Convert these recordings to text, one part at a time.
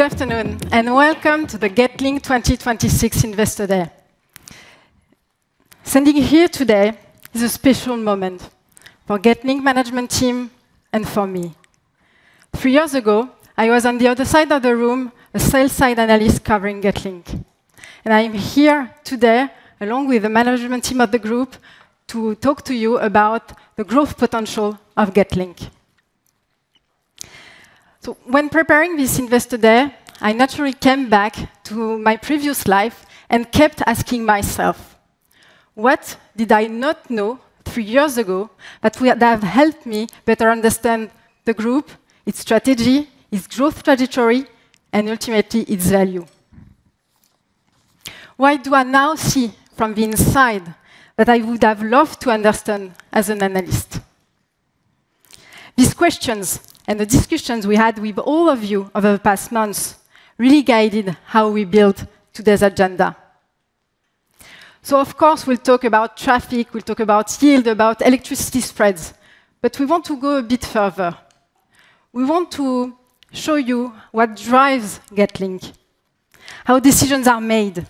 Good afternoon, welcome to the Getlink 2026 Investor Day. Standing here today is a special moment for Getlink management team and for me. Three years ago, I was on the other side of the room, a sales side analyst covering Getlink, I'm here today, along with the management team of the group, to talk to you about the growth potential of Getlink. When preparing this Investor Day, I naturally came back to my previous life and kept asking myself: What did I not know three years ago that would have helped me better understand the group, its strategy, its growth trajectory, and ultimately, its value? What do I now see from the inside that I would have loved to understand as an analyst? These questions and the discussions we had with all of you over the past months really guided how we built today's agenda. Of course, we'll talk about traffic, we'll talk about yield, about electricity spreads, but we want to go a bit further. We want to show you what drives Getlink, how decisions are made,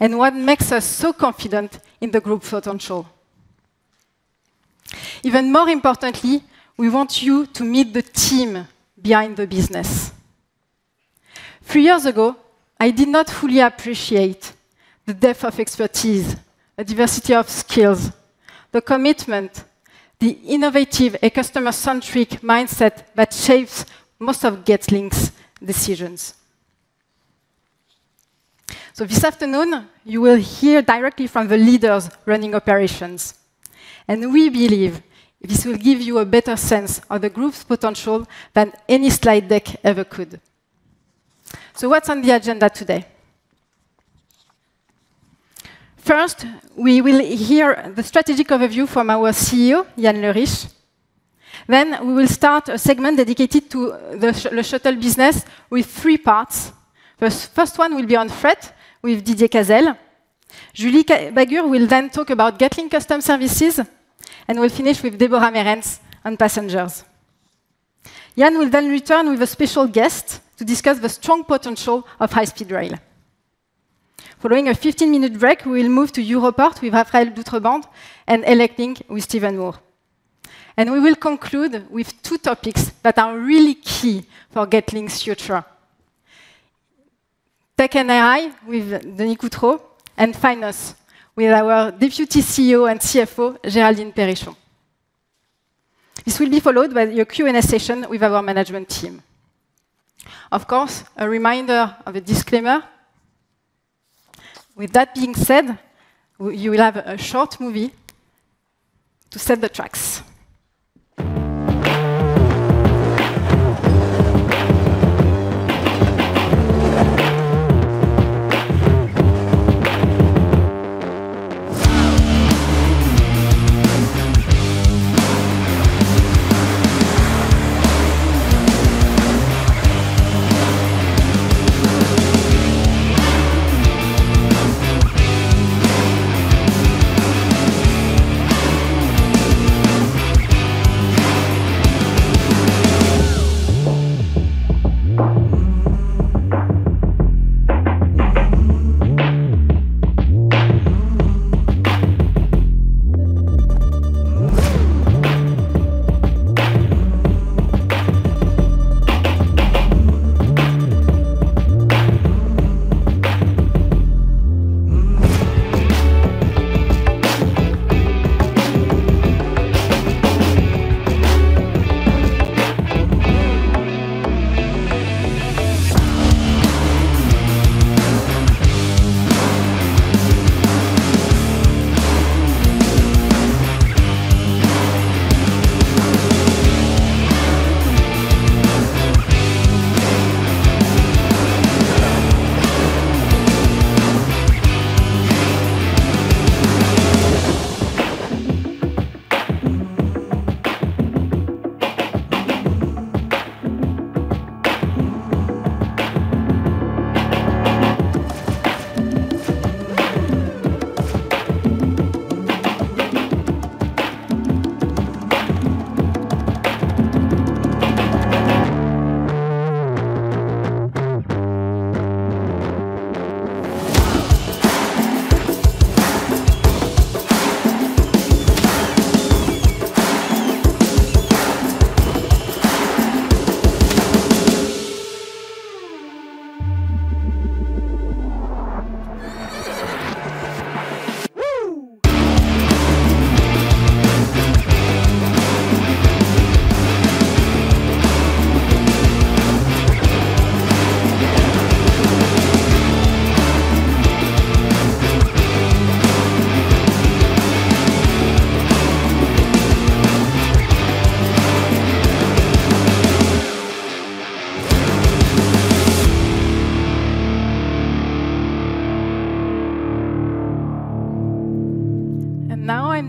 and what makes us so confident in the group potential. Even more importantly, we want you to meet the team behind the business. Three years ago, I did not fully appreciate the depth of expertise, the diversity of skills, the commitment, the innovative and customer-centric mindset that shapes most of Getlink's decisions. This afternoon, you will hear directly from the leaders running operations, and we believe this will give you a better sense of the group's potential than any slide deck ever could. What's on the agenda today? First, we will hear the strategic overview from our CEO, Yann Leriche. We will start a segment dedicated to the LeShuttle business with three parts. First one will be on Freight with Didier Cazelles. Julie Bagur will then talk about Getlink Customs Services. We'll finish with Deborah Merrens on passengers. Yann will return with a special guest to discuss the strong potential of high-speed rail. Following a 15-minute break, we will move to Europorte with Raphaël Doutrebente and ElecLink with Steven Moore. We will conclude with two topics that are really key for Getlink's future: Tech and AI with Denis Coutrot, and Finance with our Deputy CEO and CFO, Géraldine Périchon. This will be followed by a Q&A session with our management team. Of course, a reminder of a disclaimer. With that being said, you will have a short movie to set the tracks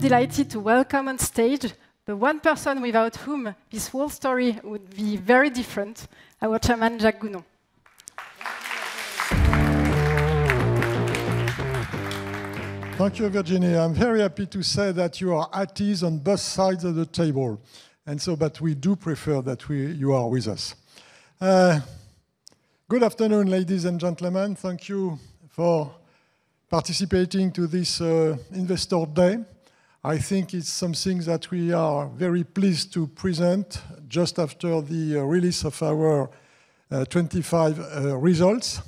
Now I'm delighted to welcome on stage the one person without whom this whole story would be very different, our Chairman, Jacques Gounon. Thank you, Virginie. I'm very happy to say that you are at ease on both sides of the table, and so but we do prefer that you are with us. Good afternoon, ladies and gentlemen. Thank you for participating to this Investor Day. I think it's something that we are very pleased to present just after the release of our 2025 results.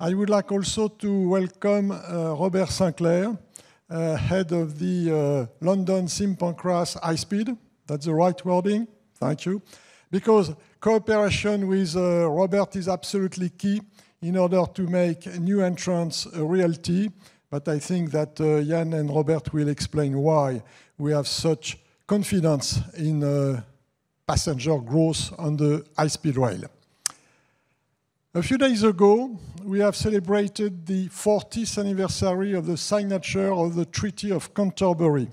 I would like also to welcome Robert Sinclair, Head of the London St. Pancras High Speed. That's the right wording? Thank you. Because cooperation with Robert is absolutely key in order to make a new entrance a reality, but I think that Yann and Robert will explain why we have such confidence in passenger growth on the high-speed rail. A few days ago, we have celebrated the 40th anniversary of the signature of the Treaty of Canterbury,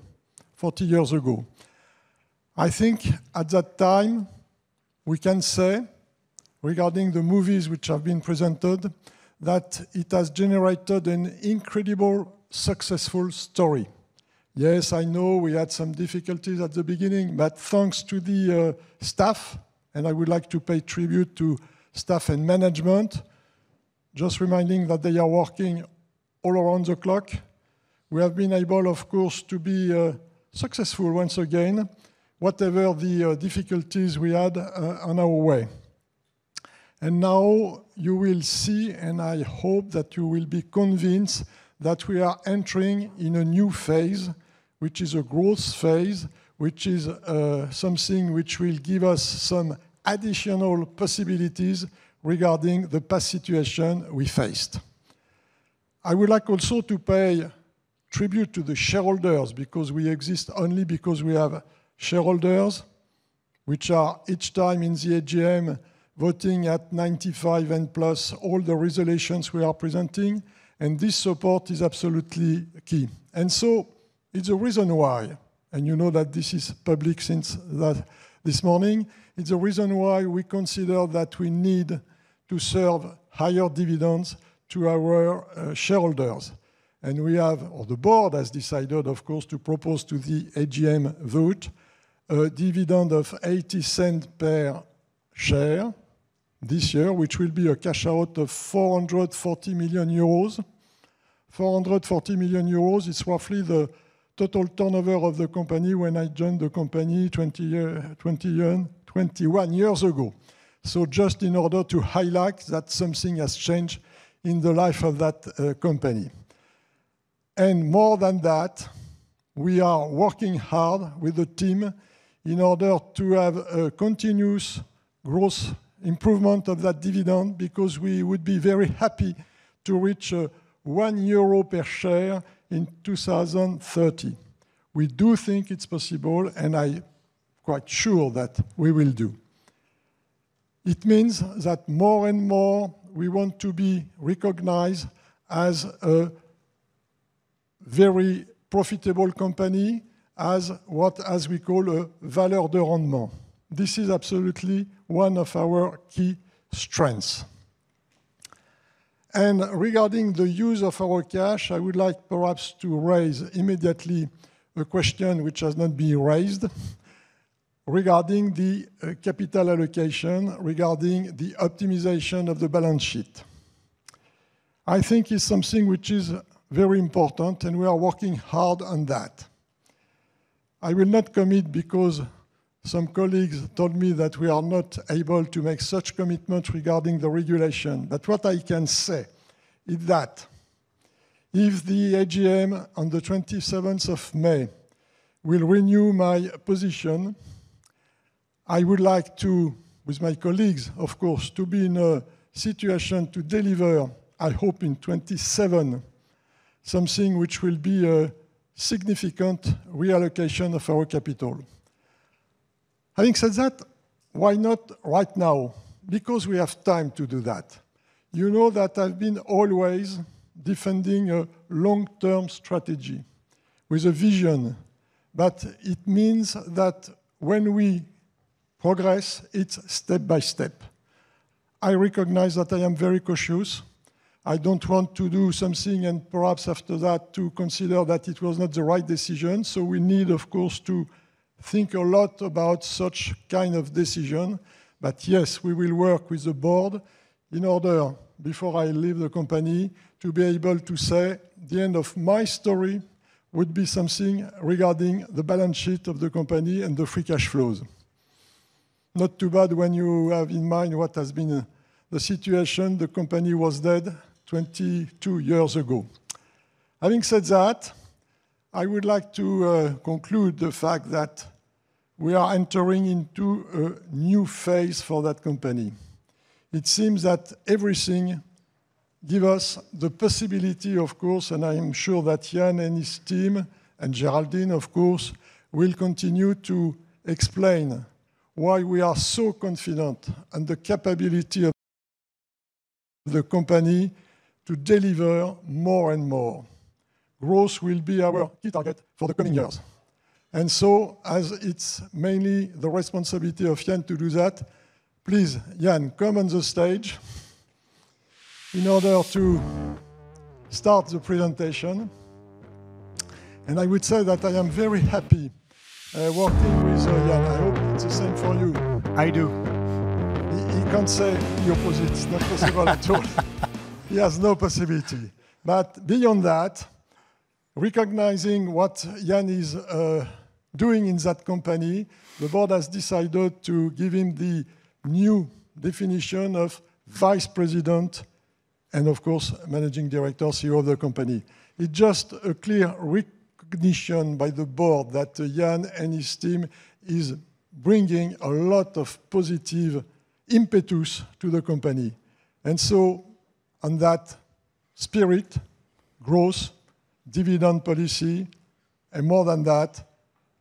40 years ago. I think at that time, we can say, regarding the movies which have been presented, that it has generated an incredible, successful story. Yes, I know we had some difficulties at the beginning, but thanks to the staff, and I would like to pay tribute to staff and management, just reminding that they are working all around the clock. We have been able, of course, to be successful once again, whatever the difficulties we had on our way. Now, you will see, and I hope that you will be convinced, that we are entering in a new phase, which is a growth phase, which is something which will give us some additional possibilities regarding the past situation we faced. I would like also to pay tribute to the shareholders, because we exist only because we have shareholders, which are each time in the AGM, voting at 95 and plus all the resolutions we are presenting, and this support is absolutely key. It's a reason why, and you know that this is public since this morning. It's a reason why we consider that we need to serve higher dividends to our shareholders. We have, or the board has decided, of course, to propose to the AGM vote, a dividend of 0.80 per share this year, which will be a cash out of 440 million euros. 440 million euros is roughly the total turnover of the company when I joined the company 21 years ago. Just in order to highlight that something has changed in the life of that company. More than that, we are working hard with the team in order to have a continuous growth improvement of that dividend, because we would be very happy to reach 1 euro per share in 2030. We do think it's possible, and I quite sure that we will do. It means that more and more, we want to be recognized as a very profitable company, as we call a valeur de rendement. This is absolutely one of our key strengths. Regarding the use of our cash, I would like perhaps to raise immediately a question which has not been raised, regarding the capital allocation, regarding the optimization of the balance sheet. I think it's something which is very important. We are working hard on that. I will not commit, because some colleagues told me that we are not able to make such commitment regarding the regulation. What I can say is that if the AGM on the 27th of May will renew my position, I would like to, with my colleagues, of course, to be in a situation to deliver, I hope in 2027, something which will be a significant reallocation of our capital. Having said that, why not right now? We have time to do that. You know that I've been always defending a long-term strategy with a vision. It means that when we progress, it's step by step. I recognize that I am very cautious. I don't want to do something and perhaps after that, to consider that it was not the right decision. We need, of course, to think a lot about such kind of decision. Yes, we will work with the board in order, before I leave the company, to be able to say the end of my story would be something regarding the balance sheet of the company and the free cash flows. Not too bad when you have in mind what has been the situation. The company was dead 22 years ago. Having said that, I would like to conclude the fact that we are entering into a new phase for that company. It seems that everything give us the possibility, of course, and I am sure that Yann and his team, and Géraldine, of course, will continue to explain why we are so confident in the capability of the company to deliver more and more. Growth will be our key target for the coming years. As it's mainly the responsibility of Yann to do that, please, Yann, come on the stage in order to start the presentation. I would say that I am very happy, working with Yann. I hope it's the same for you. I do. He can't say the opposite. It's not possible at all. He has no possibility. Beyond that, recognizing what Yann is doing in that company, the board has decided to give him the new definition of Vice President and, of course, Managing Director, CEO of the company. It's just a clear recognition by the board that Yann and his team is bringing a lot of positive impetus to the company. On that spirit, growth, dividend policy, and more than that,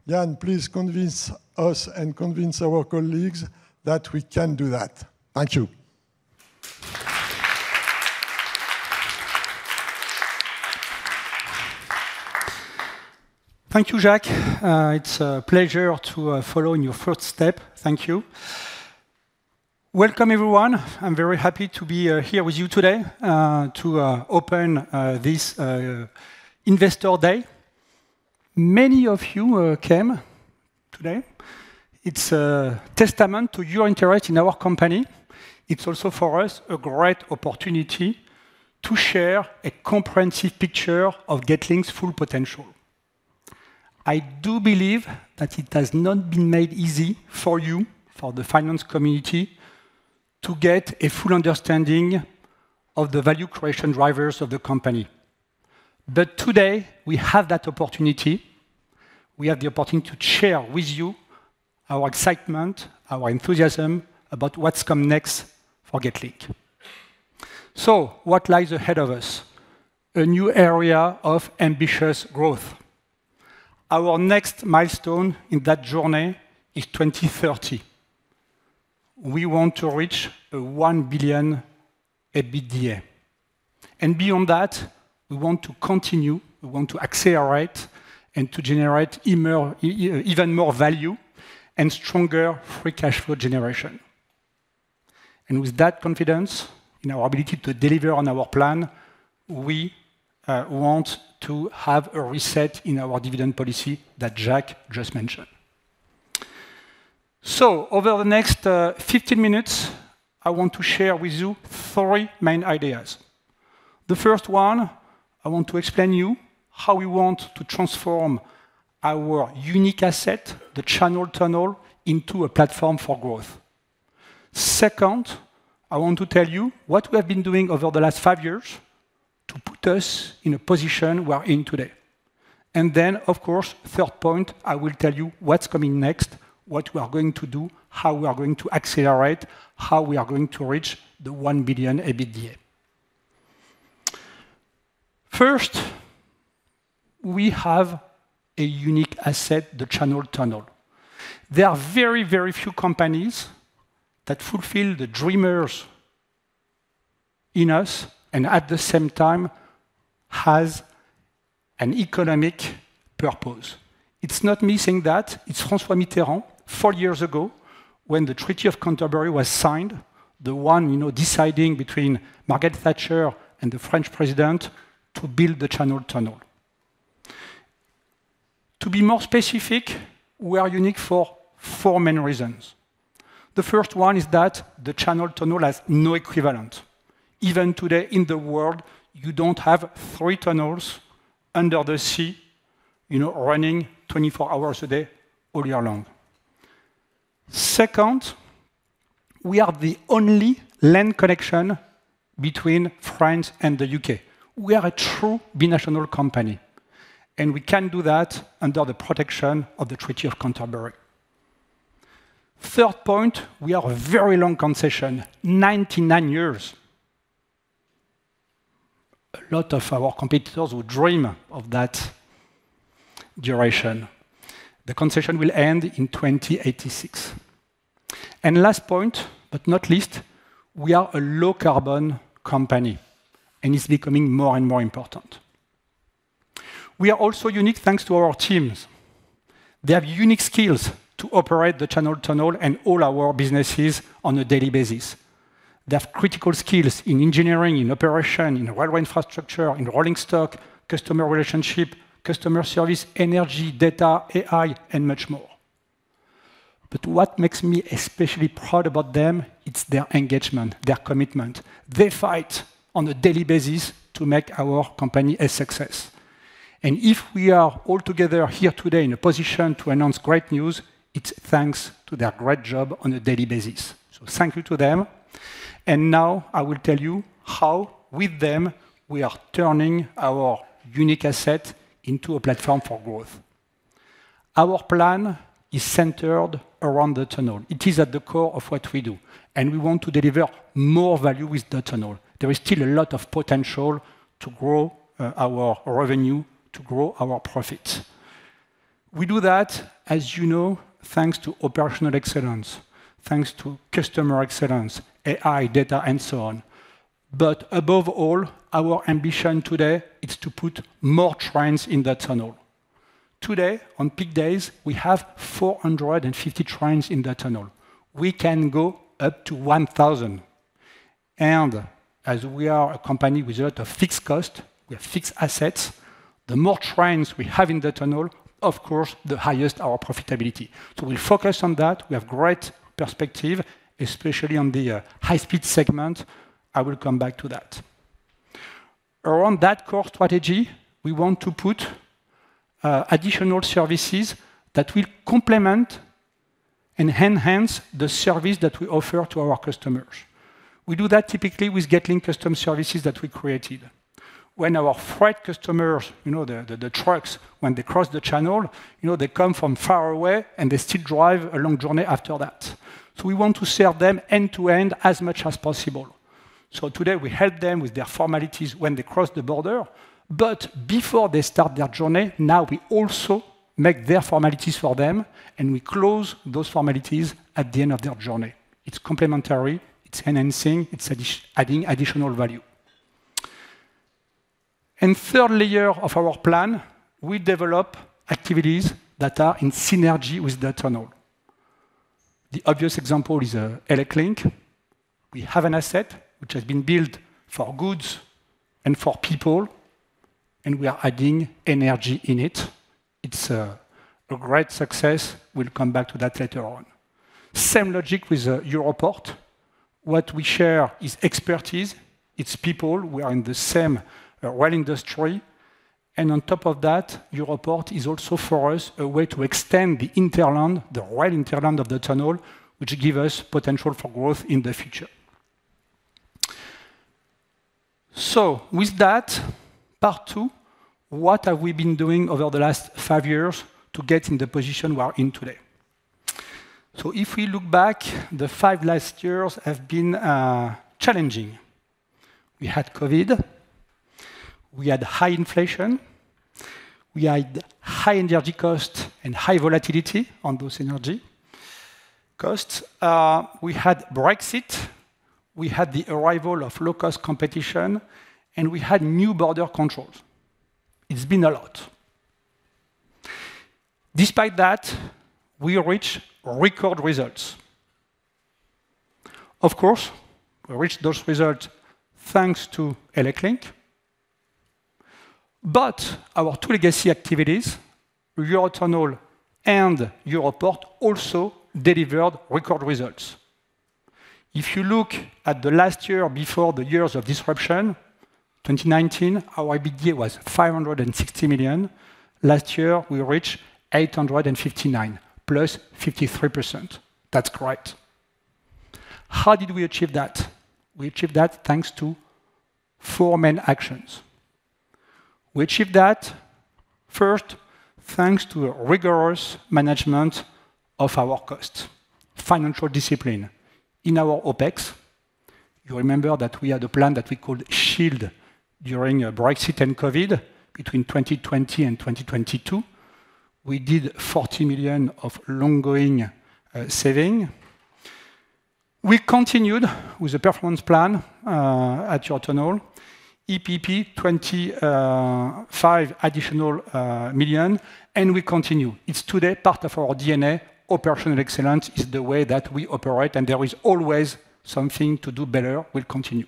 Yann, please convince us and convince our colleagues that we can do that. Thank you. Thank you, Jacques. It's a pleasure to follow in your first step. Thank you. Welcome, everyone. I'm very happy to be here with you today to open this Investor Day. Many of you came today. It's a testament to your interest in our company. It's also, for us, a great opportunity to share a comprehensive picture of Getlink's full potential. I do believe that it has not been made easy for you, for the finance community, to get a full understanding of the value creation drivers of the company. Today, we have that opportunity. We have the opportunity to share with you our excitement, our enthusiasm about what's come next for Getlink. What lies ahead of us? A new area of ambitious growth. Our next milestone in that journey is 2030. We want to reach a 1 billion EBITDA. Beyond that, we want to continue, we want to accelerate and to generate even more value and stronger free cash flow generation. With that confidence in our ability to deliver on our plan, we want to have a reset in our dividend policy that Jacques just mentioned. Over the next 15 minutes, I want to share with you three main ideas. The first one, I want to explain you how we want to transform our unique asset, the Channel Tunnel, into a platform for growth. Second, I want to tell you what we have been doing over the last five years to put us in a position we are in today. Of course, third point, I will tell you what's coming next, what we are going to do, how we are going to accelerate, how we are going to reach the 1 billion EBITDA. We have a unique asset, the Channel Tunnel. There are very, very few companies that fulfill the dreamers in us and at the same time has an economic purpose. It's not me saying that, it's François Mitterrand 4 years ago, when the Treaty of Canterbury was signed, the one, you know, deciding between Margaret Thatcher and the French president to build the Channel Tunnel. To be more specific, we are unique for 4 main reasons. The first one is that the Channel Tunnel has no equivalent. Even today in the world, you don't have 3 tunnels under the sea, you know, running 24 hours a day, all year long. Second, we are the only land connection between France and the U.K. We are a true binational company, and we can do that under the protection of the Treaty of Canterbury. Third point, we have a very long concession, 99 years. A lot of our competitors would dream of that duration. The concession will end in 2086. Last point, but not least, we are a low-carbon company, and it's becoming more and more important. We are also unique thanks to our teams. They have unique skills to operate the Channel Tunnel and all our businesses on a daily basis. They have critical skills in engineering, in operation, in railway infrastructure, in rolling stock, customer relationship, customer service, energy, data, AI, and much more. What makes me especially proud about them, it's their engagement, their commitment. They fight on a daily basis to make our company a success. If we are all together here today in a position to announce great news, it's thanks to their great job on a daily basis. Thank you to them. Now I will tell you how, with them, we are turning our unique asset into a platform for growth. Our plan is centered around the Tunnel. It is at the core of what we do, and we want to deliver more value with the Tunnel. There is still a lot of potential to grow our revenue, to grow our profit. We do that, as you know, thanks to operational excellence, thanks to customer excellence, AI, data, and so on. Above all, our ambition today is to put more trains in the Tunnel. Today, on peak days, we have 450 trains in the Tunnel. We can go up to 1,000. As we are a company with a lot of fixed cost, we have fixed assets, the more trains we have in the tunnel, of course, the highest our profitability. We focus on that. We have great perspective, especially on the high-speed segment. I will come back to that. Around that core strategy, we want to put additional services that will complement and enhance the service that we offer to our customers. We do that typically with Getlink Customs Services that we created. When our freight customers, you know, the trucks, when they cross the Channel, you know, they come from far away, and they still drive a long journey after that. We want to serve them end to end as much as possible. Today, we help them with their formalities when they cross the border, but before they start their journey, now we also make their formalities for them, and we close those formalities at the end of their journey. It's complementary, it's enhancing, it's adding additional value. Third layer of our plan, we develop activities that are in synergy with the tunnel. The obvious example is ElecLink. We have an asset which has been built for goods and for people, and we are adding energy in it. It's a great success. We'll come back to that later on. Same logic with Europorte. What we share is expertise, it's people. We are in the same rail industry. On top of that, Europorte is also, for us, a way to extend the hinterland, the rail hinterland of the tunnel, which give us potential for growth in the future. With that, Part 2, what have we been doing over the last five years to get in the position we are in today? If we look back, the 5 last years have been challenging. We had COVID, we had high inflation, we had high energy cost and high volatility on those energy costs. We had Brexit, we had the arrival of low-cost competition. We had new border controls. It's been a lot. Despite that, we reached record results. Of course, we reached those results thanks to ElecLink, our two legacy activities, Eurotunnel and Europorte, also delivered record results. If you look at the last year before the years of disruption, 2019, our EBITDA was 560 million. Last year, we reached 859 million, plus 53%. That's great! How did we achieve that? We achieved that thanks to four main actions. We achieved that, first, thanks to a rigorous management of our cost. Financial discipline. In our OpEx, you remember that we had a plan that we called Shield during Brexit and COVID, between 2020 and 2022. We did 40 million of ongoing saving. We continued with a performance plan at Eurotunnel, EPP, 25 additional million, and we continue. It's today part of our DNA. Operational excellence is the way that we operate, and there is always something to do better. We'll continue.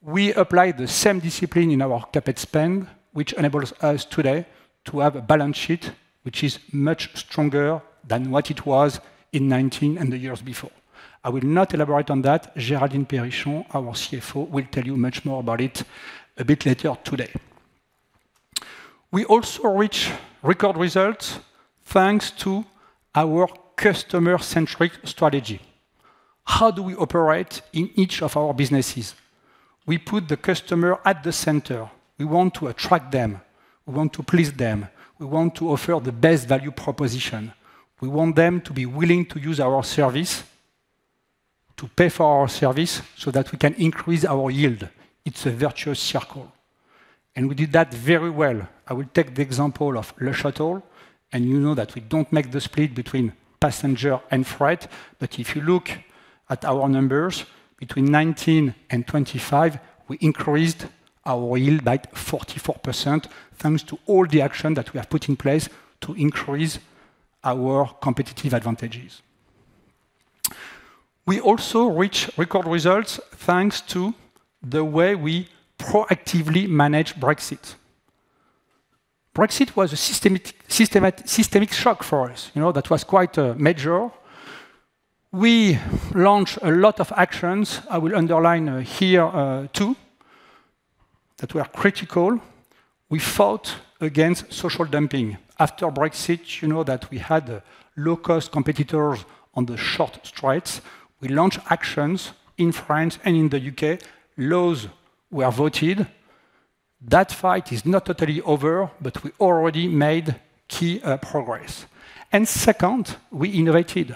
We applied the same discipline in our CapEx spend, which enables us today to have a balance sheet, which is much stronger than what it was in 19 and the years before. I will not elaborate on that. Géraldine Périchon, our CFO, will tell you much more about it a bit later today. We also reach record results, thanks to our customer-centric strategy. How do we operate in each of our businesses? We put the customer at the center. We want to attract them, we want to please them. We want to offer the best value proposition. We want them to be willing to use our service, to pay for our service, so that we can increase our yield. It's a virtuous circle, and we did that very well. I will take the example of LeShuttle, and you know that we don't make the split between passenger and freight. If you look at our numbers, between 2019 and 2025, we increased our yield by 44%, thanks to all the action that we have put in place to increase our competitive advantages. We also reach record results thanks to the way we proactively manage Brexit. Brexit was a systemic shock for us. You know, that was quite major. We launched a lot of actions. I will underline here two that were critical. We fought against social dumping. After Brexit, you know, that we had low-cost competitors on the short straits. We launched actions in France and in the U.K. Laws were voted. That fight is not totally over, but we already made key progress. Second, we innovated.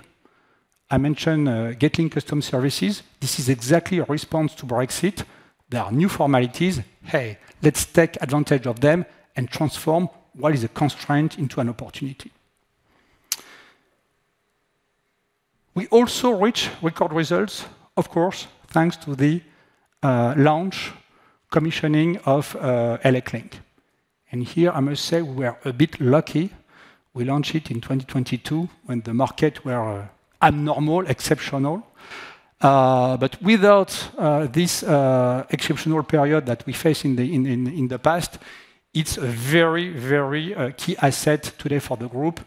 I mentioned Getlink Customs Services. This is exactly a response to Brexit. There are new formalities. Hey, let's take advantage of them and transform what is a constraint into an opportunity. We also reach record results, of course, thanks to the launch commissioning of ElecLink. Here I must say we are a bit lucky. We launched it in 2022 when the market were abnormal, exceptional. Without this exceptional period that we faced in the past, it's a very, very key asset today for the group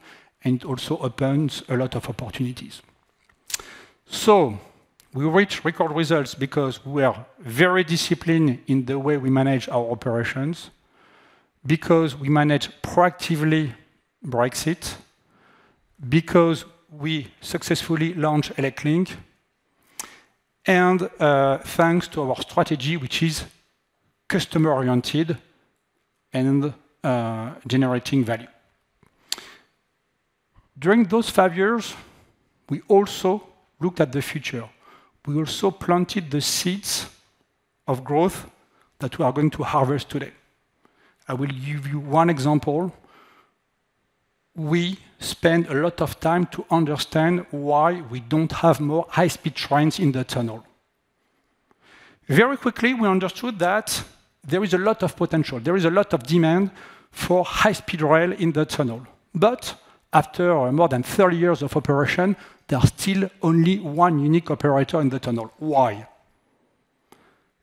and also opens a lot of opportunities. We reach record results because we are very disciplined in the way we manage our operations, because we manage proactively Brexit, because we successfully launched ElecLink, and thanks to our strategy, which is customer-oriented and generating value. During those five years, we also looked at the future. We also planted the seeds of growth that we are going to harvest today. I will give you one example. We spent a lot of time to understand why we don't have more high-speed trains in the tunnel. Very quickly, we understood that there is a lot of potential, there is a lot of demand for high-speed rail in the tunnel, but after more than 30 years of operation, there are still only 1 unique operator in the tunnel. Why?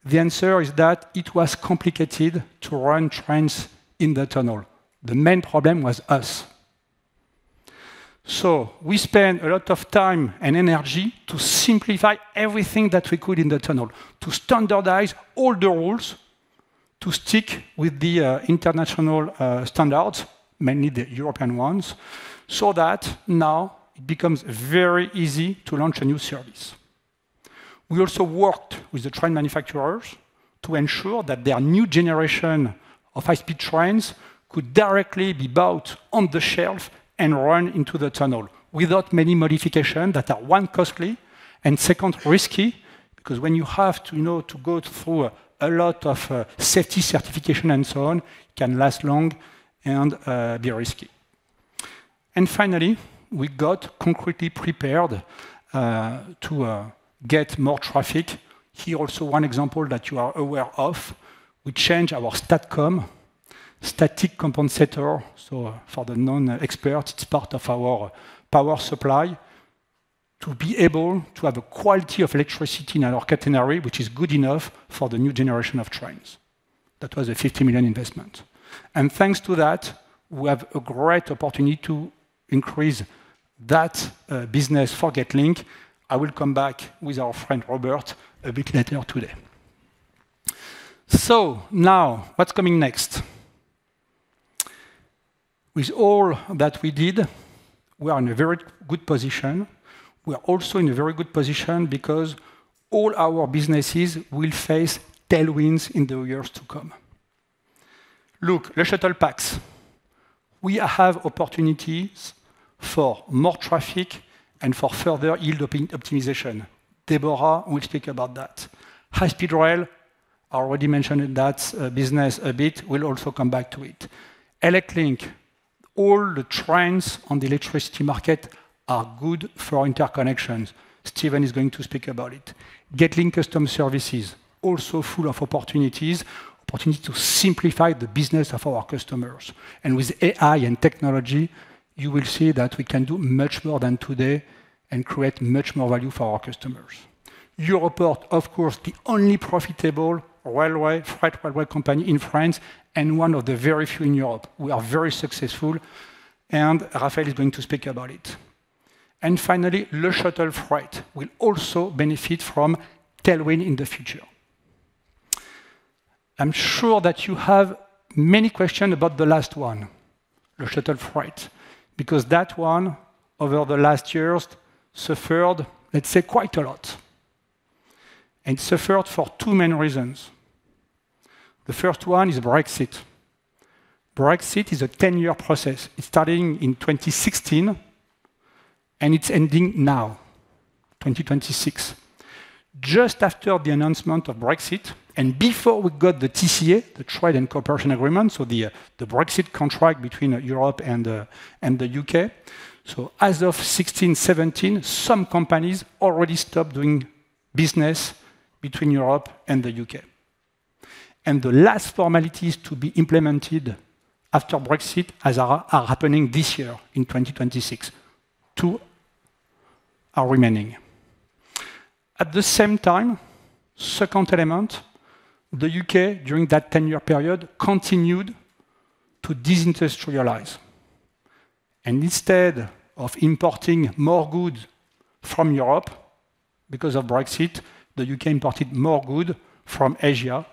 The answer is that it was complicated to run trains in the tunnel. The main problem was us. We spent a lot of time and energy to simplify everything that we could in the tunnel, to standardize all the rules, to stick with the international standards, mainly the European ones, so that now it becomes very easy to launch a new service. We also worked with the train manufacturers to ensure that their new generation of high-speed trains could directly be bought on the shelf and run into the tunnel without many modifications that are, one, costly, and second, risky, because when you have to, you know, to go through a lot of safety certification and so on, it can last long and be risky. Finally, we got concretely prepared to get more traffic. Here also one example that you are aware of: we changed our STATCOM, static compensator. So for the non-experts, it's part of our power supply. To be able to have a quality of electricity in our catenary, which is good enough for the new generation of trains. That was a 50 million investment. Thanks to that, we have a great opportunity to increase that business for Getlink. I will come back with our friend Robert a bit later today. Now, what's coming next? With all that we did, we are in a very good position. We are also in a very good position because all our businesses will face tailwinds in the years to come. Look, LeShuttle Pax, we have opportunities for more traffic and for further yield optimization. Deborah will speak about that. High-speed rail, I already mentioned that business a bit, we'll also come back to it. ElecLink, all the trends on the electricity market are good for interconnections. Steven is going to speak about it. Getlink Customs Services, also full of opportunities to simplify the business of our customers. With AI and technology, you will see that we can do much more than today and create much more value for our customers. Europorte, of course, the only profitable railway, freight railway company in France and one of the very few in Europe. We are very successful, and Raphaël is going to speak about it. Finally, Le Shuttle Freight will also benefit from tailwind in the future. I'm sure that you have many questions about the last one, Le Shuttle Freight, because that one, over the last years, suffered, let's say, quite a lot, and suffered for two main reasons. The first one is Brexit. Brexit is a 10-year process. It started in 2016, and it's ending now, 2026. Just after the announcement of Brexit and before we got the TCA, the Trade and Cooperation Agreement, so the Brexit contract between Europe and the U.K. As of 2016, 2017, some companies already stopped doing business between Europe and the U.K. The last formalities to be implemented after Brexit, are happening this year, in 2026, two are remaining. At the same time, second element, the U.K., during that 10-year period, continued to deindustrialize. Instead of importing more good from Europe because of Brexit, the U.K. imported more good from Asia,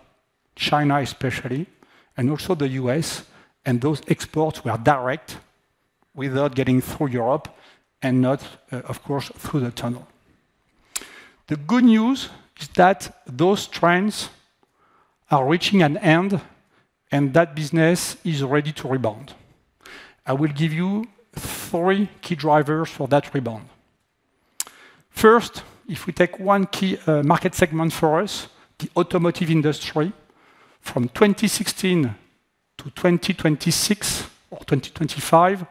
China especially, and also the U.S., and those exports were direct without getting through Europe and not, of course, through the tunnel. The good news is that those trends are reaching an end, and that business is ready to rebound. I will give you three key drivers for that rebound. First, if we take one key market segment for us, the automotive industry, from 2016 to 2026 or 2025,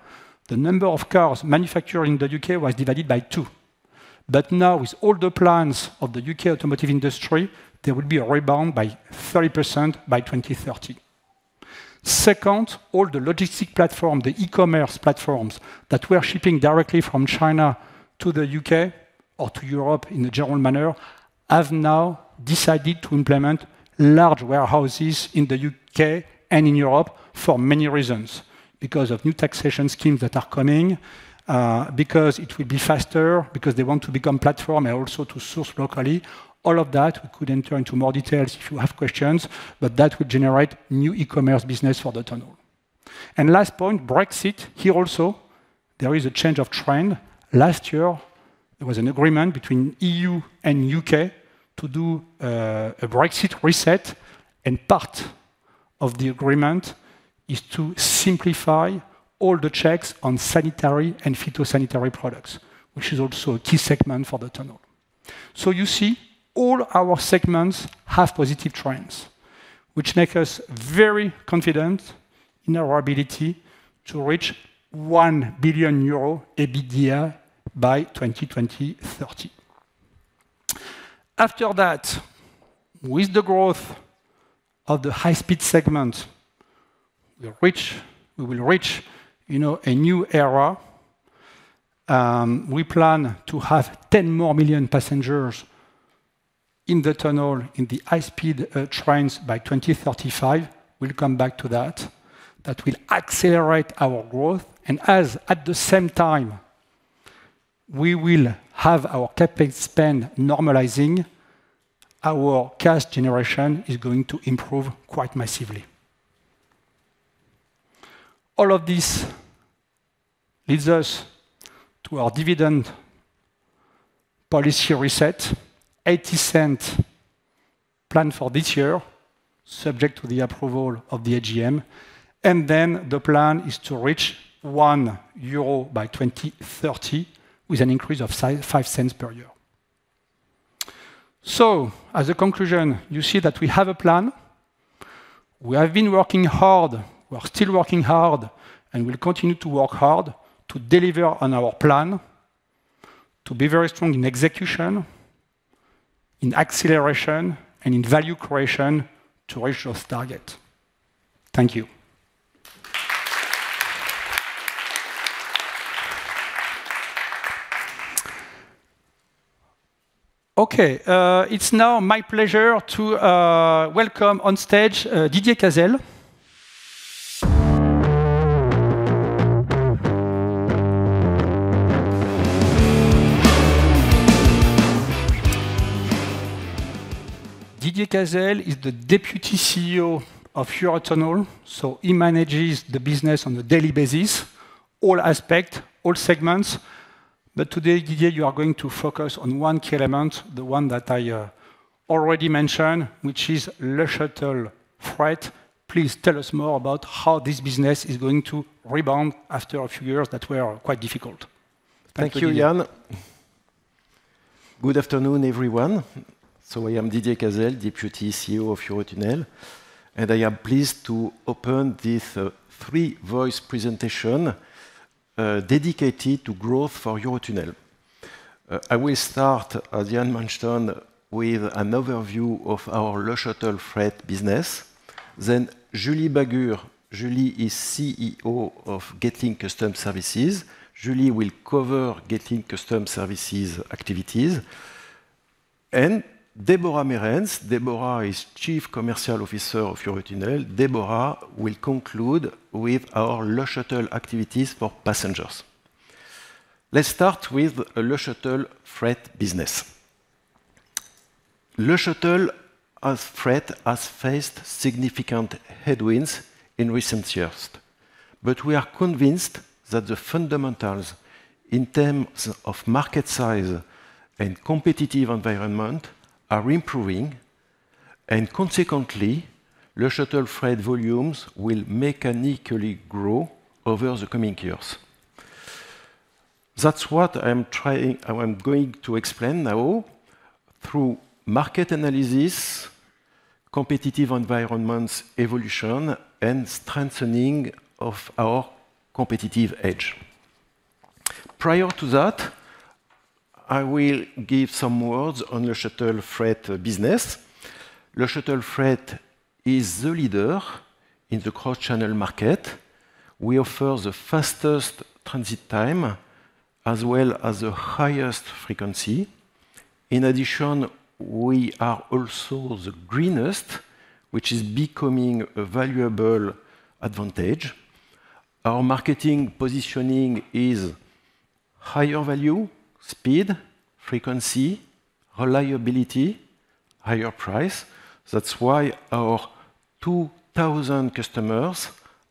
the number of cars manufactured in the U.K. was divided by two. Now, with all the plans of the U.K. automotive industry, there will be a rebound by 30% by 2030. Second, all the logistic platform, the e-commerce platforms that were shipping directly from China to the U.K. or to Europe in a general manner, have now decided to implement large warehouses in the U.K. and in Europe for many reasons. Because of new taxation schemes that are coming, because it will be faster, because they want to become platform and also to source locally. All of that, we could enter into more details if you have questions, that would generate new e-commerce business for the tunnel. Last point, Brexit. Here also, there is a change of trend. Last year, there was an agreement between EU and U.K. to do a Brexit reset. Part of the agreement is to simplify all the checks on sanitary and phytosanitary products, which is also a key segment for the tunnel. You see, all our segments have positive trends, which make us very confident in our ability to reach 1 billion euro EBITDA by 2030. After that, with the growth of the high-speed segment, we will reach, you know, a new era. We plan to have 10 million more passengers in the tunnel in the high-speed trains by 2035. We'll come back to that. That will accelerate our growth. At the same time, we will have our CapEx spend normalizing, our cash generation is going to improve quite massively. All of this leads us to our dividend policy reset. 0.80 plan for this year, subject to the approval of the AGM, the plan is to reach 1 euro by 2030, with an increase of 0.05 per year. As a conclusion, you see that we have a plan. We have been working hard, we are still working hard, we'll continue to work hard to deliver on our plan to be very strong in execution, in acceleration, and in value creation to reach those targets. Thank you. It's now my pleasure to welcome on stage Didier Cazelles. Didier Cazelles is the Deputy CEO of Eurotunnel, he manages the business on a daily basis, all aspect, all segments. Today, Didier, you are going to focus on one key element, the one that I already mentioned, which is Le Shuttle Freight. Please tell us more about how this business is going to rebound after a few years that were quite difficult? Thank you, Yann. Good afternoon, everyone. I am Didier Cazelles, Deputy Chief Executive Officer of Eurotunnel, and I am pleased to open this three-voice presentation dedicated to growth for Eurotunnel. I will start, as Yann mentioned, with an overview of our LeShuttle Freight business. Then Julie Bagur. Julie is CEO of Getlink Customs Services. Julie will cover Getlink Customs Services activities. Deborah Merrens. Deborah is Chief Commercial Officer of Eurotunnel. Deborah will conclude with our LeShuttle activities for passengers. Let's start with the LeShuttle Freight business. LeShuttle as freight has faced significant headwinds in recent years, we are convinced that the fundamentals in terms of market size and competitive environment are improving, consequently, LeShuttle freight volumes will mechanically grow over the coming years. That's what I'm trying I'm going to explain now through market analysis, competitive environments, evolution, and strengthening of our competitive edge. Prior to that, I will give some words on LeShuttle Freight business. LeShuttle Freight is the leader in the cross-channel market. We offer the fastest transit time, as well as the highest frequency. In addition, we are also the greenest, which is becoming a valuable advantage. Our marketing positioning is higher value, speed, frequency, reliability, higher price. That's why our 2,000 customers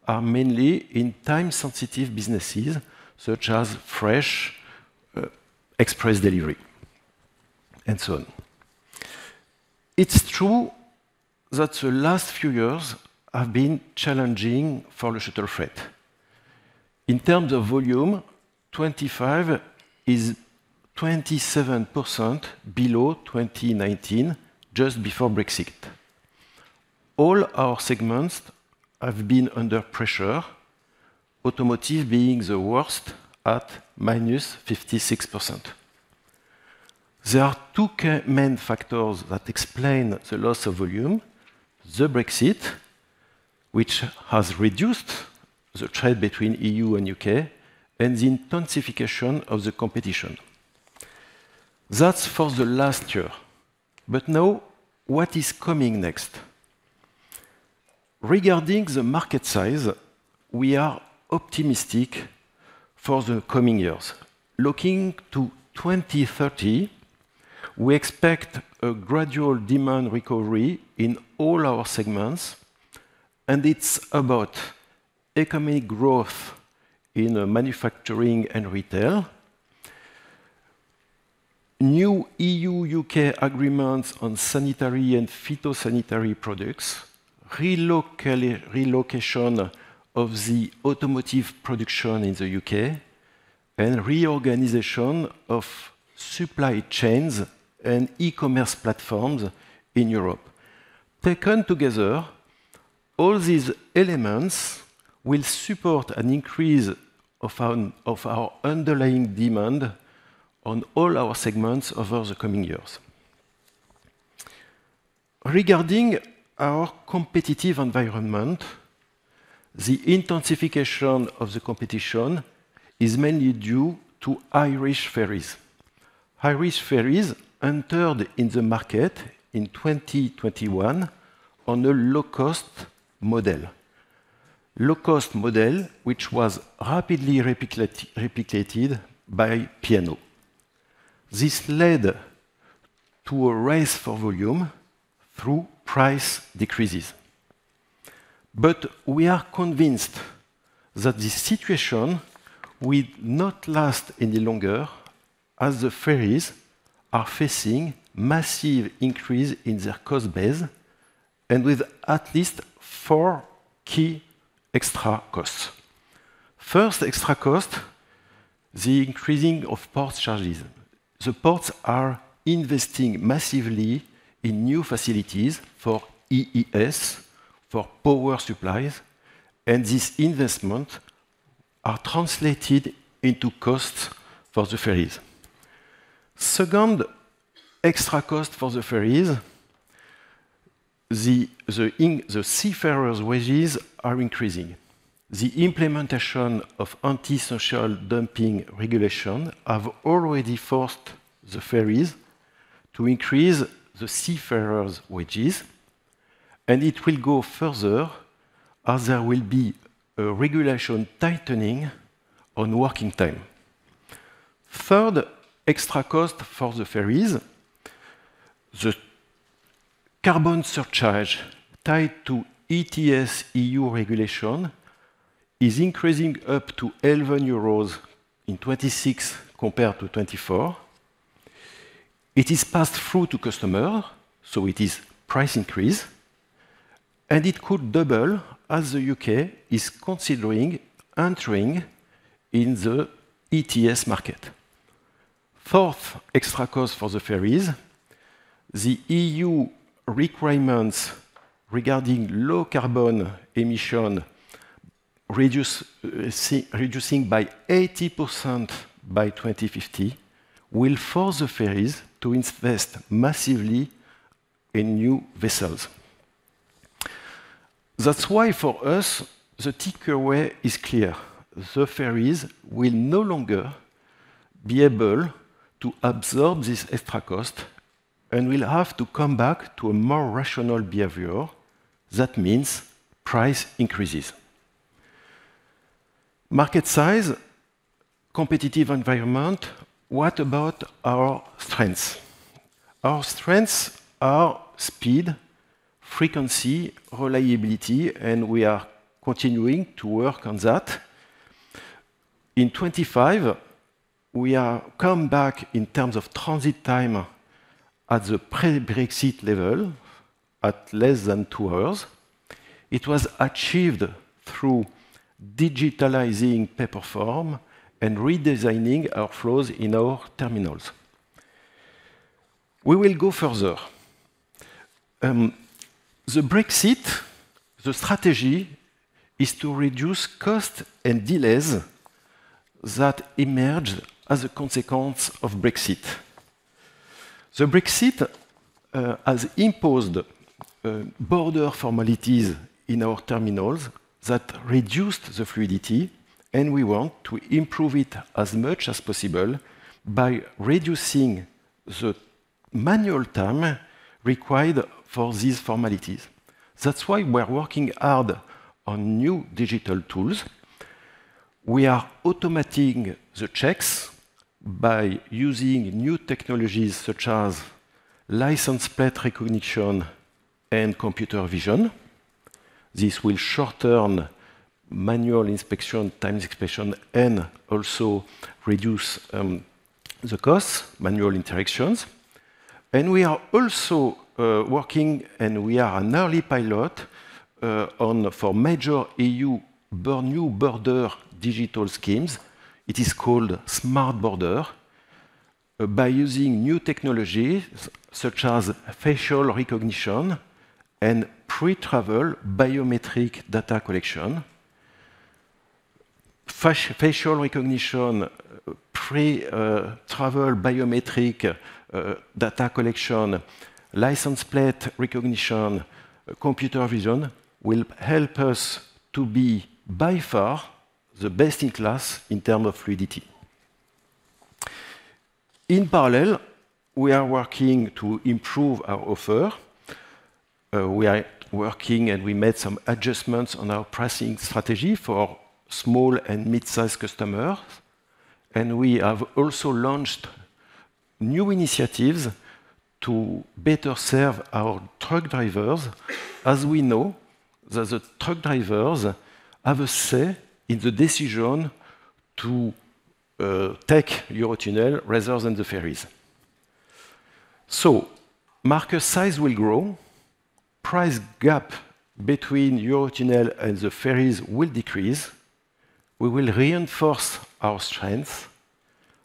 are mainly in time-sensitive businesses such as fresh, express delivery, and so on. It's true that the last few years have been challenging for LeShuttle Freight in terms of volume, 25 is 27% below 2019, just before Brexit. All our segments have been under pressure, automotive being the worst at -56%. There are two main factors that explain the loss of volume: the Brexit, which has reduced the trade between EU and U.K., and the intensification of the competition. That's for the last year, but now, what is coming next? Regarding the market size, we are optimistic for the coming years. Looking to 2030, we expect a gradual demand recovery in all our segments, and it's about economic growth in manufacturing and retail, new EU-U.K. agreements on sanitary and phytosanitary products, relocation of the automotive production in the U.K., and reorganization of supply chains and e-commerce platforms in Europe. Taken together, all these elements will support an increase of our underlying demand on all our segments over the coming years. Regarding our competitive environment, the intensification of the competition is mainly due to Irish Ferries. Irish Ferries entered in the market in 2021 on a low-cost model, which was rapidly replicated by P&O. This led to a race for volume through price decreases. We are convinced that this situation will not last any longer, as the ferries are facing massive increase in their cost base, and with at least 4 key extra costs. First extra cost, the increasing of port charges. The ports are investing massively in new facilities for EES, for power supplies, and these investment are translated into costs for the ferries. Second extra cost for the ferries, the seafarers' wages are increasing. The implementation of antisocial dumping regulation have already forced the ferries to increase the seafarers' wages, and it will go further, as there will be a regulation tightening on working time. Third extra cost for the ferries, the carbon surcharge tied to EU ETS regulation is increasing up to 11 euros in 2026, compared to 2024. It is passed through to customer, so it is price increase, and it could double as the U.K. is considering entering in the EU ETS market. Fourth extra cost for the ferries, the EU requirements regarding low carbon emission, reducing by 80% by 2050, will force the ferries to invest massively in new vessels. That's why, for us, the take-away is clear. The ferries will no longer be able to absorb this extra cost and will have to come back to a more rational behavior. That means price increases. Market size, competitive environment. What about our strengths? Our strengths are speed, frequency, reliability, and we are continuing to work on that. In 2025, we are come back in terms of transit time at the pre-Brexit level, at less than 2 hours. It was achieved through digitalizing paper form and redesigning our flows in our terminals. We will go further. The Brexit, the strategy is to reduce cost and delays that emerged as a consequence of Brexit. The Brexit has imposed border formalities in our terminals that reduced the fluidity, and we want to improve it as much as possible by reducing the manual time required for these formalities. That's why we're working hard on new digital tools. We are automating the checks by using new technologies, such as license plate recognition and computer vision. This will shorten manual inspection, time inspection, and also reduce the costs, manual interactions. We are also working, and we are an early pilot on for major EU new border digital schemes. It is called Smart Border. By using new technologies, such as facial recognition and pre-travel biometric data collection, license plate recognition, computer vision, will help us to be by far the best in class in term of fluidity. In parallel, we are working to improve our offer. We are working, and we made some adjustments on our pricing strategy for small and mid-sized customers, and we have also launched new initiatives to better serve our truck drivers. We know, that the truck drivers have a say in the decision to take Eurotunnel rather than the ferries. Market size will grow, price gap between Eurotunnel and the ferries will decrease. We will reinforce our strength.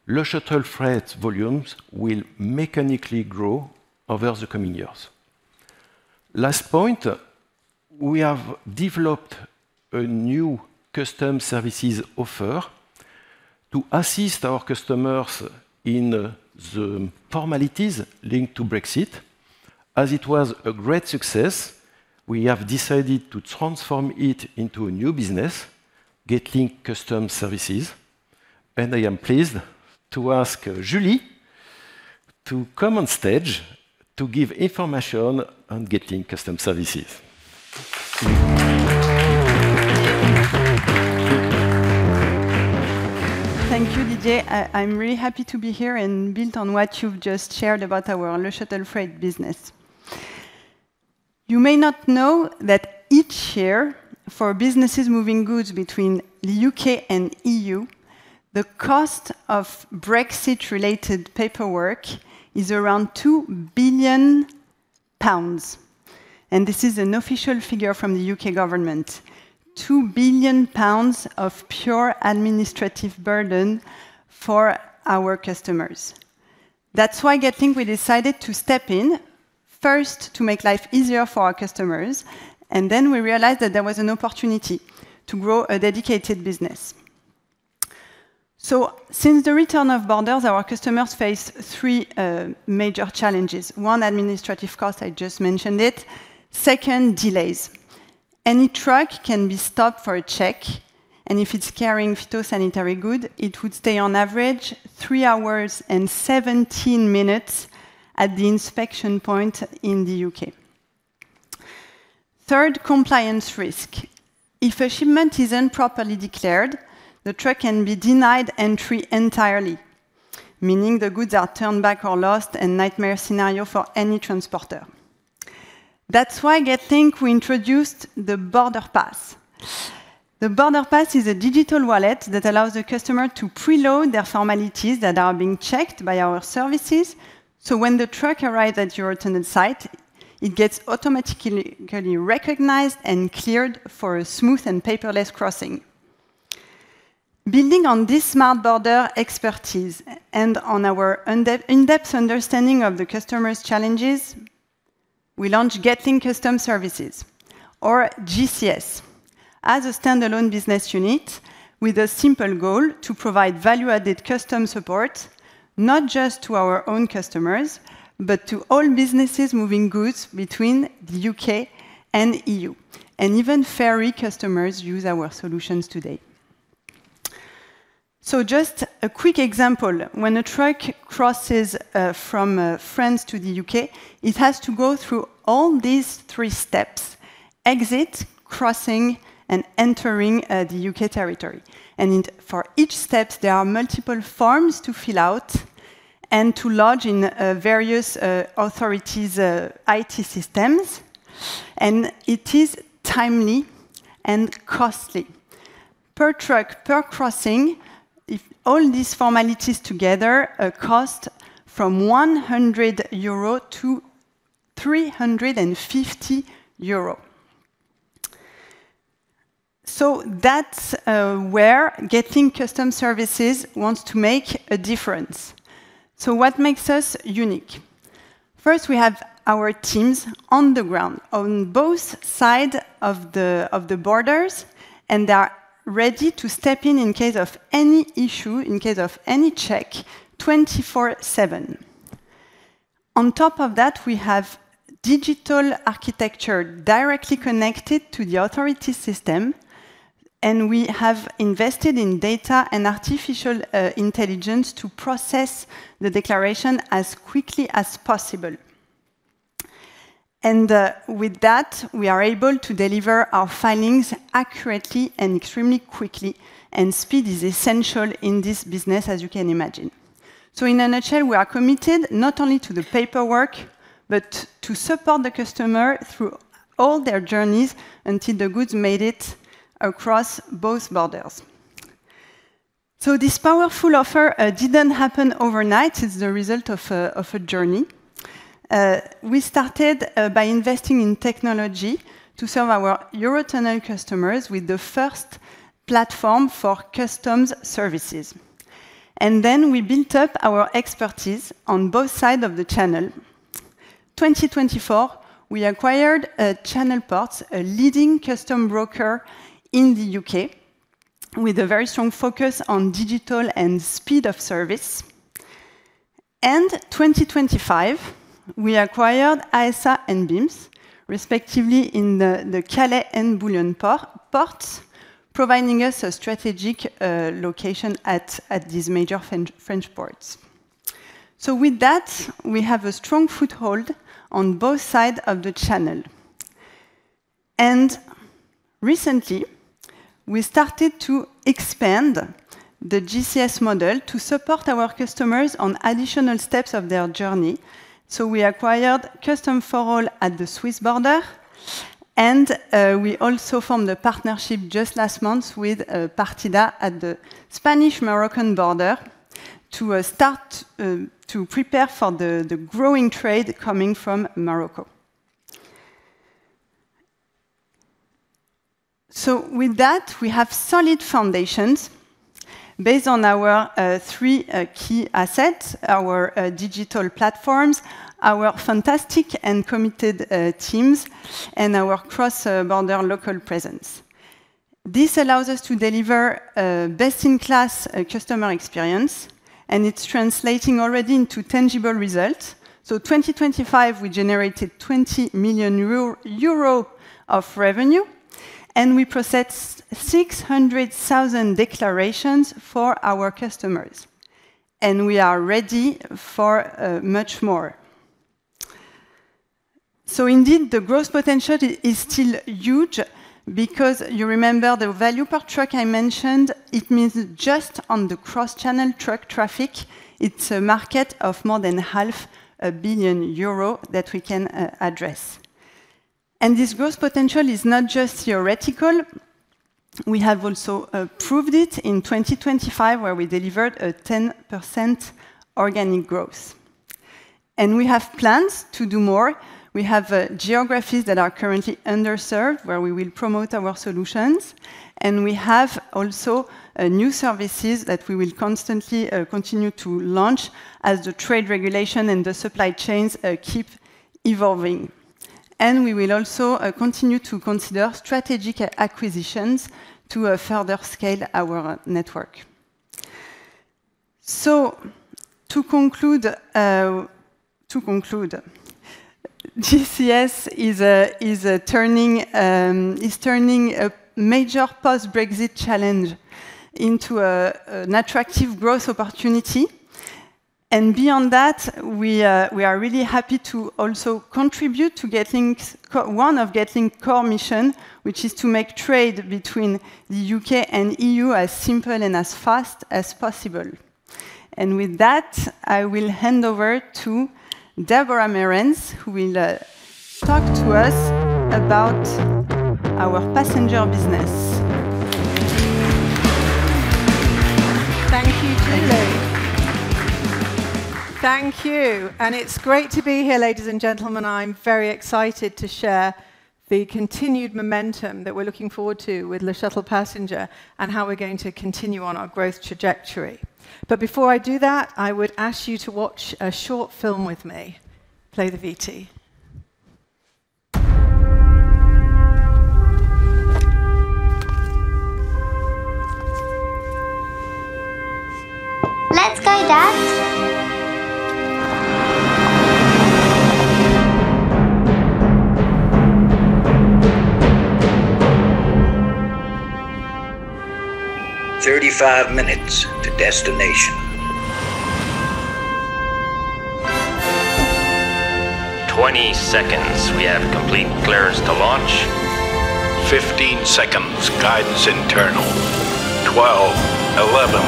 LeShuttle freight volumes will mechanically grow over the coming years. Last point, we have developed a new Customs Services offer to assist our customers in the formalities linked to Brexit. As it was a great success, we have decided to transform it into a new business, Getlink Customs Services. I am pleased to ask Julie to come on stage to give information on Getlink Customs Services. Thank you, Didier. I'm really happy to be here and build on what you've just shared about our LeShuttle Freight business. You may not know that each year, for businesses moving goods between the U.K. and EU, the cost of Brexit-related paperwork is around 2 billion pounds. This is an official figure from the U.K. government. 2 billion pounds of pure administrative burden for our customers. That's why at Getlink we decided to step in, first, to make life easier for our customers, and then we realized that there was an opportunity to grow a dedicated business. Since the return of borders, our customers face three major challenges. One, administrative cost, I just mentioned it. Second, delays. Any truck can be stopped for a check, and if it's carrying phytosanitary good, it would stay on average, 3 hours and 17 minutes at the inspection point in the U.K. Third, compliance risk. If a shipment is improperly declared, the truck can be denied entry entirely, meaning the goods are turned back or lost, a nightmare scenario for any transporter. That's why at Getlink we introduced the Border Pass. The Border Pass is a digital wallet that allows the customer to pre-load their formalities that are being checked by our services, so when the truck arrives at Eurotunnel site, it gets automatically recognized and cleared for a smooth and paperless crossing. Building on this smart border expertise and on our in-depth understanding of the customer's challenges, we launched Getlink Customs Services, or GCS, as a standalone business unit with a simple goal: to provide value-added customer support, not just to our own customers, but to all businesses moving goods between the U.K. and EU. Even ferry customers use our solutions today. Just a quick example. When a truck crosses from France to the U.K., it has to go through all these three steps: exit, crossing, and entering the U.K. territory. For each step, there are multiple forms to fill out and to lodge in various authorities' IT systems, and it is timely and costly. Per truck, per crossing, if all these formalities together cost from 100 euro to 350 euro. That's where Getlink Customs Services wants to make a difference. What makes us unique? First, we have our teams on the ground on both side of the borders, and they are ready to step in in case of any issue, in case of any check, 24/7. On top of that, we have digital architecture directly connected to the authority system, and we have invested in data and artificial intelligence to process the declaration as quickly as possible. With that, we are able to deliver our findings accurately and extremely quickly, and speed is essential in this business, as you can imagine. In a nutshell, we are committed not only to the paperwork, but to support the customer through all their journeys until the goods made it across both borders. This powerful offer didn't happen overnight. It's the result of a journey. We started by investing in technology to serve our Eurotunnel customers with the first platform for customs services, then we built up our expertise on both sides of the channel. 2024, we acquired Channelports, a leading custom broker in the U.K., with a very strong focus on digital and speed of service. 2025, we acquired A.S.A. and BIMS, respectively, in the Calais and Boulogne Ports, providing us a strategic location at these major French ports. With that, we have a strong foothold on both sides of the channel. Recently, we started to expand the GCS model to support our customers on additional steps of their journey. We acquired Custom Formal at the Swiss border, and we also formed a partnership just last month with Partida at the Spanish-Moroccan border to prepare for the growing trade coming from Morocco. With that, we have solid foundations based on our 3 key assets: our digital platforms, our fantastic and committed teams, and our cross-border local presence. This allows us to deliver a best-in-class customer experience, and it's translating already into tangible results. 2025, we generated 20 million euro of revenue, and we processed 600,000 declarations for our customers, and we are ready for much more. Indeed, the growth potential is still huge because you remember the value per truck I mentioned, it means just on the cross-channel truck traffic, it's a market of more than half a billion EUR that we can address. This growth potential is not just theoretical, we have also proved it in 2025, where we delivered a 10% organic growth. We have plans to do more. We have geographies that are currently underserved, where we will promote our solutions, and we have also new services that we will constantly continue to launch as the trade regulation and the supply chains keep evolving. We will also continue to consider strategic acquisitions to further scale our network. To conclude, GCS is a turning a major post-Brexit challenge into an attractive growth opportunity. Beyond that, we are really happy to also contribute to one of Getlink core mission, which is to make trade between the U.K. and EU as simple and as fast as possible. With that, I will hand over to Deborah Merrens, who will talk to us about our passenger business. Thank you, Julie. Thank you. It's great to be here, ladies and gentlemen. I'm very excited to share the continued momentum that we're looking forward to with LeShuttle Passenger and how we're going to continue on our growth trajectory. Before I do that, I would ask you to watch a short film with me. Play the VT. Let's go, Dad. 35 minutes to destination. 20 seconds, we have complete clearance to launch. 15 seconds, guidance internal. 12, 11,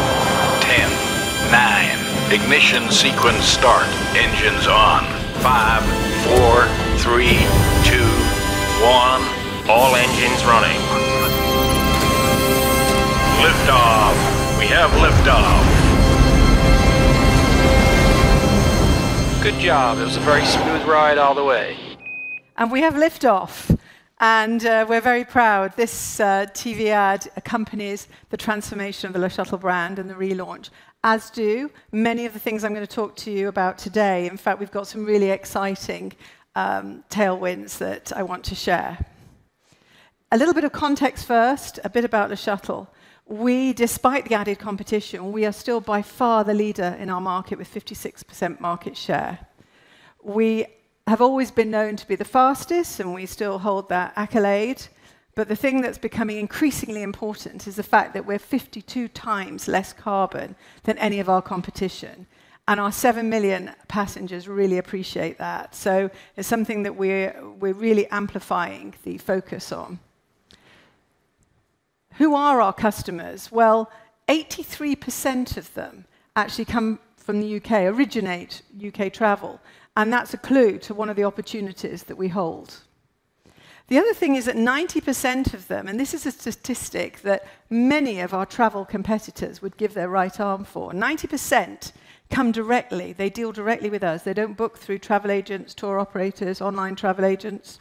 10, nine. Ignition sequence start. Engines on. five, four, three, two, one. All engines running. Lift off. We have lift off. Good job. It was a very smooth ride all the way. We have lift off, and we're very proud. This TV ad accompanies the transformation of the LeShuttle brand and the relaunch, as do many of the things I'm going to talk to you about today. In fact, we've got some really exciting tailwinds that I want to share. A little bit of context first, a bit about LeShuttle. Despite the added competition, we are still by far the leader in our market with 56% market share. We have always been known to be the fastest, and we still hold that accolade. The thing that's becoming increasingly important is the fact that we're 52 times less carbon than any of our competition, and our seven million passengers really appreciate that. It's something that we're really amplifying the focus on. Who are our customers? Well, 83% of them actually come from the U.K., originate U.K. travel. That's a clue to one of the opportunities that we hold. The other thing is that 90% of them, and this is a statistic that many of our travel competitors would give their right arm for, 90% come directly. They deal directly with us. They don't book through travel agents, tour operators, online travel agents.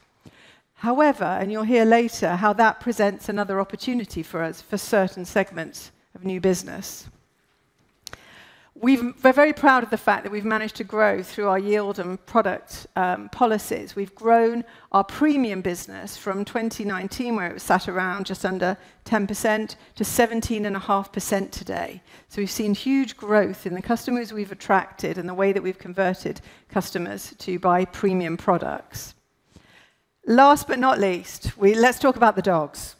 However, you'll hear later how that presents another opportunity for us for certain segments of new business. We're very proud of the fact that we've managed to grow through our yield and product policies. We've grown our premium business from 2019, where it was sat around just under 10%, to 17.5% today. We've seen huge growth in the customers we've attracted and the way that we've converted customers to buy premium products. Last but not least, we let's talk about the dogs.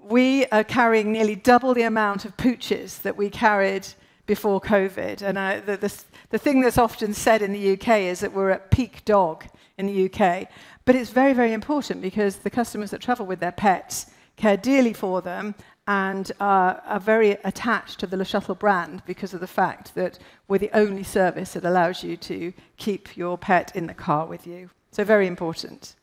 We are carrying nearly double the amount of pooches that we carried before COVID, and the thing that's often said in the U.K. is that we're at peak dog in the U.K. It's very, very important because the customers that travel with their pets care dearly for them and are very attached to the Le Shuttle brand because of the fact that we're the only service that allows you to keep your pet in the car with you. Very important.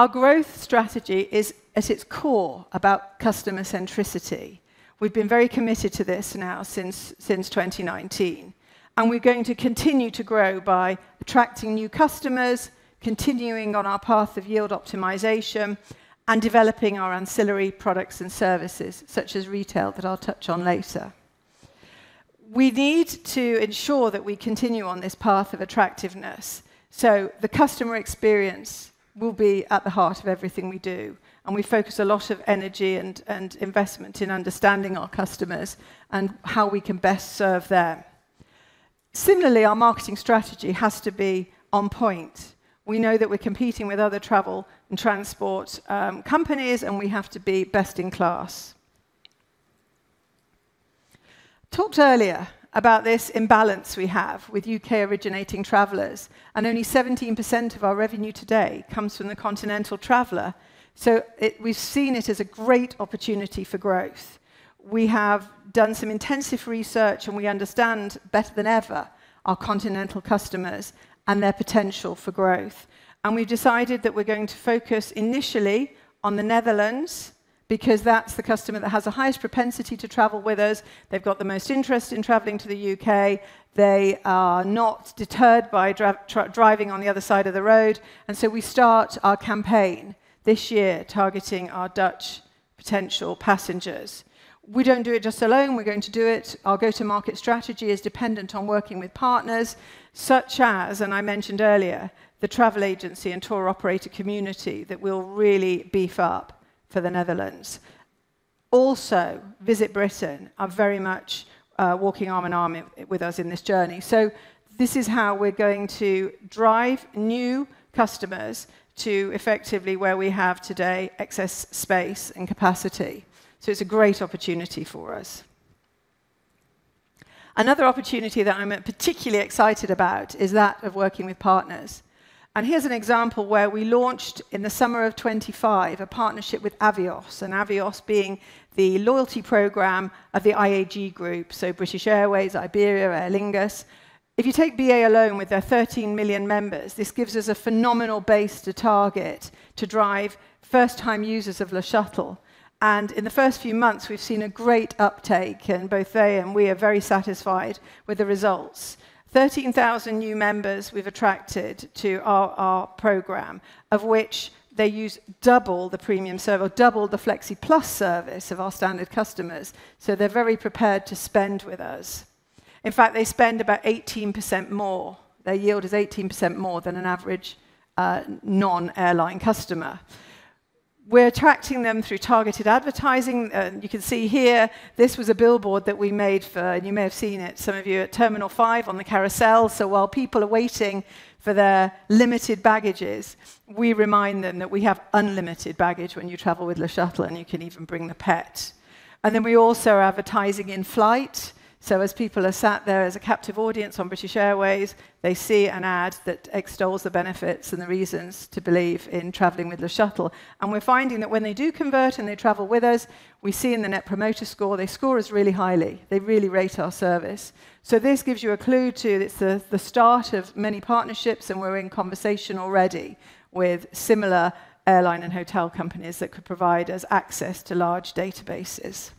Our growth strategy is, at its core, about customer centricity. We've been very committed to this now since 2019, and we're going to continue to grow by attracting new customers, continuing on our path of yield optimization, and developing our ancillary products and services, such as retail, that I'll touch on later. We need to ensure that we continue on this path of attractiveness, so the customer experience will be at the heart of everything we do, and we focus a lot of energy and investment in understanding our customers and how we can best serve them. Similarly, our marketing strategy has to be on point. We know that we're competing with other travel and transport companies, and we have to be best in class. Talked earlier about this imbalance we have with U.K.-originating travelers, and only 17% of our revenue today comes from the continental traveler, so we've seen it as a great opportunity for growth. We have done some intensive research, we understand better than ever our continental customers and their potential for growth. We've decided that we're going to focus initially on the Netherlands because that's the customer that has the highest propensity to travel with us. They've got the most interest in traveling to the U.K. They are not deterred by driving on the other side of the road. We start our campaign this year targeting our Dutch potential passengers. We don't do it just alone. We're going to do it. Our go-to-market strategy is dependent on working with partners, such as, and I mentioned earlier, the travel agency and tour operator community that will really beef up for the Netherlands. VisitBritain are very much walking arm in arm with us in this journey. This is how we're going to drive new customers to effectively where we have today excess space and capacity. It's a great opportunity for us. Another opportunity that I'm particularly excited about is that of working with partners, and here's an example where we launched, in the summer of 25, a partnership with Avios, and Avios being the loyalty program of the IAG group, so British Airways, Iberia, Aer Lingus. If you take BA alone with their 13 million members, this gives us a phenomenal base to target to drive first-time users of LeShuttle. In the first few months, we've seen a great uptake, and both they and we are very satisfied with the results. 13,000 new members we've attracted to our program, of which they use double the premium service, double the Flexiplus service of our standard customers, so they're very prepared to spend with us. In fact, they spend about 18% more. Their yield is 18% more than an average non-airline customer. We're attracting them through targeted advertising. You can see here, this was a billboard that we made for, and you may have seen it, some of you, at Terminal 5 on the carousel. While people are waiting for their limited baggages, we remind them that we have unlimited baggage when you travel with LeShuttle, and you can even bring the pet. We're also advertising in-flight, so as people are sat there as a captive audience on British Airways, they see an ad that extols the benefits and the reasons to believe in traveling with LeShuttle. We're finding that when they do convert, and they travel with us, we see in the Net Promoter Score, they score us really highly. They really rate our service. This gives you a clue, too. It's the start of many partnerships, and we're in conversation already with similar airline and hotel companies that could provide us access to large databases.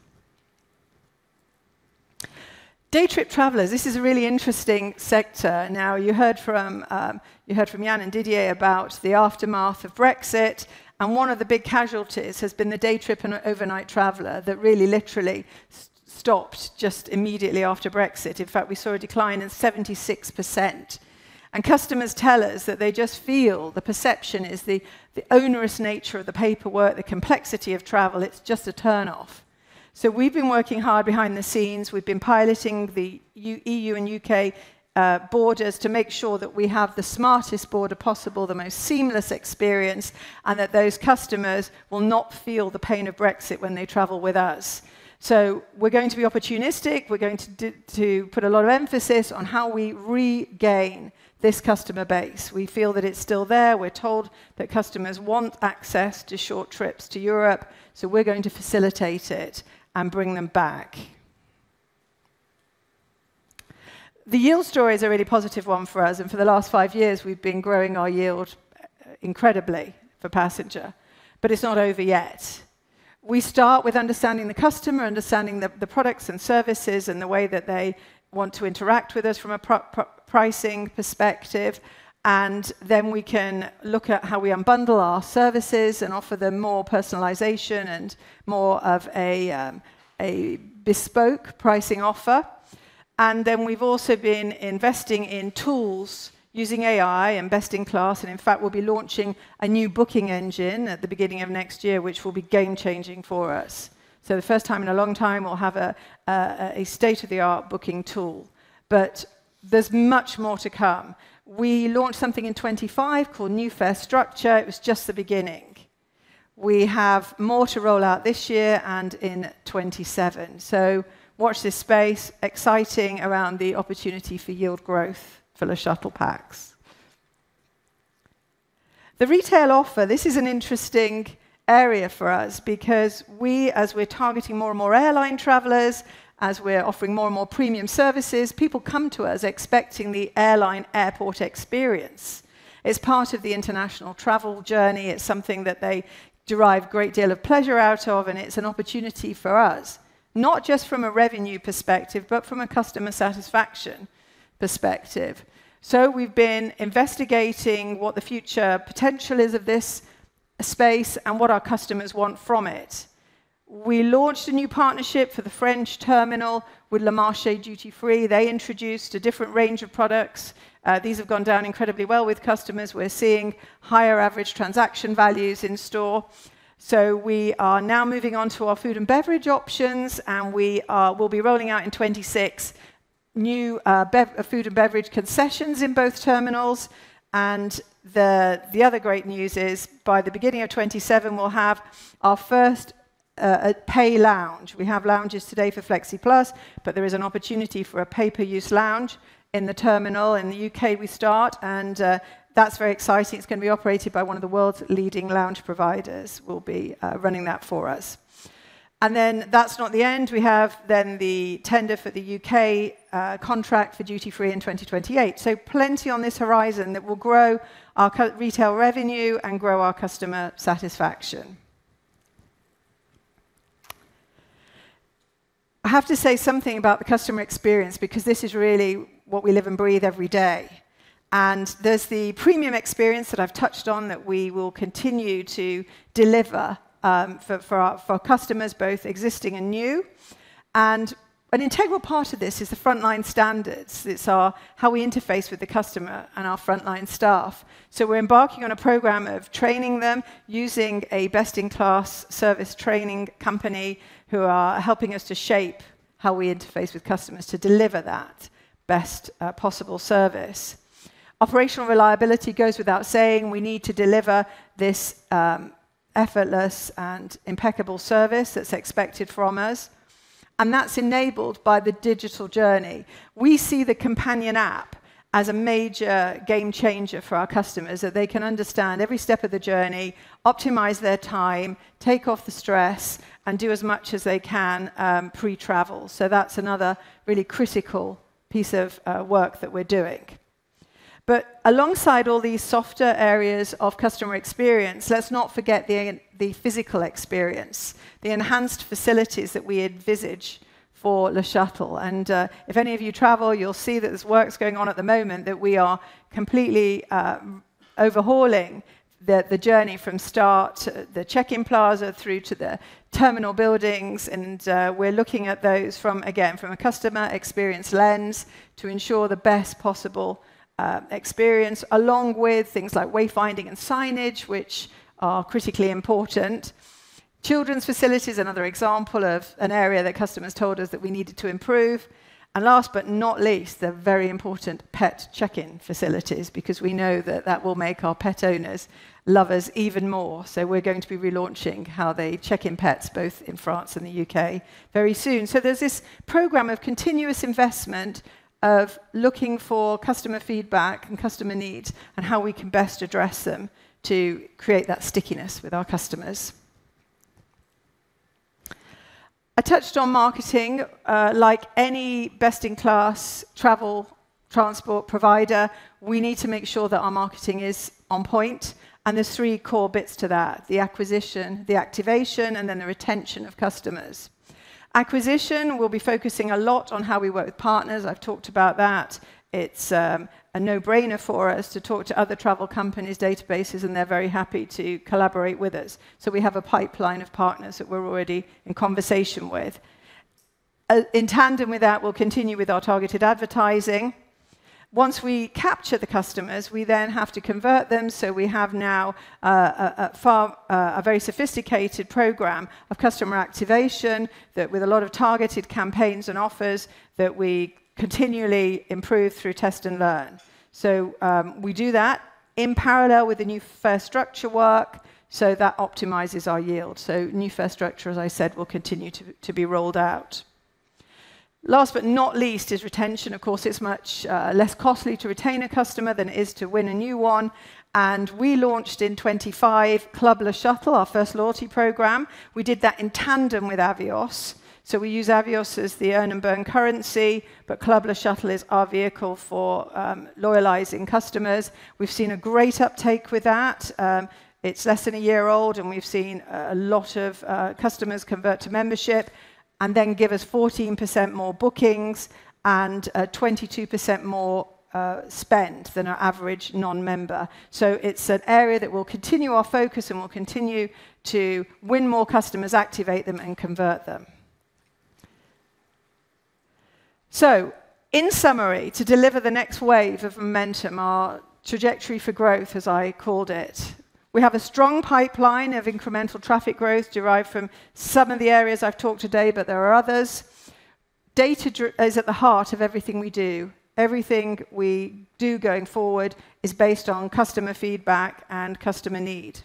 Day trip travelers, this is a really interesting sector. Now, you heard from, you heard from Yann and Didier about the aftermath of Brexit, and one of the big casualties has been the day trip and overnight traveler that really literally stopped just immediately after Brexit. In fact, we saw a decline of 76%. Customers tell us that they just feel the perception is the onerous nature of the paperwork, the complexity of travel, it's just a turn-off. We've been working hard behind the scenes. We've been piloting the EU and U.K. borders to make sure that we have the smartest border possible, the most seamless experience, and that those customers will not feel the pain of Brexit when they travel with us. We're going to be opportunistic. We're going to put a lot of emphasis on how we regain this customer base. We feel that it's still there. We're told that customers want access to short trips to Europe, so we're going to facilitate it and bring them back. The yield story is a really positive one for us. For the last five years, we've been growing our yield incredibly for passenger, it's not over yet. We start with understanding the customer, understanding the products and services, and the way that they want to interact with us from a pricing perspective. Then we can look at how we unbundle our services and offer them more personalization and more of a bespoke pricing offer. Then we've also been investing in tools using AI and best-in-class. In fact, we'll be launching a new booking engine at the beginning of next year, which will be game-changing for us. The first time in a long time, we'll have a state-of-the-art booking tool. There's much more to come. We launched something in 25 called New Fare Structure. It was just the beginning. We have more to roll out this year and in 27. Watch this space. Exciting around the opportunity for yield growth for LeShuttle Pax. The retail offer, this is an interesting area for us because we, as we're targeting more and more airline travelers, as we're offering more and more premium services, people come to us expecting the airline airport experience. It's part of the international travel journey. It's something that they derive a great deal of pleasure out of, and it's an opportunity for us, not just from a revenue perspective, but from a customer satisfaction perspective. We've been investigating what the future potential is of this space and what our customers want from it. We launched a new partnership for the French terminal with Le Marché Duty Free. They introduced a different range of products. These have gone down incredibly well with customers. We're seeing higher average transaction values in store. We are now moving on to our food and beverage options, we'll be rolling out in 2026, new food and beverage concessions in both terminals. The other great news is, by the beginning of 2027, we'll have our first pay lounge. We have lounges today for Flexiplus, but there is an opportunity for a pay-per-use lounge in the terminal. In the U.K., we start, that's very exciting. It's going to be operated by one of the world's leading lounge providers will be running that for us. That's not the end. We have the tender for the U.K. contract for duty-free in 2028. Plenty on this horizon that will grow our retail revenue and grow our customer satisfaction. I have to say something about the customer experience, because this is really what we live and breathe every day. There's the premium experience that I've touched on that we will continue to deliver for our customers, both existing and new. An integral part of this is the frontline standards. It's how we interface with the customer and our frontline staff. We're embarking on a program of training them, using a best-in-class service training company, who are helping us to shape how we interface with customers to deliver that best possible service. Operational reliability goes without saying. We need to deliver this effortless and impeccable service that's expected from us, and that's enabled by the digital journey. We see the companion app as a major game changer for our customers, that they can understand every step of the journey, optimize their time, take off the stress, and do as much as they can, pre-travel. That's another really critical piece of work that we're doing. Alongside all these softer areas of customer experience, let's not forget the physical experience, the enhanced facilities that we envisage for LeShuttle. If any of you travel, you'll see that this work's going on at the moment, that we are completely overhauling the journey from start, the check-in plaza through to the terminal buildings, and, we're looking at those from, again, from a customer experience lens to ensure the best possible experience, along with things like wayfinding and signage, which are critically important. Children's facilities, another example of an area that customers told us that we needed to improve. Last but not least, the very important pet check-in facilities, because we know that that will make our pet owners love us even more. We're going to be relaunching how they check in pets, both in France and the U.K. very soon. There's this program of continuous investment, of looking for customer feedback and customer needs, and how we can best address them to create that stickiness with our customers. I touched on marketing. Like any best-in-class travel transport provider, we need to make sure that our marketing is on point, and there's three core bits to that: the acquisition, the activation, and then the retention of customers. Acquisition, we'll be focusing a lot on how we work with partners. I've talked about that. It's a no-brainer for us to talk to other travel companies' databases, and they're very happy to collaborate with us. We have a pipeline of partners that we're already in conversation with. In tandem with that, we'll continue with our targeted advertising. Once we capture the customers, we then have to convert them, so we have now a very sophisticated program of customer activation that with a lot of targeted campaigns and offers that we continually improve through test and learn. We do that in parallel with the New Fare Structure work, so that optimizes our yield. New Fare Structure, as I said, will continue to be rolled out. Last but not least is retention. Of course, it's much less costly to retain a customer than it is to win a new one. We launched in 2025, Club Le Shuttle, our first loyalty program. We did that in tandem with Avios, so we use Avios as the earn and burn currency, but Club Le Shuttle is our vehicle for loyalizing customers. We've seen a great uptake with that. It's less than a year old, and we've seen a lot of customers convert to membership and then give us 14% more bookings and 22% more spend than our average non-member. It's an area that we'll continue our focus and we'll continue to win more customers, activate them, and convert them. In summary, to deliver the next wave of momentum, our trajectory for growth, as I called it, we have a strong pipeline of incremental traffic growth derived from some of the areas I've talked today, but there are others. Data is at the heart of everything we do. Everything we do going forward is based on customer feedback and customer need.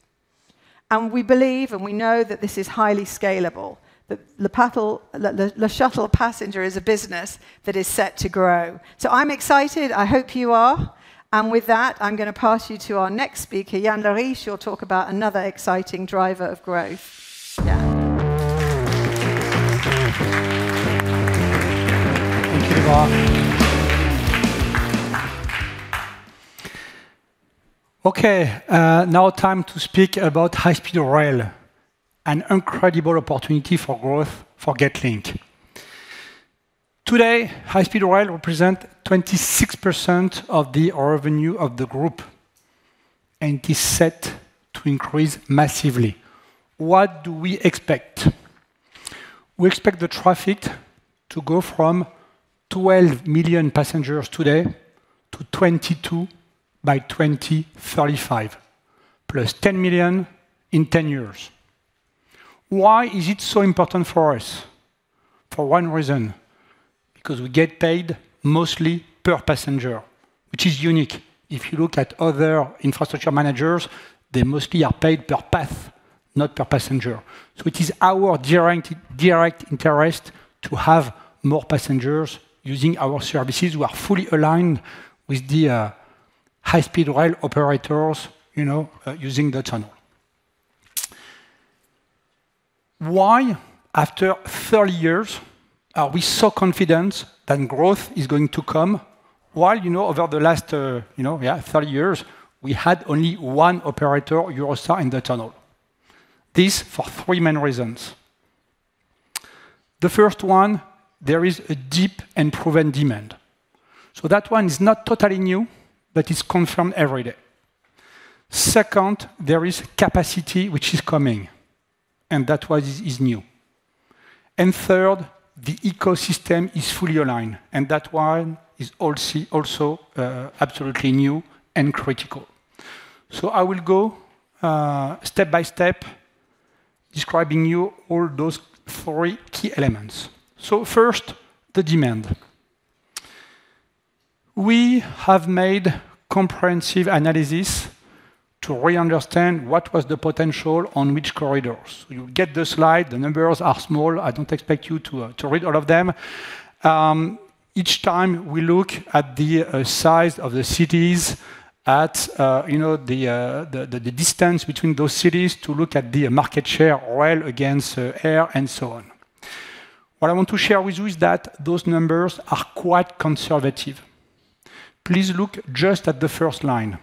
We believe, and we know that this is highly scalable. The LeShuttle passenger is a business that is set to grow. I'm excited. I hope you are. With that, I'm going to pass you to our next speaker, Yann Leriche. She'll talk about another exciting driver of growth. Yann. Thank you, Déborah. Okay, now time to speak about high-speed rail, an incredible opportunity for growth for Getlink. Today, high-speed rail represent 26% of the revenue of the group, and is set to increase massively. What do we expect? We expect the traffic to go from 12 million passengers today to 22 by 2035, plus 10 million in 10 years. Why is it so important for us? For 1 reason, because we get paid mostly per passenger, which is unique. If you look at other infrastructure managers, they mostly are paid per path, not per passenger. It is our direct interest to have more passengers using our services. We are fully aligned with the high-speed rail operators, you know, using the tunnel. Why, after 30 years, are we so confident that growth is going to come? While, you know, over the last, you know, yeah, 30 years, we had only one operator, Eurostar, in the tunnel. This for three main reasons. The first one, there is a deep and proven demand, so that one is not totally new, but it's confirmed every day. Second, there is capacity which is coming, and that one is new. Third, the ecosystem is fully aligned, and that one is also absolutely new and critical. I will go step by step, describing you all those three key elements. First, the demand. We have made comprehensive analysis to really understand what was the potential on which corridors. You get the slide. The numbers are small. I don't expect you to read all of them. Each time we look at the size of the cities, at, you know, the distance between those cities to look at the market share, rail against air, and so on. What I want to share with you is that those numbers are quite conservative. Please look just at the first line.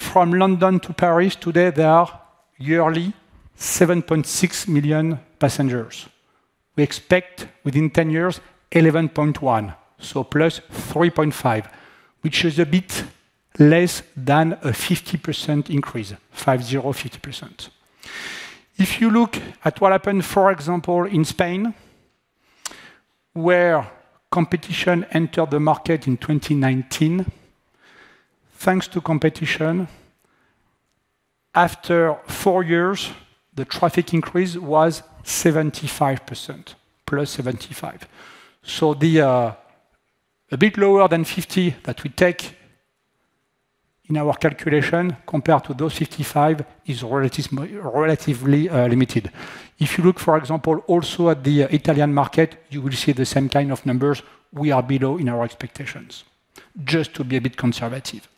From London to Paris, today, there are yearly 7.6 million passengers. We expect within 10 years, 11.1, so +3.5, which is a bit less than a 50% increase, five zero, 50%. If you look at what happened, for example, in Spain, where competition entered the market in 2019, thanks to competition, after 4 years, the traffic increase was 75%, +75. The a bit lower than 50 that we take in our calculation compared to those 55 is relatively limited. If you look, for example, also at the Italian market, you will see the same kind of numbers. We are below in our expectations, just to be a bit conservative.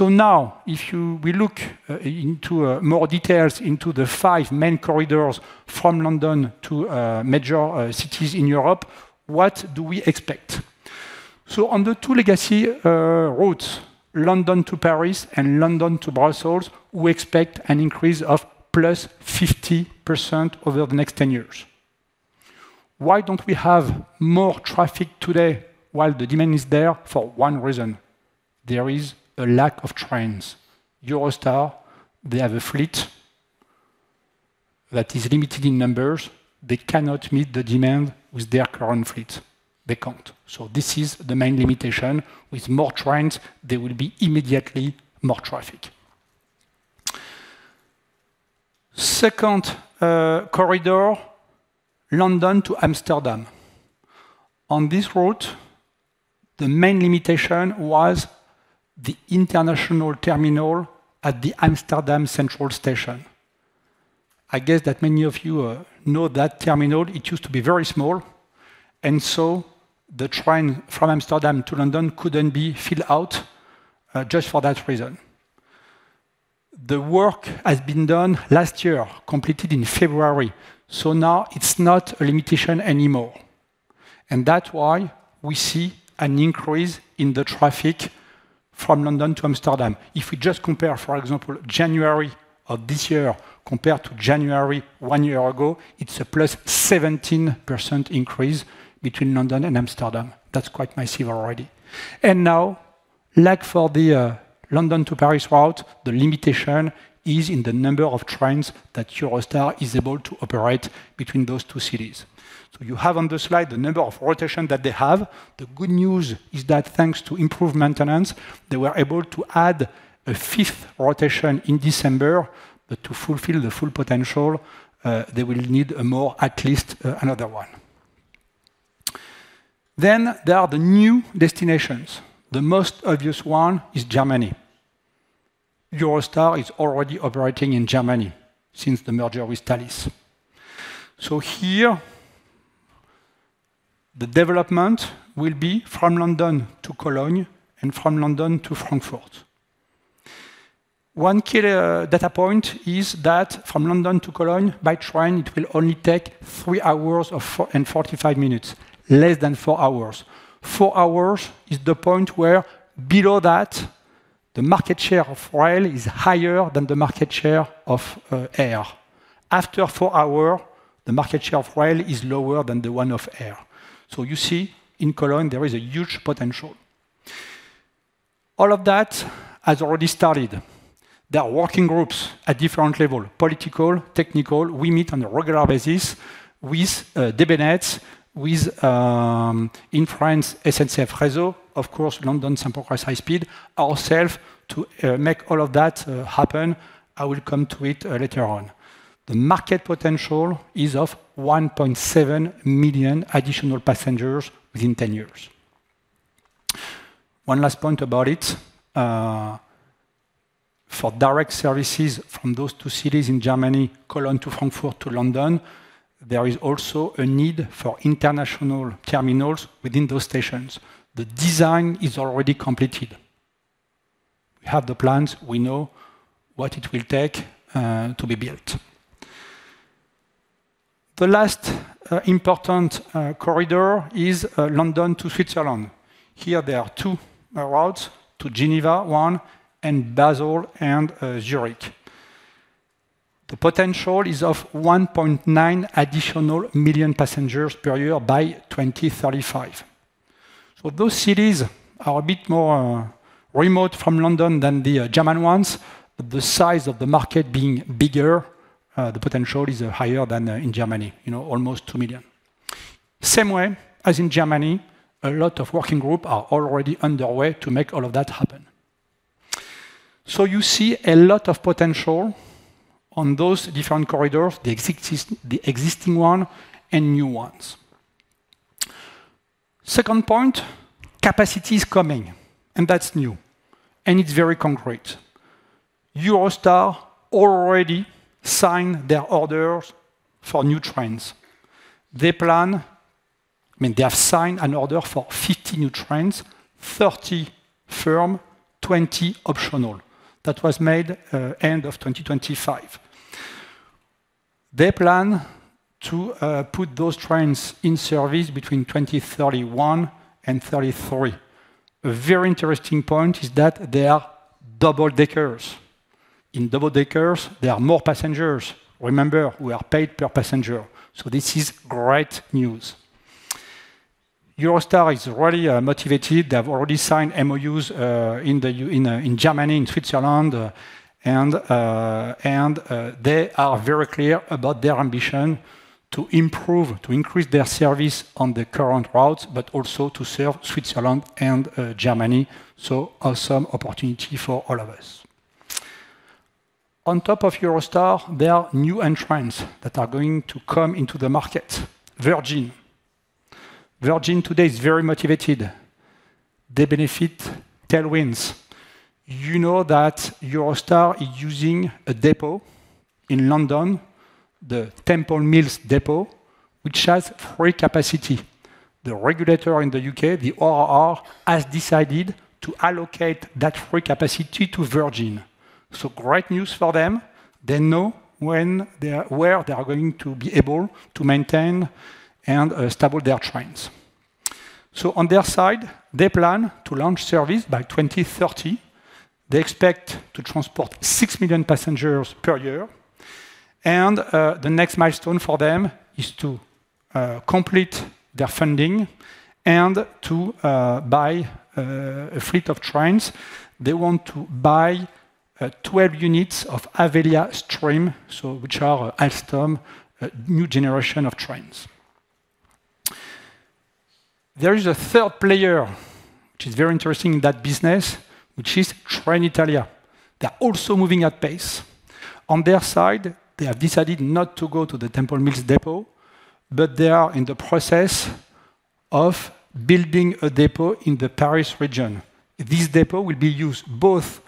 Now, if we look into more details into the 5 main corridors from London to major cities in Europe, what do we expect? On the two legacy routes, London to Paris and London to Brussels, we expect an increase of +50% over the next 10 years. Why don't we have more traffic today while the demand is there? For one reason, there is a lack of trains. Eurostar, they have a fleet that is limited in numbers. They cannot meet the demand with their current fleet. They can't. This is the main limitation. With more trains, there will be immediately more traffic. Second, corridor, London to Amsterdam. On this route, the main limitation was the international terminal at the Amsterdam Central Station. I guess that many of you know that terminal, it used to be very small, and so the train from Amsterdam to London couldn't be filled out just for that reason. The work has been done last year, completed in February, so now it's not a limitation anymore, and that's why we see an increase in the traffic from London to Amsterdam. If we just compare, for example, January of this year compared to January one year ago, it's a +17% increase between London and Amsterdam. That's quite massive already. Now, like for the London to Paris route, the limitation is in the number of trains that Eurostar is able to operate between those two cities. You have on the slide the number of rotation that they have. The good news is that thanks to improved maintenance, they were able to add a fifth rotation in December, but to fulfill the full potential, they will need a more, at least, another one. There are the new destinations. The most obvious one is Germany. Eurostar is already operating in Germany since the merger with Thalys. Here, the development will be from London to Cologne and from London to Frankfurt. One key data point is that from London to Cologne, by train, it will only take three hours and 45 minutes, less than 4 hours. Four hours is the point where below that, the market share of rail is higher than the market share of air. After four hours, the market share of rail is lower than the one of air. You see, in Cologne, there is a huge potential. All of that has already started. There are working groups at different level: political, technical. We meet on a regular basis with DB Netz, with in France, SNCF Réseau, of course, London St Pancras High Speed, yourself, to make all of that happen. I will come to it later on. The market potential is of 1.7 million additional passengers within 10 years. One last point about it, for direct services from those two cities in Germany, Cologne to Frankfurt to London, there is also a need for international terminals within those stations. The design is already completed. We have the plans; we know what it will take, to be built. The last important corridor is London to Switzerland. Here, there are 2 routes: to Geneva, one, and Basel and Zurich. The potential is of 1.9 additional million passengers per year by 2035. Those cities are a bit more remote from London than the German ones. The size of the market being bigger, the potential is higher than in Germany, you know, almost two million. Same way as in Germany, a lot of working group are already underway to make all of that happen. You see a lot of potential on those different corridors, the existing one and new ones. Second point, capacity is coming, and that's new, and it's very concrete. Eurostar already signed their orders for new trains. I mean, they have signed an order for 50 new trains, 30 firm, 20 optional. That was made end of 2025. They plan to put those trains in service between 2031 and 2033. A very interesting point is that they are double-deckers. In double-deckers, there are more passengers. Remember, we are paid per passenger, so this is great news. Eurostar is really motivated. They have already signed MOUs in Germany, in Switzerland, and they are very clear about their ambition to improve, to increase their service on the current routes, but also to serve Switzerland and Germany. Awesome opportunity for all of us. On top of Eurostar, there are new entrants that are going to come into the market. Virgin. Virgin today is very motivated. They benefit tailwinds. You know that Eurostar is using a depot in London, the Temple Mills depot, which has free capacity. The regulator in the U.K., the ORR, has decided to allocate that free capacity to Virgin. Great news for them. They know when they are, where they are going to be able to maintain and stable their trains. On their side, they plan to launch service by 2030. They expect to transport 6 million passengers per year, the next milestone for them is to complete their funding and to buy a fleet of trains. They want to buy 12 units of Avelia Stream, so which are Alstom, a new generation of trains. There is a third player, which is very interesting in that business, which is Trenitalia. They're also moving at pace. On their side, they have decided not to go to the Temple Mills depot, but they are in the process of building a depot in the Paris region. This depot will be used both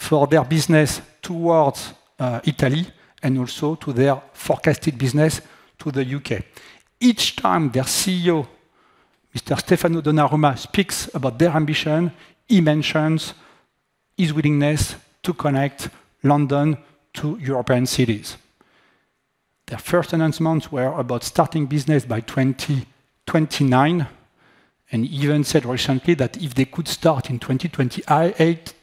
for their business towards Italy and also to their forecasted business to the U.K. Each time their CEO, Mr. Stefano Donnarumma, speaks about their ambition, he mentions his willingness to connect London to European cities. Their first announcements were about starting business by 2029, and he even said recently that if they could start in 2028,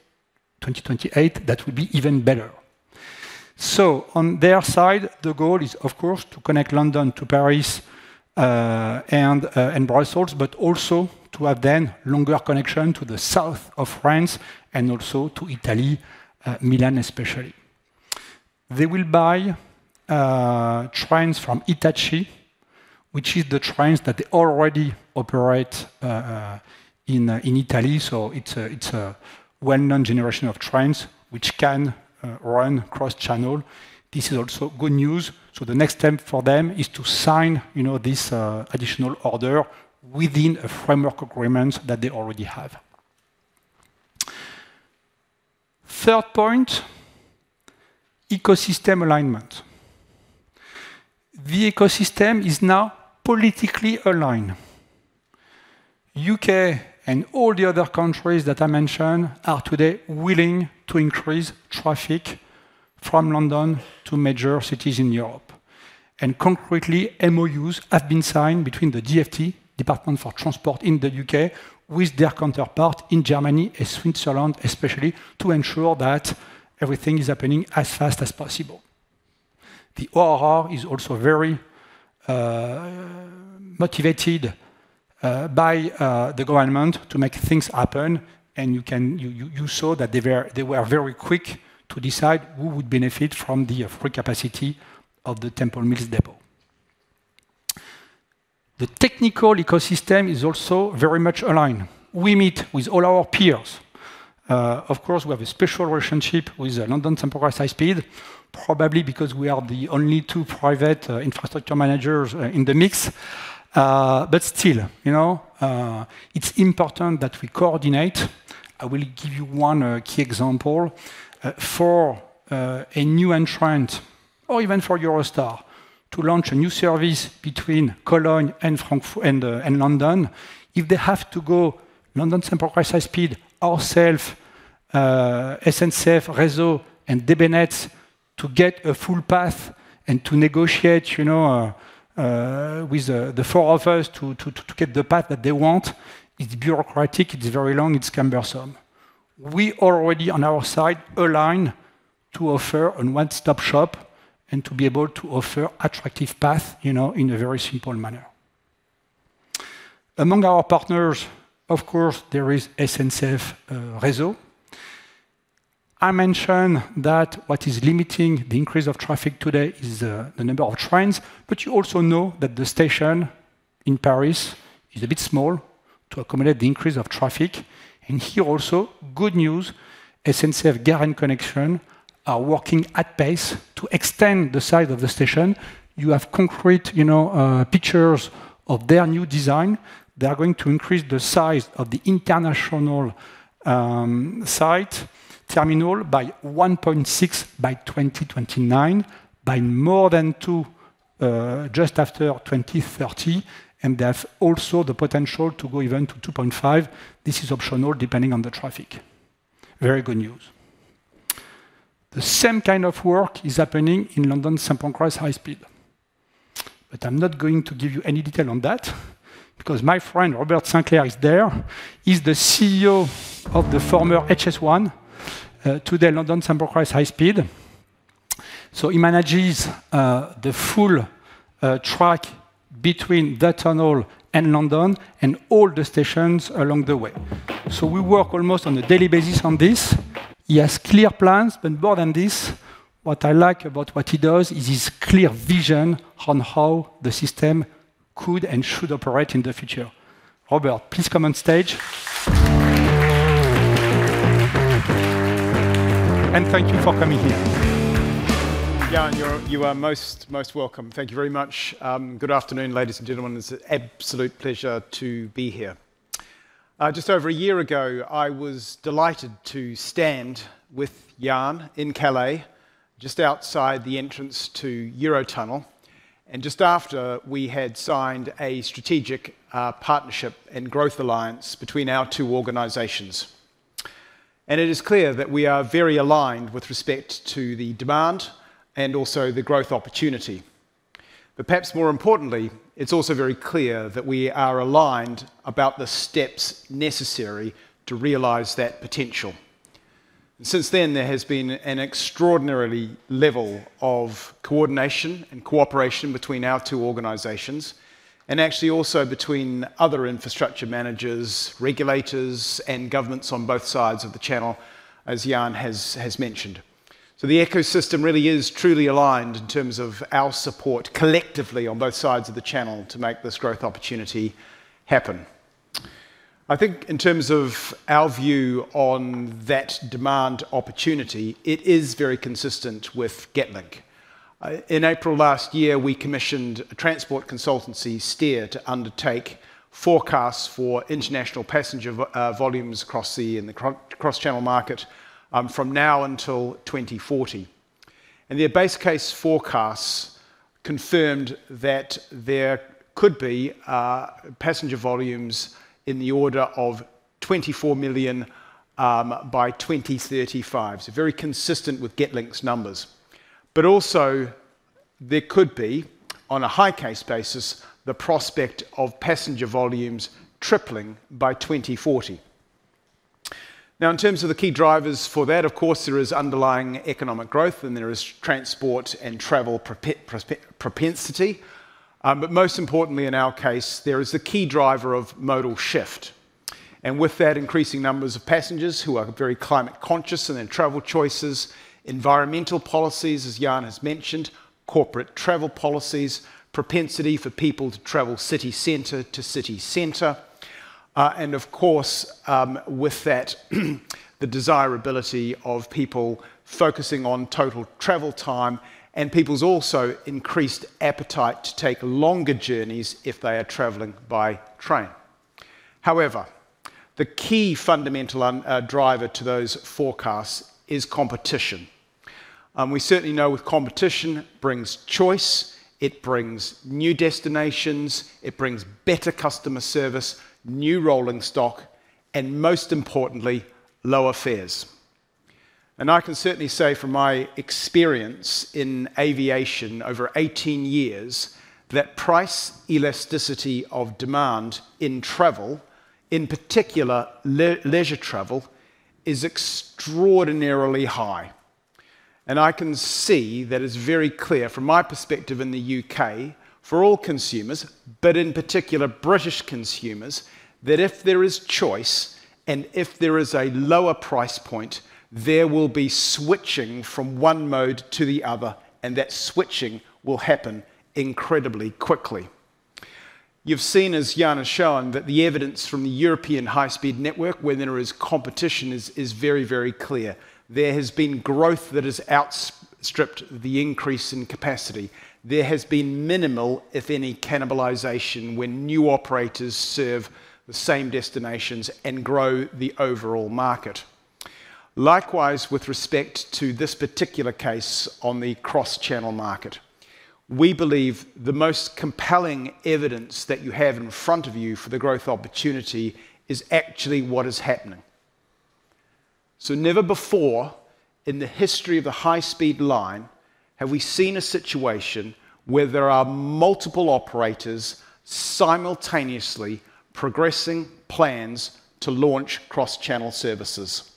that would be even better. On their side, the goal is, of course, to connect London to Paris, and Brussels, but also to have then longer connection to the south of France and also to Italy, Milan especially. They will buy trains from Hitachi, which is the trains that they already operate in Italy. It's a well-known generation of trains which can run cross-channel. This is also good news. The next step for them is to sign, you know, this additional order within a framework agreement that they already have. Third point, ecosystem alignment. The ecosystem is now politically aligned. U.K. and all the other countries that I mentioned are today willing to increase traffic from London to major cities in Europe. Concretely, MOUs have been signed between the DfT, Department for Transport in the U.K., with their counterpart in Germany and Switzerland, especially, to ensure that everything is happening as fast as possible. The ORR is also very motivated by the government to make things happen, and you can saw that they were very quick to decide who would benefit from the free capacity of the Temple Mills depot. The technical ecosystem is also very much aligned. We meet with all our peers. Of course, we have a special relationship with the London St Pancras High Speed, probably because we are the only two private infrastructure managers in the mix. Still, you know, it's important that we coordinate. I will give you one key example. For a new entrant, or even for Eurostar, to launch a new service between Cologne and Frankfurt and London, if they have to go London St Pancras High Speed, ourself, SNCF Réseau, and DB Netz to get a full path and to negotiate, you know, with the four of us to get the path that they want, it's bureaucratic, it's very long, it's cumbersome. We already, on our side, align to offer a one-stop shop and to be able to offer attractive path, you know, in a very simple manner. Among our partners, of course, there is SNCF Réseau. I mentioned that what is limiting the increase of traffic today is the number of trains, but you also know that the station in Paris is a bit small to accommodate the increase of traffic. Here also, good news, SNCF Gares & Connexions are working at pace to extend the size of the station. You have concrete, you know, pictures of their new design. They are going to increase the size of the international site terminal by 1.6 by 2029, by more than two just after 2030. They have also the potential to go even to 2.5. This is optional, depending on the traffic. Very good news. The same kind of work is happening in London St Pancras High Speed. I'm not going to give you any detail on that because my friend Robert Sinclair is there. He's the CEO of the former HS1 today, London St Pancras High Speed. He manages the full track between the tunnel and London and all the stations along the way. We work almost on a daily basis on this. He has clear plans, but more than this, what I like about what he does is his clear vision on how the system could and should operate in the future. Robert, please come on stage. Thank you for coming here. Yann, you are most welcome. Thank you very much. Good afternoon, ladies and gentlemen. It's an absolute pleasure to be here. Just over a year ago, I was delighted to stand with Yann in Calais, just outside the entrance to Eurotunnel, and just after we had signed a strategic partnership and growth alliance between our two organizations. It is clear that we are very aligned with respect to the demand and also the growth opportunity. Perhaps more importantly, it's also very clear that we are aligned about the steps necessary to realize that potential. Since then, there has been an extraordinary level of coordination and cooperation between our two organizations, and actually also between other infrastructure managers, regulators, and governments on both sides of the Channel, as Yann has mentioned. The ecosystem really is truly aligned in terms of our support, collectively, on both sides of the channel, to make this growth opportunity happen. I think in terms of our view on that demand opportunity, it is very consistent with Getlink. In April last year, we commissioned a transport consultancy, Steer, to undertake forecasts for international passenger volumes across the cross-channel market, from now until 2040. Their base case forecasts confirmed that there could be passenger volumes in the order of 24 million by 2035, so very consistent with Getlink's numbers. Also, there could be, on a high-case basis, the prospect of passenger volumes tripling by 2040. In terms of the key drivers for that, of course, there is underlying economic growth, and there is transport and travel propensity. Most importantly, in our case, there is a key driver of modal shift, and with that, increasing numbers of passengers who are very climate conscious in their travel choices, environmental policies, as Yann has mentioned, corporate travel policies, propensity for people to travel city center to city center. Of course, with that, the desirability of people focusing on total travel time and people's also increased appetite to take longer journeys if they are traveling by train. However, the key fundamental driver to those forecasts is competition. We certainly know with competition brings choice, it brings new destinations, it brings better customer service, new rolling stock, and most importantly, lower fares. I can certainly say from my experience in aviation over 18 years, that price elasticity of demand in travel, in particular, leisure travel, is extraordinarily high. I can see that it's very clear from my perspective in the U.K. for all consumers, but in particular British consumers, that if there is choice and if there is a lower price point, there will be switching from one mode to the other, and that switching will happen incredibly quickly. You've seen, as Yann has shown, that the evidence from the European high-speed network, where there is competition, is very, very clear. There has been growth that has outstripped the increase in capacity. There has been minimal, if any, cannibalization when new operators serve the same destinations and grow the overall market. Likewise, with respect to this particular case on the cross-channel market, we believe the most compelling evidence that you have in front of you for the growth opportunity is actually what is happening. Never before in the history of the high-speed line have we seen a situation where there are multiple operators simultaneously progressing plans to launch cross-channel services.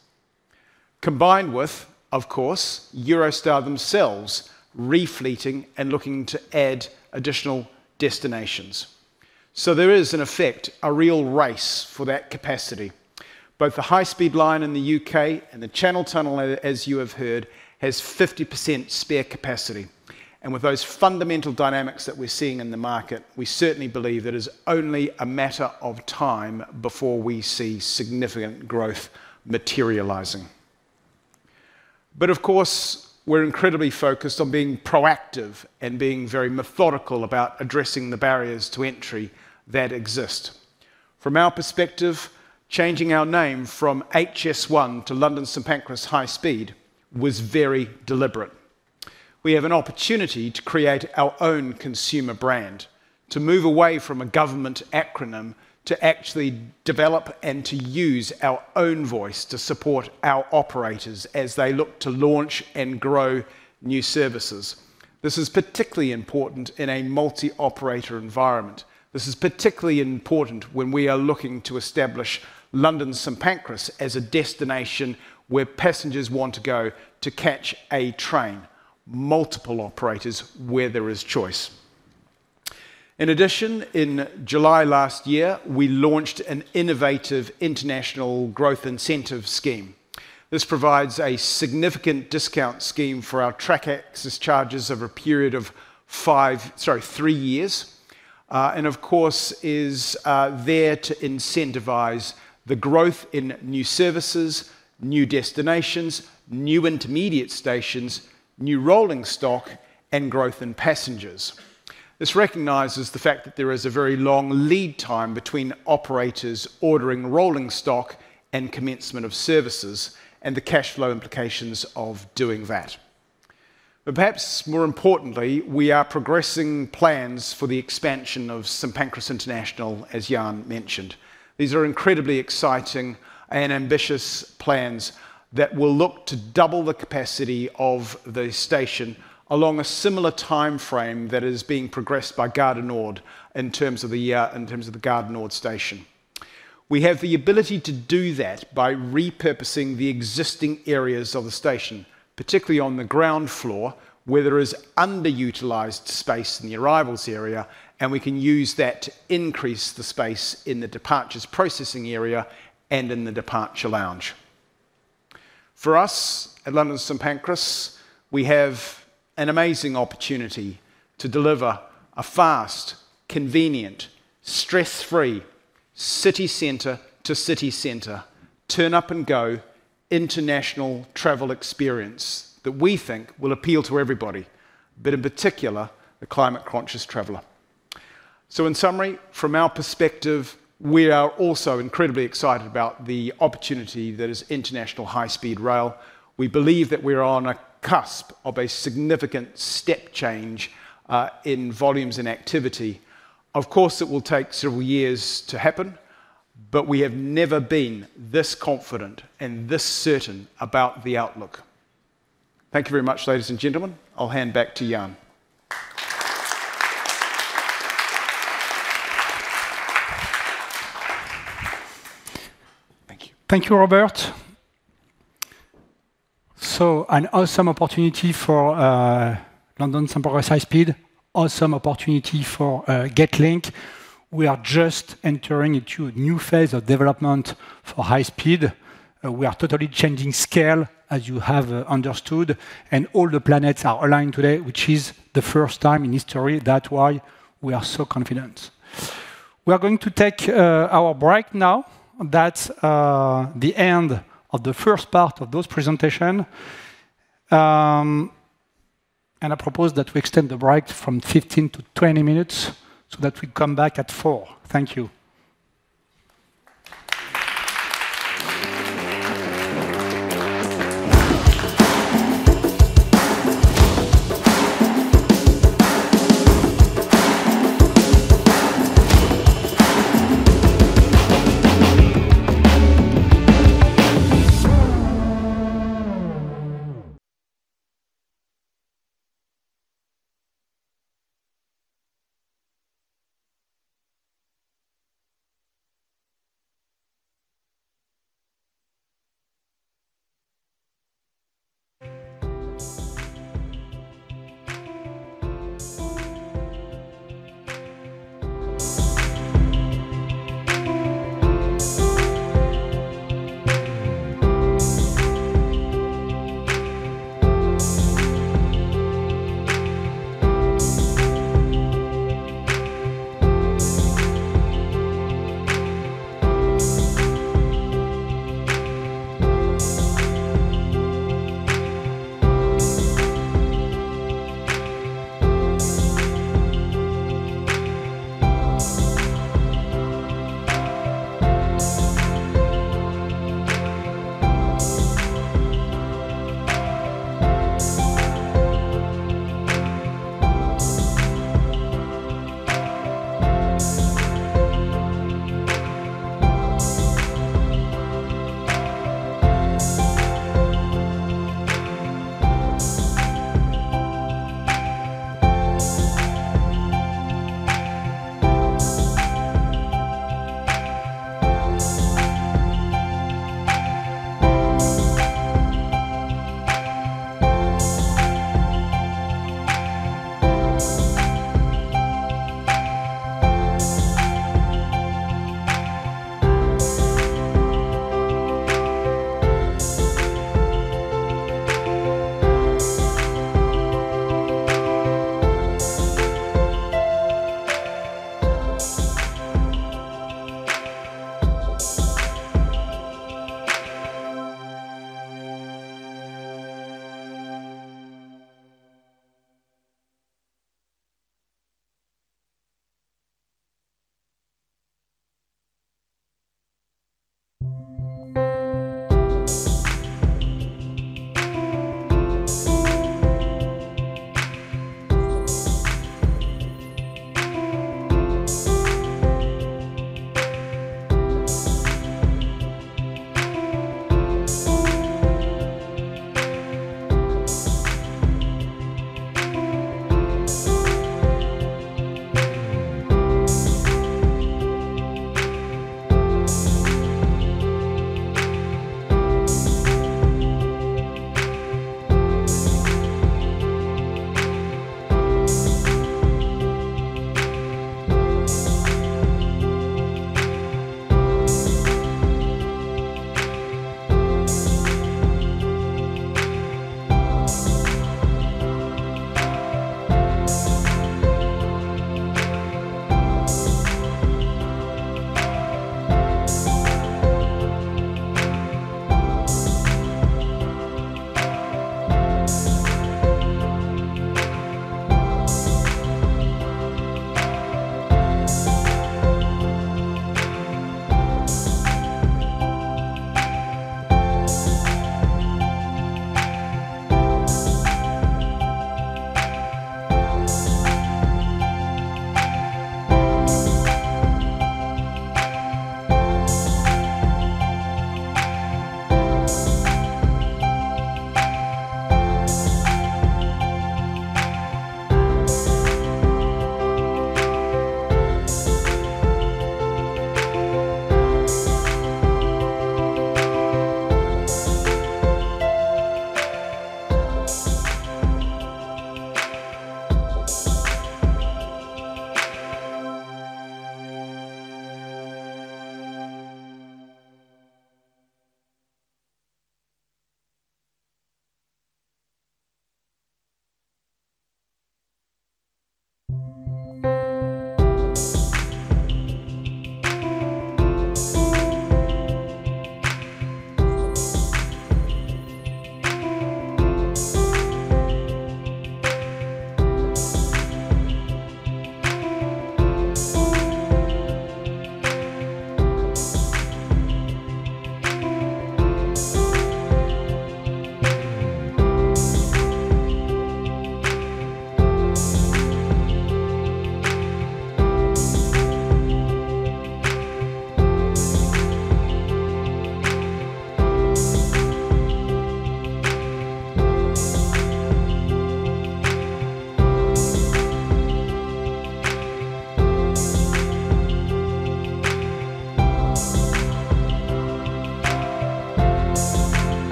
Combined with, of course, Eurostar themselves, refleeting and looking to add additional destinations. There is, in effect, a real race for that capacity. Both the high-speed line in the U.K. and the Channel Tunnel, as you have heard, has 50% spare capacity, and with those fundamental dynamics that we're seeing in the market, we certainly believe that it's only a matter of time before we see significant growth materializing. Of course, we're incredibly focused on being proactive and being very methodical about addressing the barriers to entry that exist. From our perspective, changing our name from HS1 to London St Pancras High Speed was very deliberate. We have an opportunity to create our own consumer brand, to move away from a government acronym, to actually develop and to use our own voice to support our operators as they look to launch and grow new services. This is particularly important in a multi-operator environment. This is particularly important when we are looking to establish London St Pancras as a destination where passengers want to go to catch a train, multiple operators, where there is choice. In addition, in July last year, we launched an innovative international growth incentive scheme. This provides a significant discount scheme for our track access charges over a period of five, sorry, three years. And of course, is there to incentivize the growth in new services, new destinations, new intermediate stations, new rolling stock, and growth in passengers. This recognizes the fact that there is a very long lead time between operators ordering rolling stock and commencement of services, and the cash flow implications of doing that. Perhaps more importantly, we are progressing plans for the expansion of St Pancras International, as Yann mentioned. These are incredibly exciting and ambitious plans that will look to double the capacity of the station along a similar timeframe that is being progressed by Gare du Nord, in terms of the Gare du Nord station. We have the ability to do that by repurposing the existing areas of the station, particularly on the ground floor, where there is underutilized space in the arrivals area, and we can use that to increase the space in the departures processing area and in the departure lounge. For us at London St Pancras, we have an amazing opportunity to deliver a fast, convenient, stress-free, city center to city center, turn up and go, international travel experience that we think will appeal to everybody But in particular, the climate-conscious traveler. In summary, from our perspective, we are also incredibly excited about the opportunity that is international high-speed rail. We believe that we are on a cusp of a significant step change in volumes and activity. Of course, it will take several years to happen, but we have never been this confident and this certain about the outlook. Thank you very much, ladies and gentlemen. I'll hand back to Yann. Thank you. Thank you, Robert. An awesome opportunity for London St Pancras High Speed, awesome opportunity for Getlink. We are just entering into a new phase of development for high speed. We are totally changing scale, as you have understood, all the planets are aligned today, which is the first time in history. That's why we are so confident. We are going to take our break now. That's the end of the first part of this presentation. I propose that we extend the break from 15 to 20 minutes, that we come back at four. Thank you.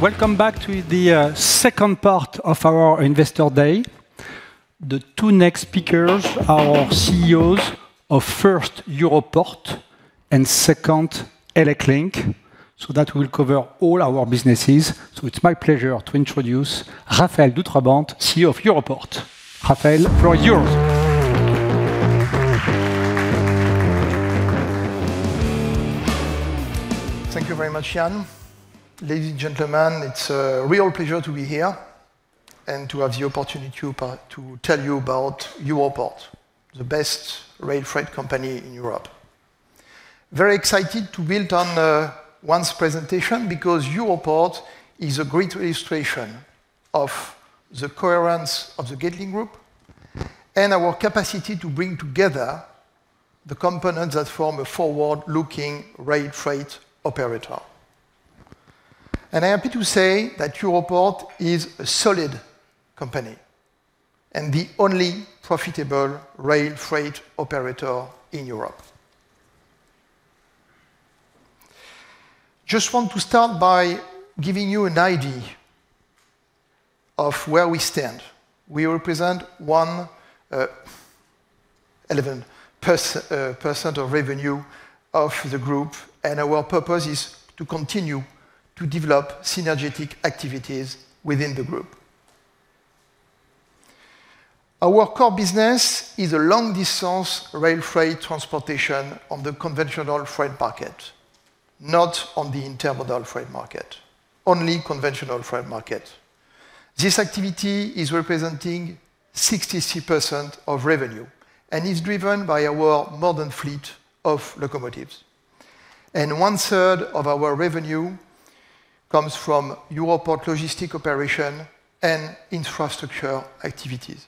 Welcome back to the second part of our Investor Day. The two next speakers are CEOs of first, Europorte, and second, ElecLink, that will cover all our businesses. It's my pleasure to introduce Raphaël Doutrebente, CEO of Europorte. Raphaël, floor is yours. Thank you very much, Yann. Ladies and gentlemen, it's a real pleasure to be here and to have the opportunity to tell you about Europorte, the best rail freight company in Europe. Very excited to build on Yann's presentation because Europorte is a great illustration of the coherence of the Getlink Group and our capacity to bring together the components that form a forward-looking rail freight operator. I am happy to say that Europorte is a solid company, and the only profitable rail freight operator in Europe. Just want to start by giving you an idea of where we stand. We represent 11% of revenue of the group, and our purpose is to continue to develop synergetic activities within the group. Our core business is a long-distance rail freight transportation on the conventional freight market, not on the intermodal freight market, only conventional freight market. This activity is representing 63% of revenue and is driven by our modern fleet of locomotives, and one-third of our revenue comes from Europorte logistic operation and infrastructure activities.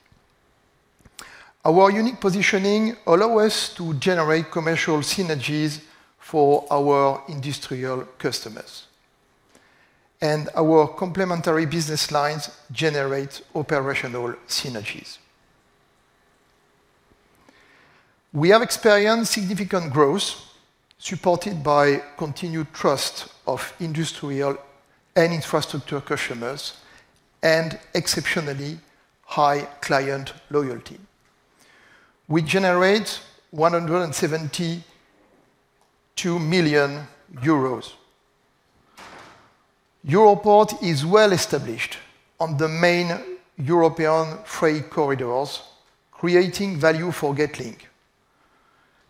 Our unique positioning allow us to generate commercial synergies for our industrial customers, and our complementary business lines generate operational synergies. We have experienced significant growth, supported by continued trust of industrial and infrastructure customers, and exceptionally high client loyalty. We generate EUR 172 million. Europorte is well established on the main European freight corridors, creating value for Getlink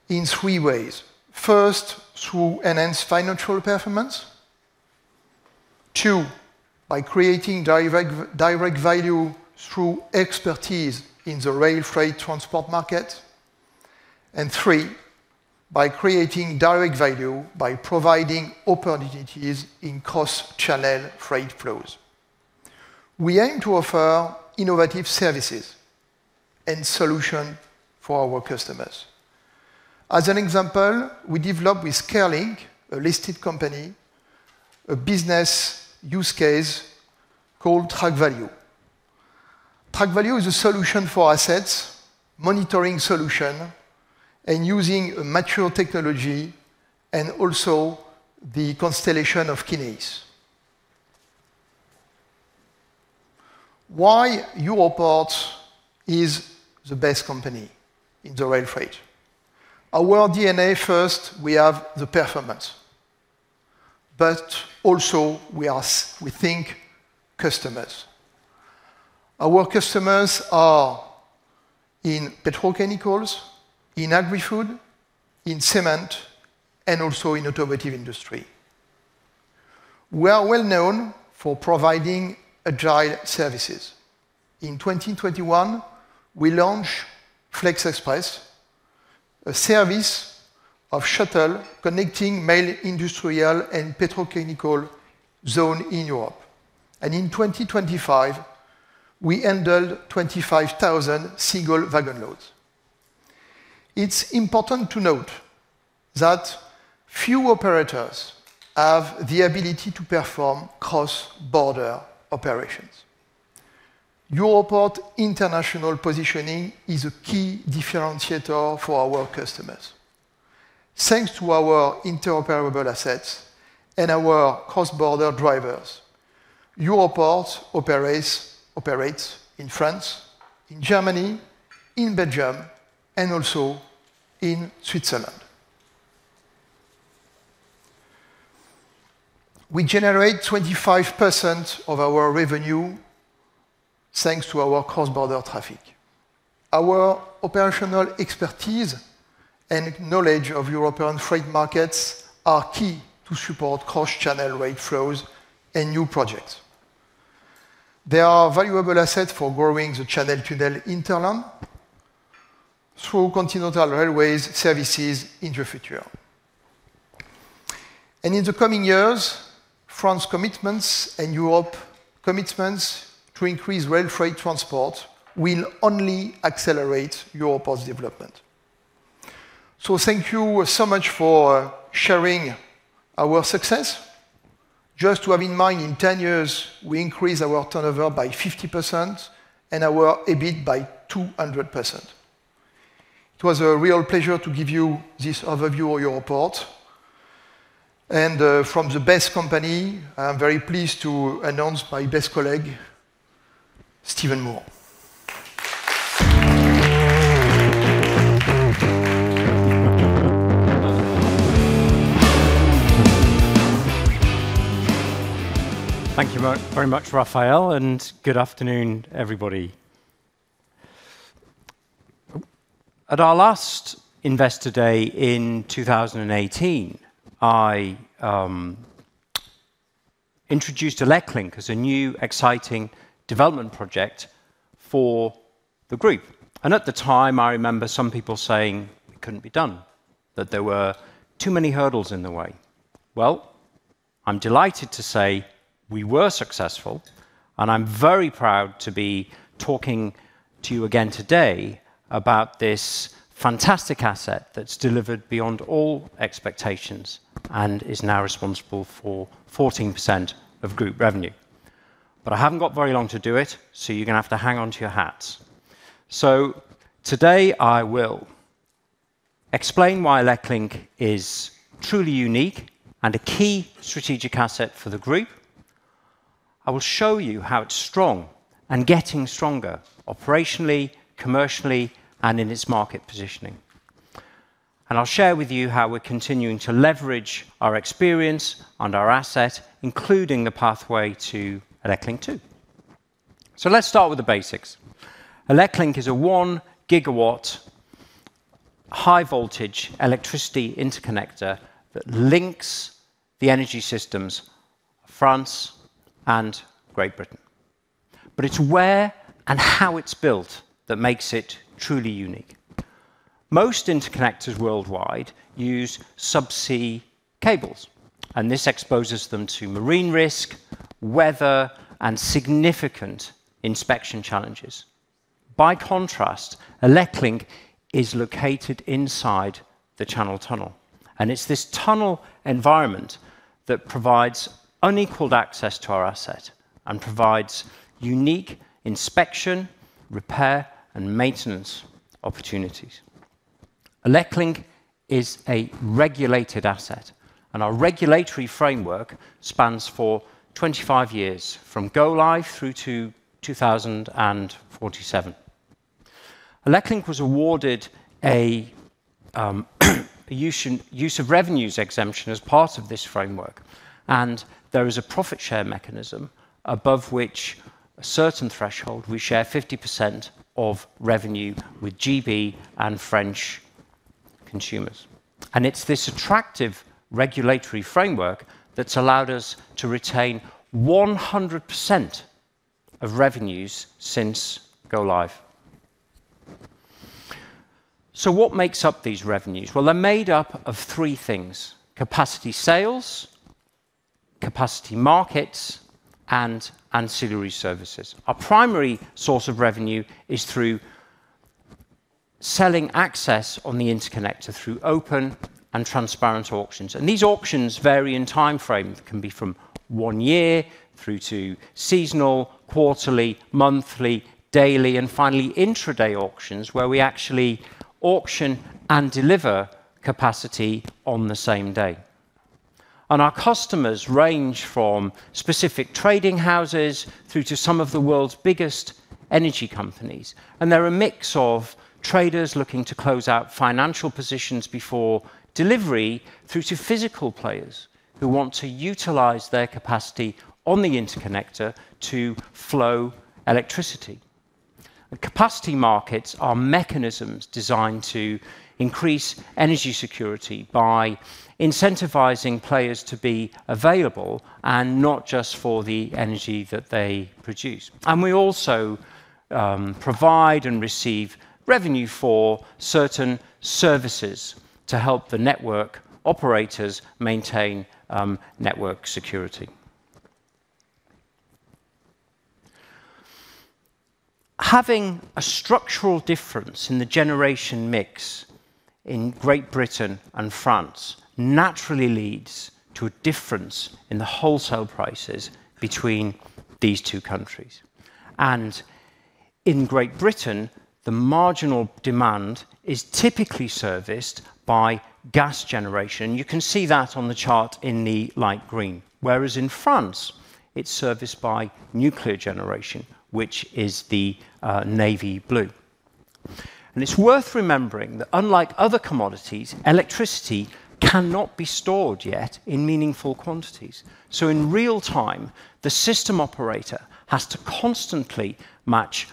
in three ways. First, through enhanced financial performance. Two, by creating direct value through expertise in the rail freight transport market. Three, by creating direct value by providing opportunities in cross-Channel freight flows. We aim to offer innovative services and solution for our customers. As an example, we developed with Kerlink, a listed company, a business use case called TrackValue. TrackValue is a solution for assets, monitoring solution, and using mature technology, and also the constellation of Kinéis. Why Europorte is the best company in the rail freight? Our DNA, first, we have the performance, but also we think customers. Our customers are in petrochemicals, in agrifood, in cement, and also in automotive industry. We are well known for providing agile services. In 2021, we launched FLEX EXPRESS, a service of shuttle connecting main industrial and petrochemical zone in Europe, and in 2025, we handled 25,000 single wagon loads. It's important to note that few operators have the ability to perform cross-border operations. Europorte international positioning is a key differentiator for our customers. Thanks to our interoperable assets and our cross-border drivers, Europorte operates in France, in Germany, in Belgium, and also in Switzerland. We generate 25% of our revenue thanks to our cross-border traffic. Our operational expertise and knowledge of European freight markets are key to support cross-Channel trade flows and new projects. They are a valuable asset for growing the Channel Tunnel internal through continental railways services in the future. In the coming years, France commitments and Europe commitments to increase rail freight transport will only accelerate Europorte's development. Thank you so much for sharing our success. Just to have in mind, in 10 years, we increased our turnover by 50% and our EBIT by 200%. It was a real pleasure to give you this overview of Europorte, from the best company, I'm very pleased to announce my best colleague, Steven Moore. Thank you very, very much, Raphaël, good afternoon, everybody. At our last Investor Day in 2018, I introduced ElecLink as a new exciting development project for the group. At the time, I remember some people saying it couldn't be done, that there were too many hurdles in the way. Well, I'm delighted to say we were successful, and I'm very proud to be talking to you again today about this fantastic asset that's delivered beyond all expectations and is now responsible for 14% of group revenue. I haven't got very long to do it, so you're gonna have to hang on to your hats. Today, I will explain why ElecLink is truly unique and a key strategic asset for the group. I will show you how it's strong and getting stronger operationally, commercially, and in its market positioning. I'll share with you how we're continuing to leverage our experience and our asset, including the pathway to Eleclink 2. Let's start with the basics. ElecLink is a 1 GW, high-voltage electricity interconnector that links the energy systems of France and Great Britain. It's where and how it's built that makes it truly unique. Most interconnectors worldwide use subsea cables, and this exposes them to marine risk, weather, and significant inspection challenges. By contrast, ElecLink is located inside the Channel Tunnel, and it's this tunnel environment that provides unequaled access to our asset and provides unique inspection, repair, and maintenance opportunities. ElecLink is a regulated asset, and our regulatory framework spans for 25 years, from go-live through to 2047. ElecLink was awarded a use of revenues exemption as part of this framework. There is a profit share mechanism above which a certain threshold, we share 50% of revenue with GB and French consumers. It's this attractive regulatory framework that's allowed us to retain 100% of revenues since go-live. What makes up these revenues? They're made up of three things: capacity sales, capacity markets, and ancillary services. Our primary source of revenue is through selling access on the interconnector through open and transparent auctions. These auctions vary in time frame. It can be from one year through to seasonal, quarterly, monthly, daily, and finally, intra-day auctions, where we actually auction and deliver capacity on the same day. Our customers range from specific trading houses through to some of the world's biggest energy companies, and they're a mix of traders looking to close out financial positions before delivery, through to physical players who want to utilize their capacity on the interconnector to flow electricity. The capacity markets are mechanisms designed to increase energy security by incentivizing players to be available, and not just for the energy that they produce. We also provide and receive revenue for certain services to help the network operators maintain network security. Having a structural difference in the generation mix in Great Britain and France naturally leads to a difference in the wholesale prices between these two countries. In Great Britain, the marginal demand is typically serviced by gas generation. You can see that on the chart in the light green. Whereas in France, it's serviced by nuclear generation, which is the navy blue. It's worth remembering that unlike other commodities, electricity cannot be stored yet in meaningful quantities. In real time, the system operator has to constantly match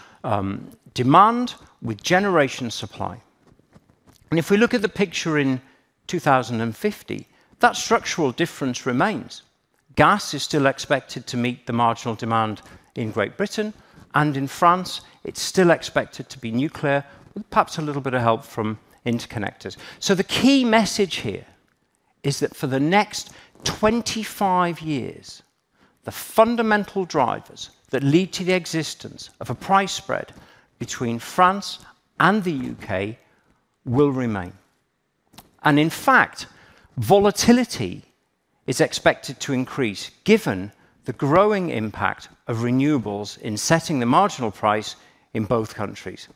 demand with generation supply. If we look at the picture in 2050, that structural difference remains. Gas is still expected to meet the marginal demand in Great Britain, and in France, it's still expected to be nuclear, with perhaps a little bit of help from interconnectors. The key message here is that for the next 25 years, the fundamental drivers that lead to the existence of a price spread between France and the U.K. will remain. In fact, volatility is expected to increase, given the growing impact of renewables in setting the marginal price in both countries.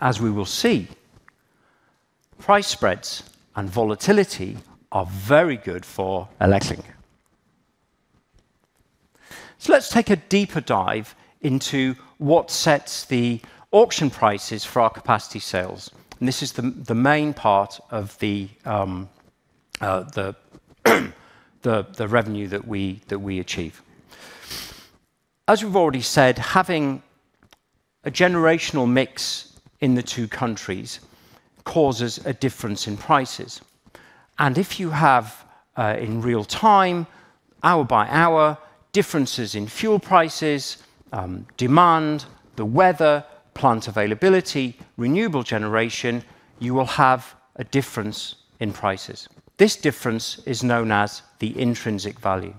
As we will see, price spreads and volatility are very good for ElecLink. Let's take a deeper dive into what sets the auction prices for our capacity sales. This is the main part of the revenue that we achieve. As we've already said, having a generational mix in the two countries causes a difference in prices, if you have in real time, hour by hour, differences in fuel prices, demand, the weather, plant availability, renewable generation, you will have a difference in prices. This difference is known as the intrinsic value.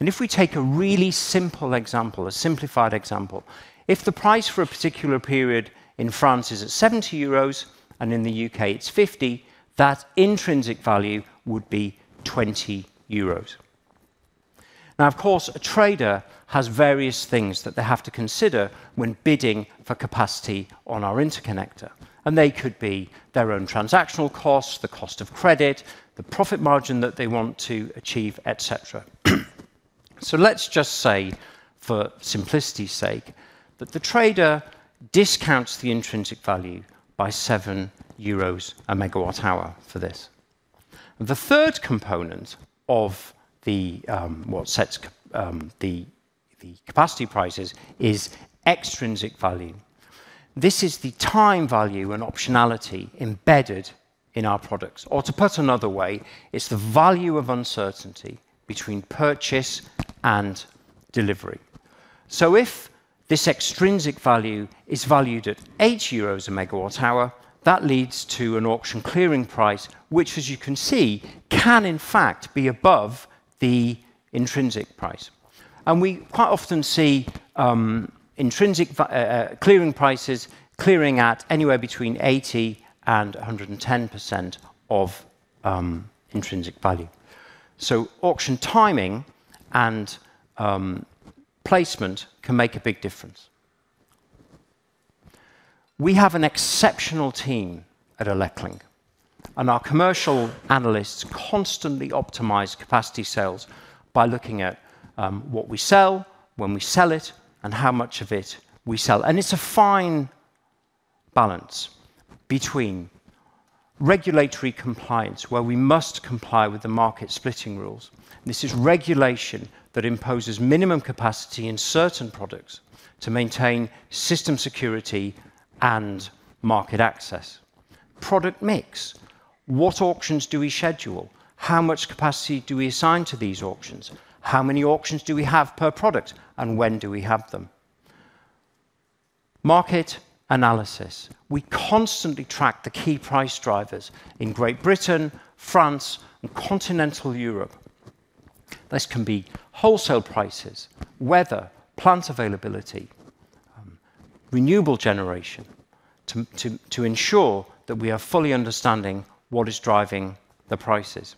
If we take a really simple example, a simplified example, if the price for a particular period in France is at 70 euros and in the U.K. it's 50, that intrinsic value would be 20 euros. Of course, a trader has various things that they have to consider when bidding for capacity on our interconnector, and they could be their own transactional costs, the cost of credit, the profit margin that they want to achieve, et cetera. Let's just say, for simplicity's sake, that the trader discounts the intrinsic value by 7 euros a megawatt hour for this. The third component of what sets capacity prices is extrinsic value. This is the time value and optionality embedded in our products, or to put another way, it's the value of uncertainty between purchase and delivery. If this extrinsic value is valued at 8 euros a megawatt hour, that leads to an auction clearing price, which, as you can see, can in fact be above the intrinsic price. We quite often see intrinsic clearing prices clearing at anywhere between 80% and 110% of intrinsic value. Auction timing and placement can make a big difference. We have an exceptional team at ElecLink, and our commercial analysts constantly optimize capacity sales by looking at what we sell, when we sell it, and how much of it we sell. It's a fine balance between regulatory compliance, where we must comply with the market splitting rules. This is regulation that imposes minimum capacity in certain products to maintain system security and market access. Product mix. What auctions do we schedule? How much capacity do we assign to these auctions? How many auctions do we have per product, and when do we have them? Market analysis. We constantly track the key price drivers in Great Britain, France, and continental Europe. This can be wholesale prices, weather, plant availability, renewable generation, to ensure that we are fully understanding what is driving the prices.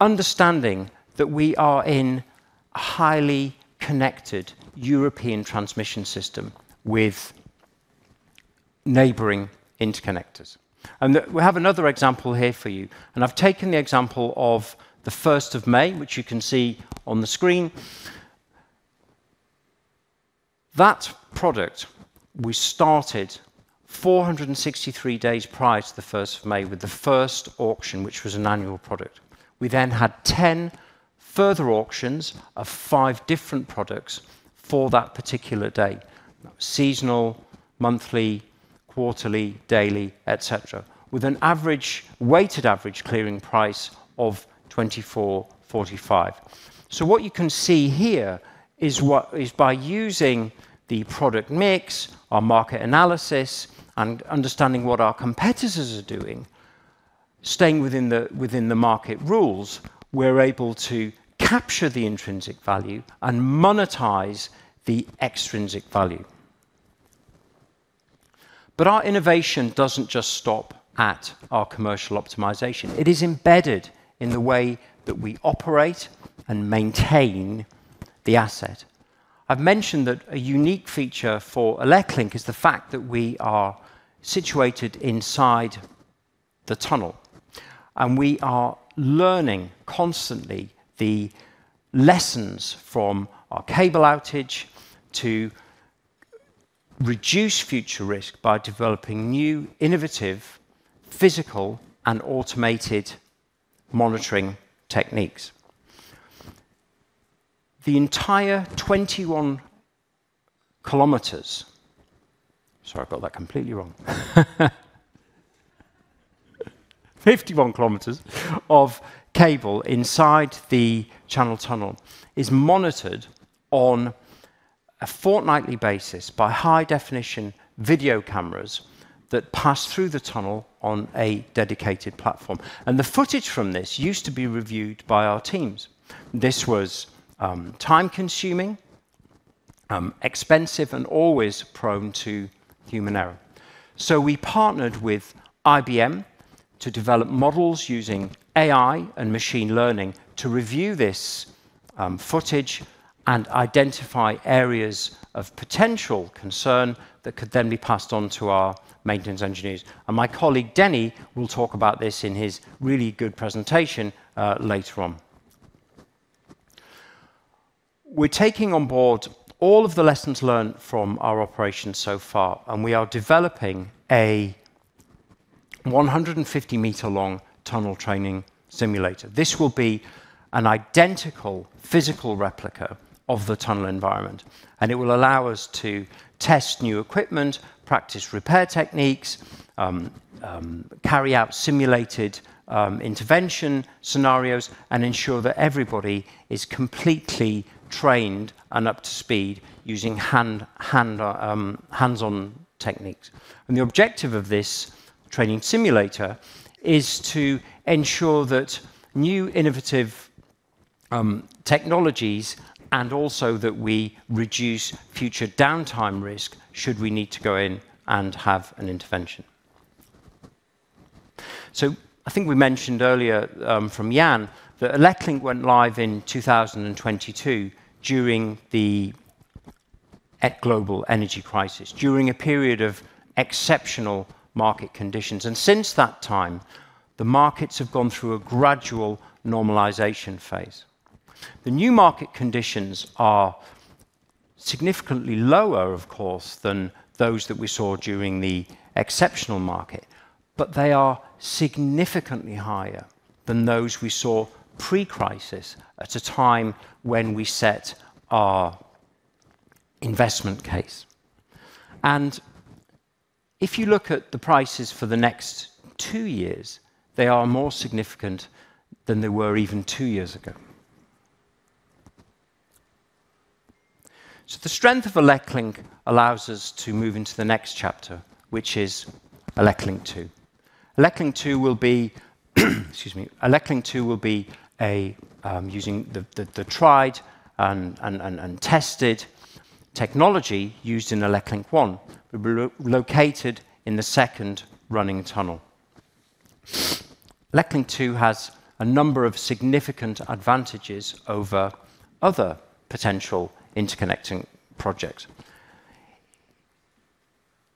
Understanding that we are in a highly connected European transmission system with neighboring interconnectors. We have another example here for you, and I've taken the example of the first of May, which you can see on the screen. That product, we started 463 days prior to the first of May with the first auction, which was an annual product. We then had 10 further auctions of 5 different products for that particular date, seasonal, monthly, quarterly, daily, et cetera, with a weighted average clearing price of 24.45. What you can see here is what, is by using the product mix, our market analysis, and understanding what our competitors are doing, staying within the market rules, we're able to capture the intrinsic value and monetize the extrinsic value. Our innovation doesn't just stop at our commercial optimization. It is embedded in the way that we operate and maintain the asset. I've mentioned that a unique feature for ElecLink is the fact that we are situated inside the tunnel, and we are learning constantly the lessons from our cable outage to reduce future risk by developing new, innovative, physical, and automated monitoring techniques. The entire 21 km. Sorry, I got that completely wrong. 51 km of cable inside the Channel Tunnel is monitored on a fortnightly basis by high-definition video cameras that pass through the tunnel on a dedicated platform, and the footage from this used to be reviewed by our teams. This was time-consuming, expensive, and always prone to human error. We partnered with IBM to develop models using AI and machine learning to review this footage and identify areas of potential concern that could then be passed on to our maintenance engineers, and my colleague, Denny, will talk about this in his really good presentation later on. We're taking on board all of the lessons learned from our operations so far, and we are developing a 150-meter-long tunnel training simulator. This will be an identical physical replica of the tunnel environment, it will allow us to test new equipment, practice repair techniques, carry out simulated intervention scenarios, and ensure that everybody is completely trained and up to speed using hands-on techniques. The objective of this training simulator is to ensure that new innovative technologies, and also that we reduce future downtime risk, should we need to go in and have an intervention. I think we mentioned earlier, from Yann, that ElecLink went live in 2022 during the global energy crisis, during a period of exceptional market conditions, since that time, the markets have gone through a gradual normalization phase. The new market conditions are significantly lower, of course, than those that we saw during the exceptional market, they are significantly higher than those we saw pre-crisis at a time when we set our investment case. If you look at the prices for the next two years, they are more significant than they were even two years ago. The strength of ElecLink allows us to move into the next chapter, which is ElecLink 2. ElecLink 2 will be, excuse me. Elecink 2 will be a using the tried and tested technology used in ElecLink 1, located in the second running tunnel. ElecLink 2 has a number of significant advantages over other potential interconnecting projects.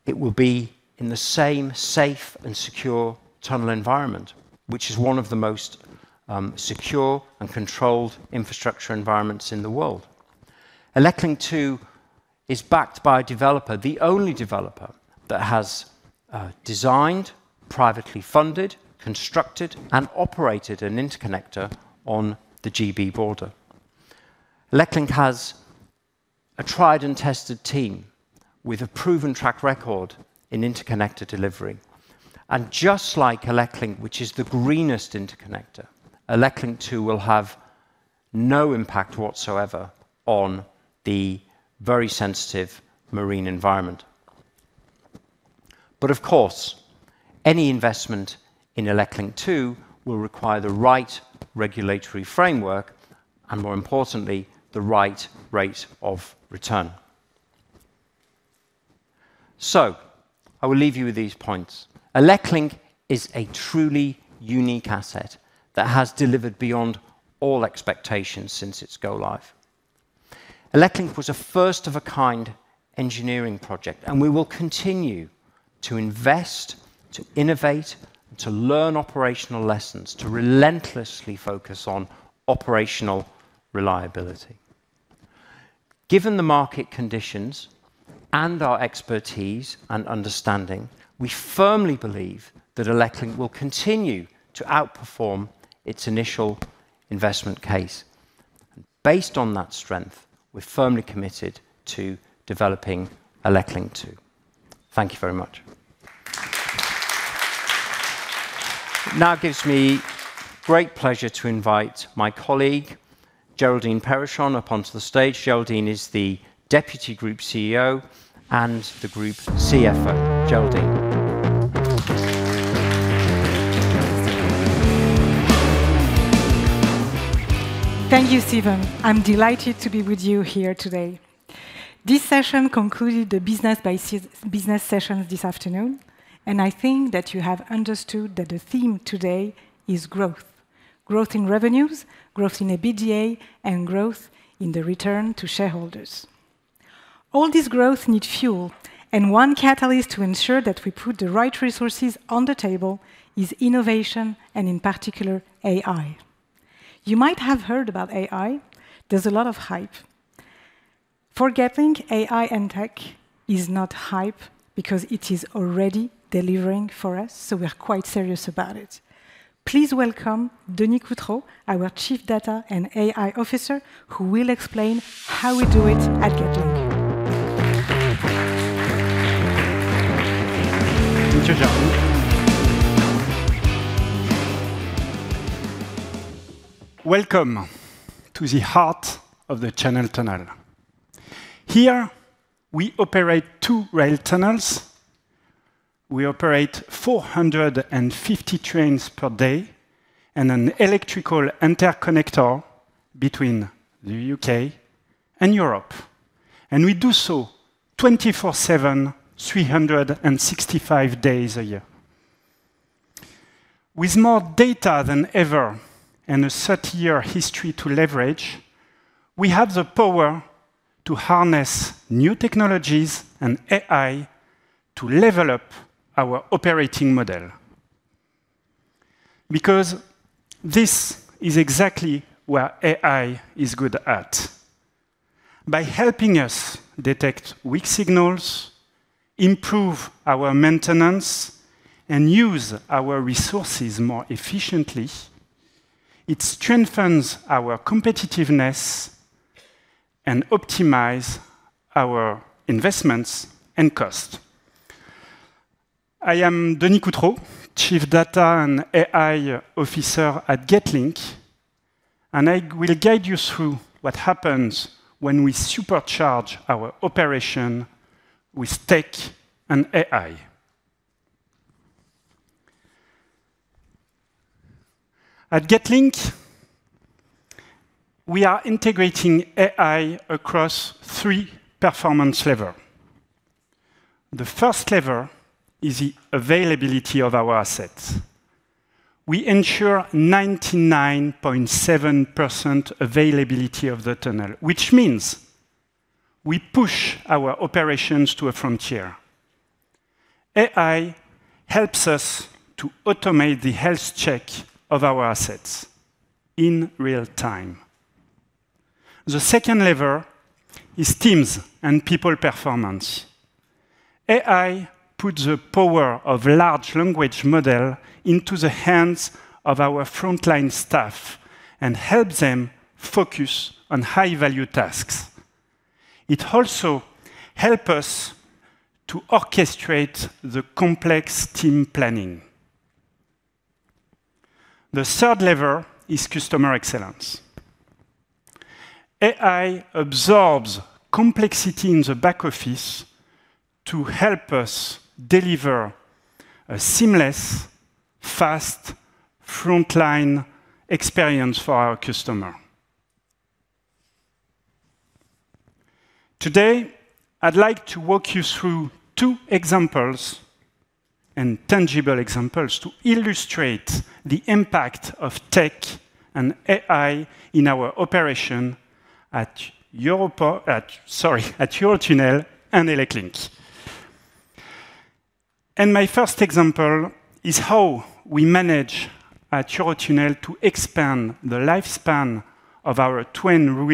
It will be in the same safe and secure tunnel environment, which is one of the most secure and controlled infrastructure environments in the world. ElecLink 2 is backed by a developer, the only developer that has designed, privately funded, constructed, and operated an interconnector on the GB border. ElecLink has a tried-and-tested team with a proven track record in interconnector delivery. Just like ElecLink, which is the greenest interconnector, ElecLink 2 will have no impact whatsoever on the very sensitive marine environment. Of course, any investment in ElecLink 2 will require the right regulatory framework and, more importantly, the right rate of return. I will leave you with these points. ElecLink is a truly unique asset that has delivered beyond all expectations since its go-live. ElecLink was a first-of-a-kind engineering project. We will continue to invest, to innovate, to learn operational lessons, to relentlessly focus on operational reliability. Given the market conditions and our expertise and understanding, we firmly believe that ElecLink will continue to outperform its initial investment case. Based on that strength, we're firmly committed to developing ElecLink 2. Thank you very much. It now gives me great pleasure to invite my colleague. Géraldine Périchon up onto the stage. Géraldine is the Deputy Group CEO and the Group CFO. Géraldine. Thank you, Steven Moore. I'm delighted to be with you here today. This session concluded the business session this afternoon, I think that you have understood that the theme today is growth. Growth in revenues, growth in EBITDA, and growth in the return to shareholders. All this growth need fuel, one catalyst to ensure that we put the right resources on the table is innovation, in particular, AI. You might have heard about AI. There's a lot of hype. For Getlink, AI and tech is not hype because it is already delivering for us, we're quite serious about it. Please welcome Denis Coutrot, our Chief Data and AI Officer, who will explain how we do it at Getlink. Thank you, Géraldine. Welcome to the heart of the Channel Tunnel. Here, we operate two rail tunnels. We operate 450 trains per day and an electrical interconnector between the U.K. and Europe. We do so 24/7, 365 days a year. With more data than ever and a 30 years history to leverage, we have the power to harness new technologies and AI to level up our operating model. This is exactly where AI is good at. By helping us detect weak signals, improve our maintenance, and use our resources more efficiently, it strengthens our competitiveness and optimize our investments and cost. I am Denis Coutrot, Chief Data and AI Officer at Getlink. I will guide you through what happens when we supercharge our operation with tech and AI. At Getlink, we are integrating AI across three performance lever. The first lever is the availability of our assets. We ensure 99.7% availability of the tunnel, which means we push our operations to a frontier. AI helps us to automate the health check of our assets in real time. The second lever is teams and people performance. AI put the power of large language model into the hands of our frontline staff and help them focus on high-value tasks. It also help us to orchestrate the complex team planning. The third lever is customer excellence. AI absorbs complexity in the back office to help us deliver a seamless, fast frontline experience for our customer. Today, I'd like to walk you through two examples, and tangible examples, to illustrate the impact of tech and AI in our operation at Eurotunnel and ElecLink. My first example is how we manage at Eurotunnel to expand the lifespan of our train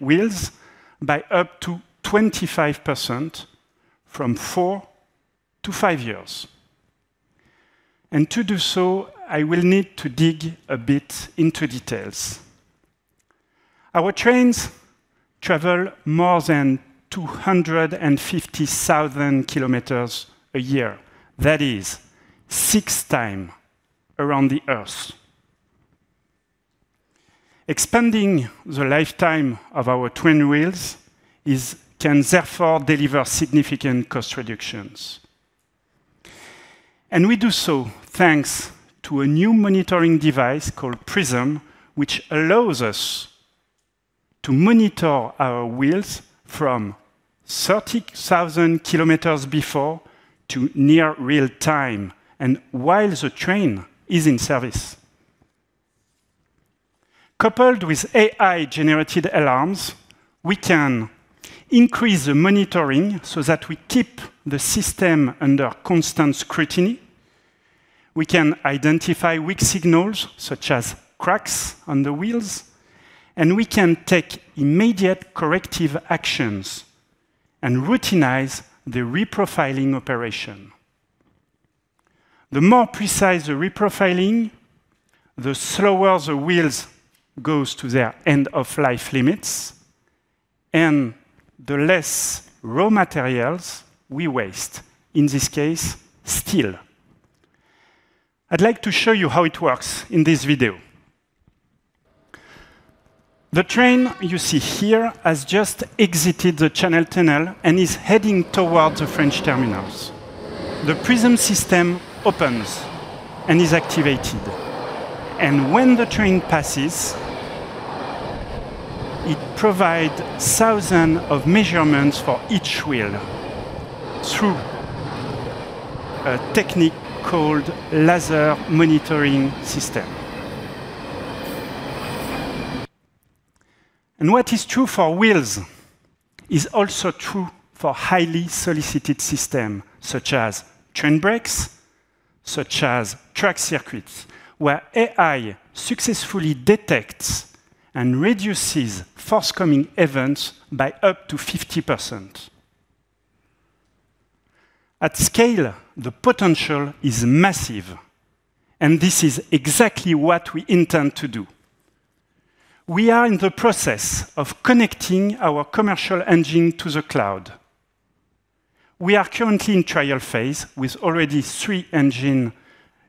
wheels by up to 25% from four to five years. To do so, I will need to dig a bit into details. Our trains travel more than 250,000 km a year. That is six time around the Earth. Expanding the lifetime of our twin wheels can therefore deliver significant cost reductions. We do so thanks to a new monitoring device called Prism, which allows us to monitor our wheels from 30,000 km before to near real time, and while the train is in service. Coupled with AI-generated alarms, we can increase the monitoring so that we keep the system under constant scrutiny, we can identify weak signals, such as cracks on the wheels, and we can take immediate corrective actions and routinize the reprofiling operation. The more precise the reprofiling, the slower the wheels goes to their end of life limits and the less raw materials we waste, in this case, steel. I'd like to show you how it works in this video. The train you see here has just exited the Channel Tunnel and is heading towards the French terminals. The Prism system opens and is activated, and when the train passes, it provide thousands of measurements for each wheel through a technique called laser monitoring system. What is true for wheels is also true for highly solicited system, such as train brakes, such as track circuits, where AI successfully detects and reduces forthcoming events by up to 50%. At scale, the potential is massive, and this is exactly what we intend to do. We are in the process of connecting our commercial engine to the cloud. We are currently in trial phase with already three engine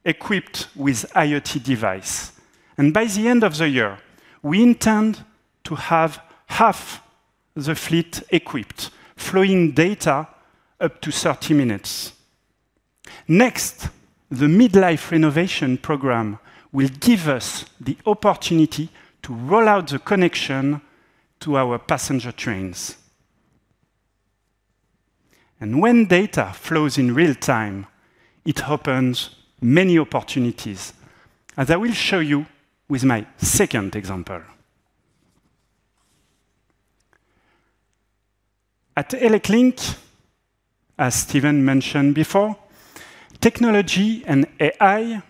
equipped with IoT device, and by the end of the year, we intend to have half the fleet equipped, flowing data up to 30 minutes. The mid-life renovation program will give us the opportunity to roll out the connection to our passenger trains. When data flows in real time, it opens many opportunities, as I will show you with my second example. At ElecLink, as Steven mentioned before, technology and AI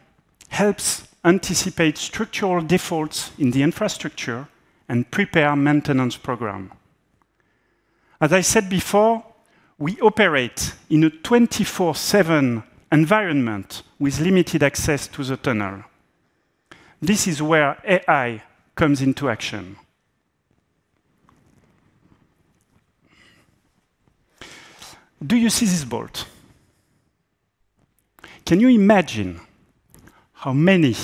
helps anticipate structural defaults in the infrastructure and prepare maintenance program. As I said before, we operate in a 24/7 environment with limited access to the tunnel. This is where AI comes into action. Do you see this bolt? Can you imagine how many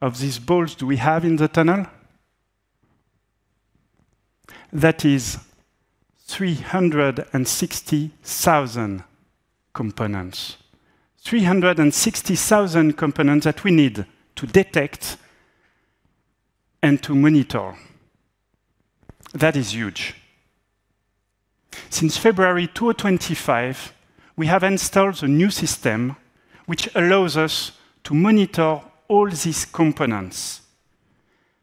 of these bolts do we have in the tunnel? That is 360,000 components. 360,000 components that we need to detect and to monitor. That is huge. Since February 2025, we have installed a new system which allows us to monitor all these components,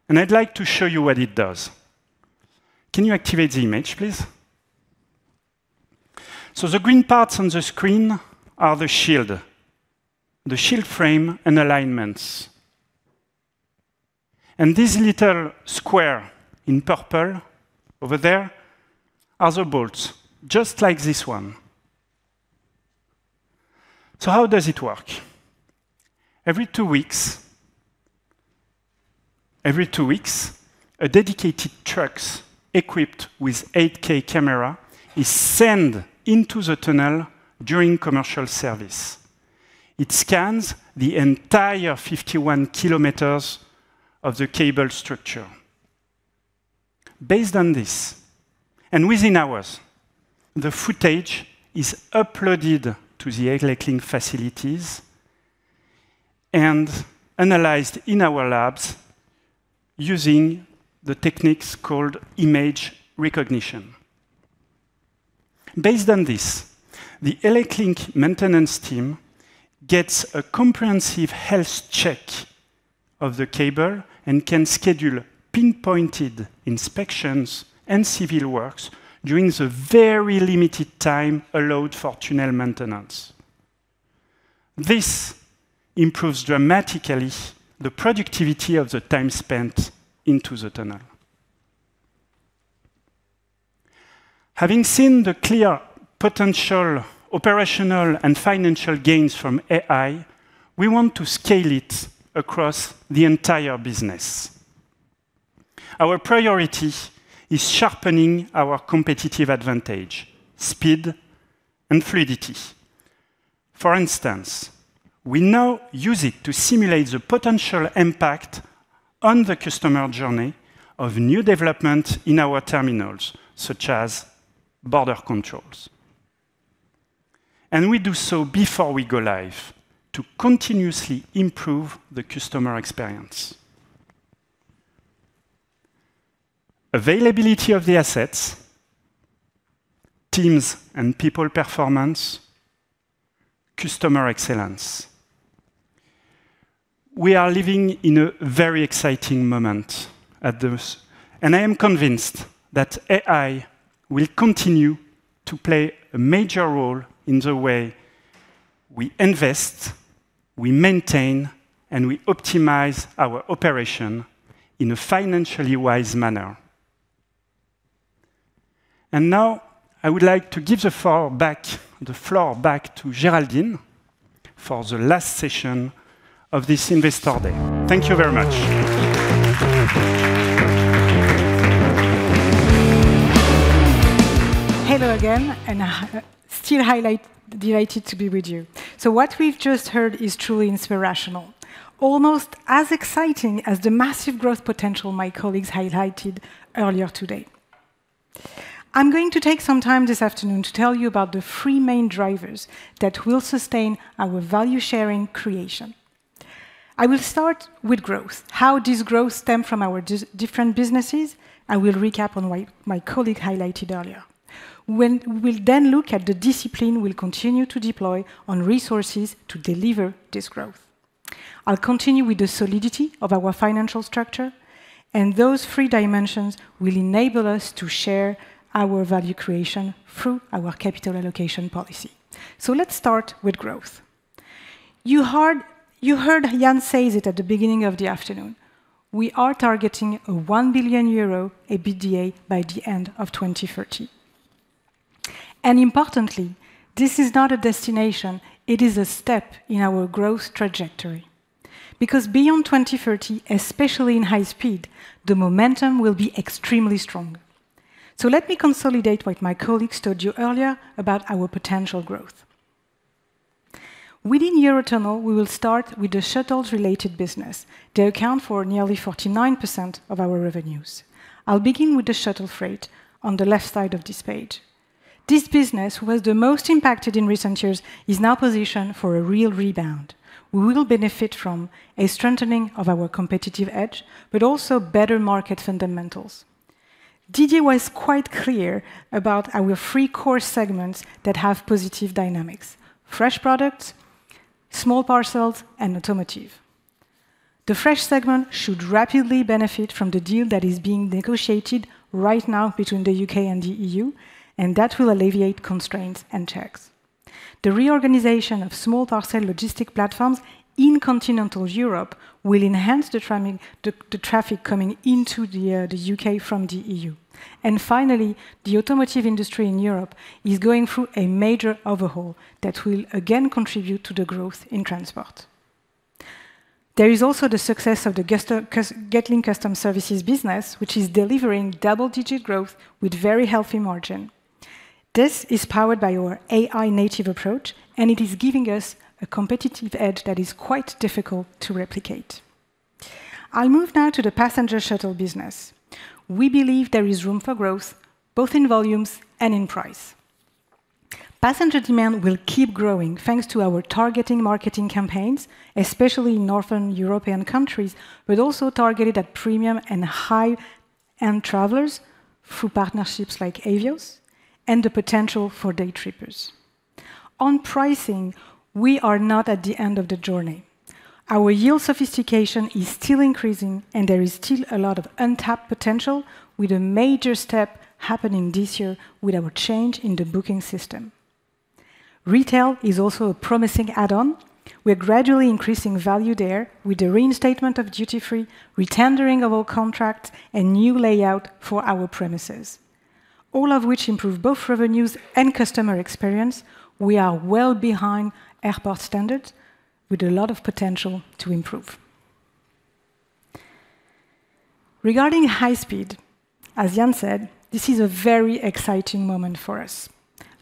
and I'd like to show you what it does. Can you activate the image, please? The green parts on the screen are the Shield, the Shield frame and alignments. This little square in purple over there, are the bolts, just like this one. How does it work? Every two weeks, a dedicated trucks equipped with 8K camera is sent into the tunnel during commercial service. It scans the entire 51 km of the cable structure. Based on this, and within hours, the footage is uploaded to the ElecLink facilities and analyzed in our labs using the techniques called image recognition. Based on this, the ElecLink maintenance team gets a comprehensive health check of the cable and can schedule pinpointed inspections and civil works during the very limited time allowed for tunnel maintenance. This improves dramatically the productivity of the time spent into the tunnel. Having seen the clear potential operational and financial gains from AI, we want to scale it across the entire business. Our priority is sharpening our competitive advantage, speed, and fluidity. For instance, we now use it to simulate the potential impact on the customer journey of new development in our terminals, such as border controls. We do so before we go live to continuously improve the customer experience. Availability of the assets, teams and people performance, customer excellence. We are living in a very exciting moment at this, and I am convinced that AI will continue to play a major role in the way we invest, we maintain, and we optimize our operation in a financially wise manner. Now, I would like to give the floor back to Géraldine for the last session of this Investor Day. Thank you very much. Hello again, and I, still delighted to be with you. What we've just heard is truly inspirational, almost as exciting as the massive growth potential my colleagues highlighted earlier today. I'm going to take some time this afternoon to tell you about the three main drivers that will sustain our value-sharing creation. I will start with growth, how this growth stem from our different businesses, and we'll recap on what my colleague highlighted earlier. We'll then look at the discipline we'll continue to deploy on resources to deliver this growth. I'll continue with the solidity of our financial structure. Those three dimensions will enable us to share our value creation through our capital allocation policy. Let's start with growth. You heard Yann says it at the beginning of the afternoon, we are targeting a 1 billion euro EBITDA by the end of 2030. Importantly, this is not a destination, it is a step in our growth trajectory. Beyond 2030, especially in high speed, the momentum will be extremely strong. Let me consolidate what my colleagues told you earlier about our potential growth. Within Eurotunnel, we will start with the shuttles-related business. They account for nearly 49% of our revenues. I'll begin with the shuttle freight on the left side of this page. This business, was the most impacted in recent years, is now positioned for a real rebound. We will benefit from a strengthening of our competitive edge, also better market fundamentals. Didier was quite clear about our 3 core segments that have positive dynamics: fresh products, small parcels, and automotive. The fresh segment should rapidly benefit from the deal that is being negotiated right now between the U.K. and the EU, that will alleviate constraints and checks. The reorganization of small parcel logistic platforms in continental Europe will enhance the tramming, the traffic coming into the U.K. from the EU. Finally, the automotive industry in Europe is going through a major overhaul that will again contribute to the growth in transport. There is also the success of the Getlink Customs Services business, which is delivering double-digit growth with very healthy margin. This is powered by our AI-native approach, it is giving us a competitive edge that is quite difficult to replicate. I'll move now to the passenger shuttle business. We believe there is room for growth, both in volumes and in price. Passenger demand will keep growing, thanks to our targeting marketing campaigns, especially in Northern European countries, but also targeted at premium and high-end travelers through partnerships like Avios and the potential for day trippers. On pricing, we are not at the end of the journey. Our yield sophistication is still increasing. There is still a lot of untapped potential with a major step happening this year with our change in the booking system. Retail is also a promising add-on. We are gradually increasing value there with the reinstatement of duty-free, retendering of our contract, and new layout for our premises, all of which improve both revenues and customer experience. We are well behind airport standards with a lot of potential to improve. Regarding high speed, as Yann said, this is a very exciting moment for us.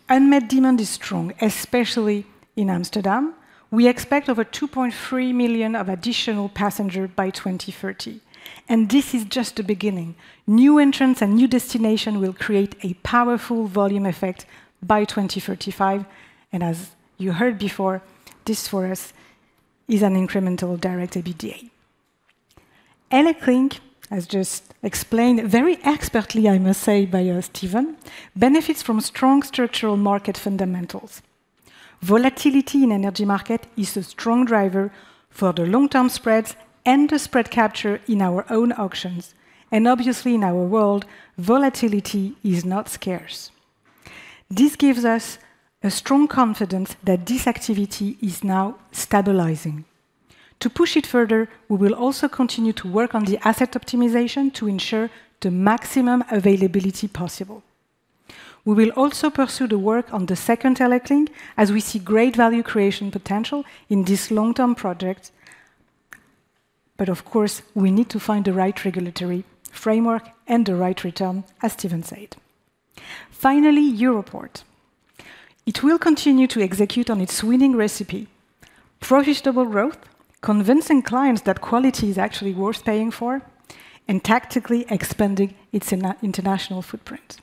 Unmet demand is strong, especially in Amsterdam. We expect over 2.3 million of additional passenger by 2030. This is just the beginning. New entrants and new destination will create a powerful volume effect by 2035. As you heard before, this, for us, is an incremental direct EBITDA. ElecLink, as just explained, very expertly, I must say, by Steven, benefits from strong structural market fundamentals. Volatility in energy market is a strong driver for the long-term spreads and the spread capture in our own auctions. Obviously in our world, volatility is not scarce. This gives us a strong confidence that this activity is now stabilizing. To push it further, we will also continue to work on the asset optimization to ensure the maximum availability possible. We will also pursue the work on the second ElecLink, as we see great value creation potential in this long-term project. Of course, we need to find the right regulatory framework and the right return, as Steven said. Finally, Europorte. It will continue to execute on its winning recipe: profitable growth, convincing clients that quality is actually worth paying for, and tactically expanding its international footprint.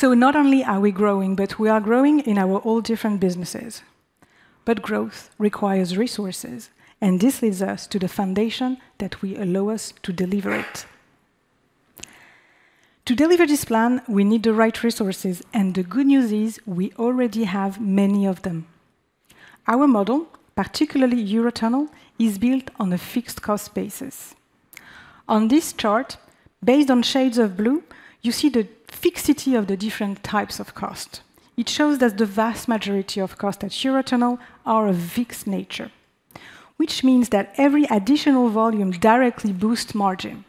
Not only are we growing, but we are growing in our all different businesses. Growth requires resources, and this leads us to the foundation that we allow us to deliver it. To deliver this plan, we need the right resources, and the good news is we already have many of them. Our model, particularly Eurotunnel, is built on a fixed cost basis. On this chart, based on shades of blue, you see the fixity of the different types of cost. It shows that the vast majority of costs at Eurotunnel are of fixed nature, which means that every additional volume directly boost margin.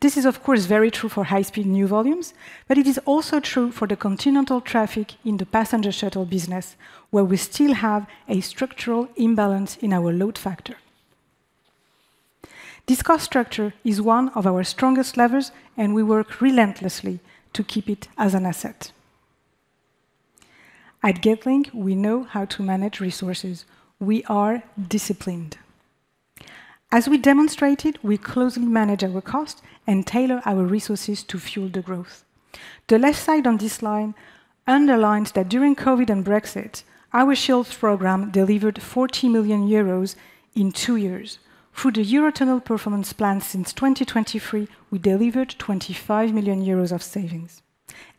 This is, of course, very true for high-speed new volumes, it is also true for the continental traffic in the passenger shuttle business, where we still have a structural imbalance in our load factor. This cost structure is one of our strongest levers, we work relentlessly to keep it as an asset. At Getlink, we know how to manage resources. We are disciplined. As we demonstrated, we closely manage our cost and tailor our resources to fuel the growth. The left side on this slide underlines that during COVID and Brexit, our Shields program delivered 40 million euros in two years. Through the Eurotunnel performance plan since 2023, we delivered 25 million euros of savings.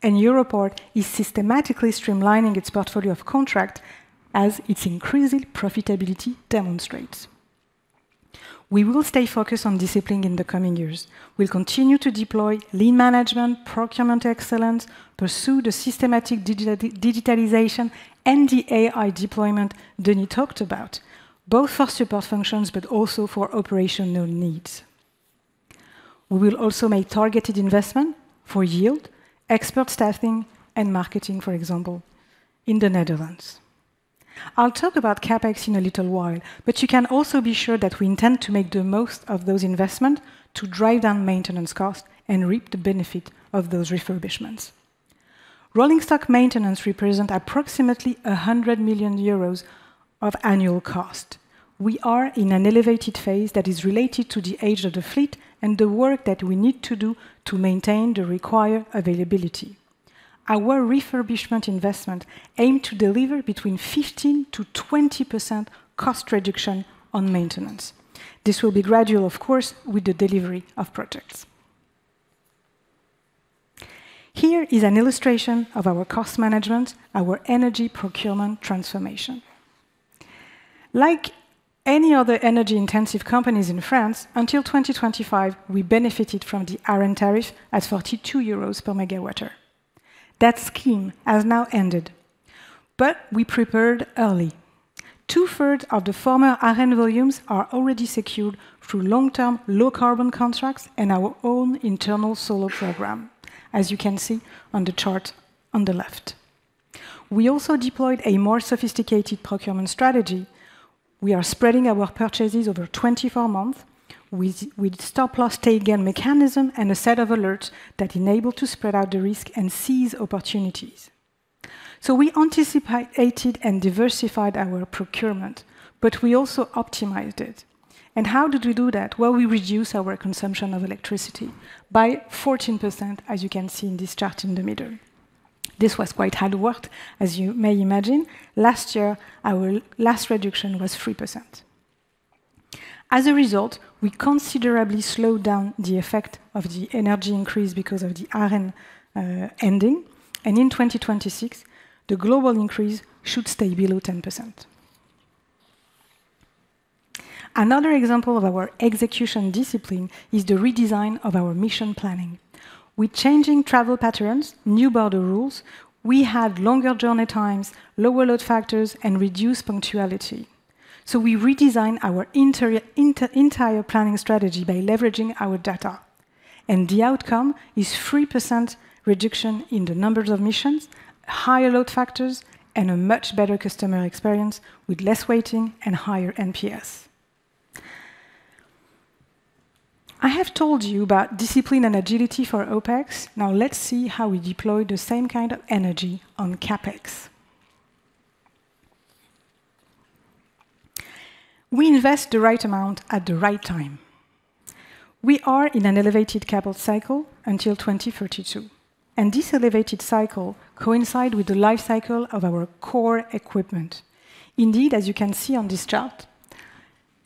Europorte is systematically streamlining its portfolio of contract as its increasing profitability demonstrates. We will stay focused on discipline in the coming years. We'll continue to deploy lean management, procurement excellence, pursue the systematic digitalization, and the AI deployment Denis talked about, both for support functions but also for operational needs. We will also make targeted investment for yield, expert staffing, and marketing, for example, in the Netherlands. I'll talk about CapEx in a little while, but you can also be sure that we intend to make the most of those investment to drive down maintenance costs and reap the benefit of those refurbishments. Rolling stock maintenance represent approximately 100 million euros of annual cost. We are in an elevated phase that is related to the age of the fleet and the work that we need to do to maintain the required availability. Our refurbishment investment aim to deliver between 15%-20% cost reduction on maintenance. This will be gradual, of course, with the delivery of projects. Here is an illustration of our cost management, our energy procurement transformation. Like any other energy-intensive companies in France, until 2025, we benefited from the ARENH tariff at 42 euros per megawatt hour. That scheme has now ended. We prepared early. Two-thirds of the former ARENH volumes are already secured through long-term, low-carbon contracts and our own internal solar program, as you can see on the chart on the left. We also deployed a more sophisticated procurement strategy. We are spreading our purchases over 24 months with stop-loss, take-again mechanism and a set of alerts that enable to spread out the risk and seize opportunities. We anticipated and diversified our procurement, but we also optimized it. How did we do that? Well, we reduced our consumption of electricity by 14%, as you can see in this chart in the middle. This was quite hard work, as you may imagine. Last year, our last reduction was 3%. As a result, we considerably slowed down the effect of the energy increase because of the ARENH ending, and in 2026, the global increase should stay below 10%. Another example of our execution discipline is the redesign of our mission planning. With changing travel patterns, new border rules, we have longer journey times, lower load factors, and reduced punctuality. We redesigned our interio... entire planning strategy by leveraging our data, The outcome is 3% reduction in the numbers of missions, higher load factors, and a much better customer experience with less waiting and higher NPS. I have told you about discipline and agility for OpEx. Let's see how we deploy the same kind of energy on CapEx. We invest the right amount at the right time. We are in an elevated capital cycle until 2032, This elevated cycle coincide with the life cycle of our core equipment. Indeed, as you can see on this chart,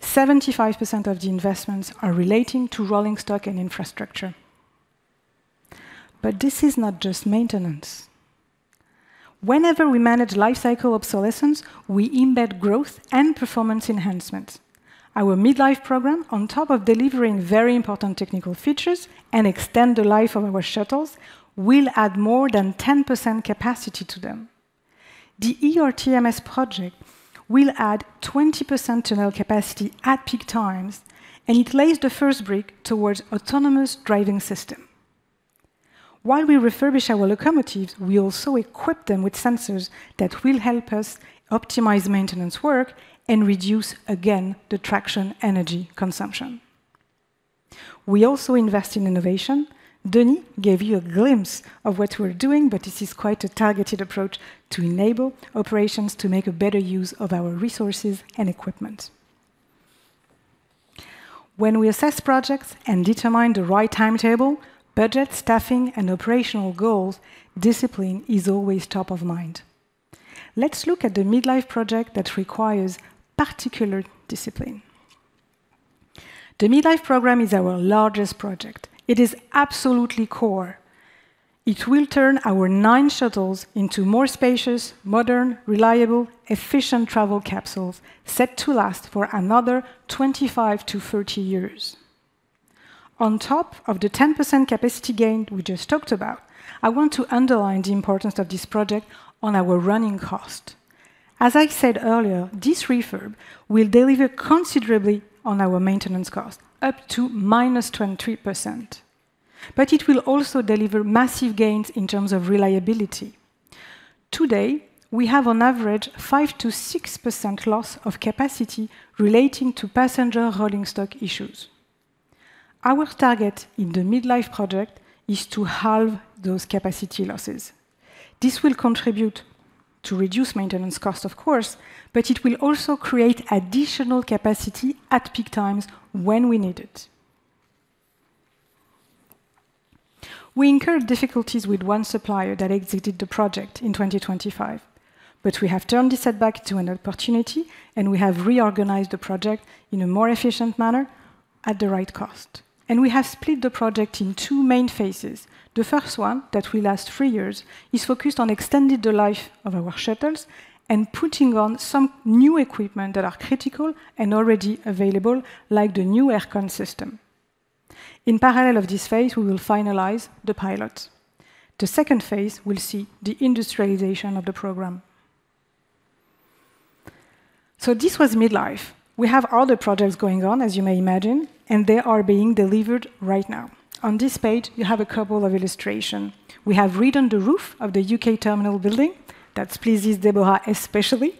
75% of the investments are relating to rolling stock and infrastructure. This is not just maintenance. Whenever we manage life cycle obsolescence, we embed growth and performance enhancement. Our Mid-life Program, on top of delivering very important technical features and extend the life of our shuttles, will add more than 10% capacity to them. The ERTMS project will add 20% tunnel capacity at peak times. It lays the first brick towards autonomous driving system. While we refurbish our locomotives, we also equip them with sensors that will help us optimize maintenance work and reduce, again, the traction energy consumption. We also invest in innovation. Denis gave you a glimpse of what we're doing. This is quite a targeted approach to enable operations to make a better use of our resources and equipment. When we assess projects and determine the right timetable, budget, staffing, and operational goals, discipline is always top of mind. Let's look at the Mid-life Project that requires particular discipline. The Mid-life Program is our largest project. It is absolutely core. It will turn our nine shuttles into more spacious, modern, reliable, efficient travel capsules, set to last for another 25-30 years. On top of the 10% capacity gain we just talked about, I want to underline the importance of this project on our running cost. As I said earlier, this refurb will deliver considerably on our maintenance cost, up to -23%. It will also deliver massive gains in terms of reliability. Today, we have on average, 5%-6% loss of capacity relating to passenger rolling stock issues. Our target in the mid-life project is to halve those capacity losses. This will contribute to reduce maintenance costs, of course. It will also create additional capacity at peak times when we need it. We incurred difficulties with one supplier that exited the project in 2025. We have turned this setback into an opportunity, and we have reorganized the project in a more efficient manner at the right cost. We have split the project in two main phases. The first one, that will last 3 years, is focused on extending the life of our shuttles and putting on some new equipment that are critical and already available, like the new air con system. In parallel of this phase, we will finalize the pilot. The second phase will see the industrialization of the program. This was Midlife. We have other projects going on, as you may imagine, and they are being delivered right now. On this page, you have a couple of illustration. We have redone the roof of the U.K. terminal building. That pleases Deborah especially.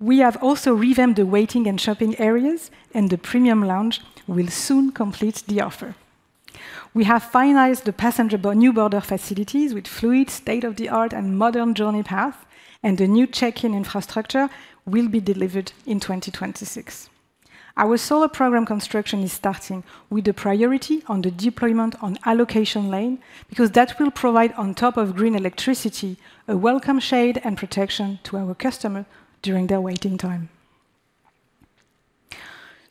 We have also revamped the waiting and shopping areas. The premium lounge will soon complete the offer. We have finalized the new border facilities with fluid, state-of-the-art, and modern journey path, and the new check-in infrastructure will be delivered in 2026. Our solar program construction is starting, with the priority on the deployment on allocation lane, because that will provide, on top of green electricity, a welcome shade and protection to our customer during their waiting time.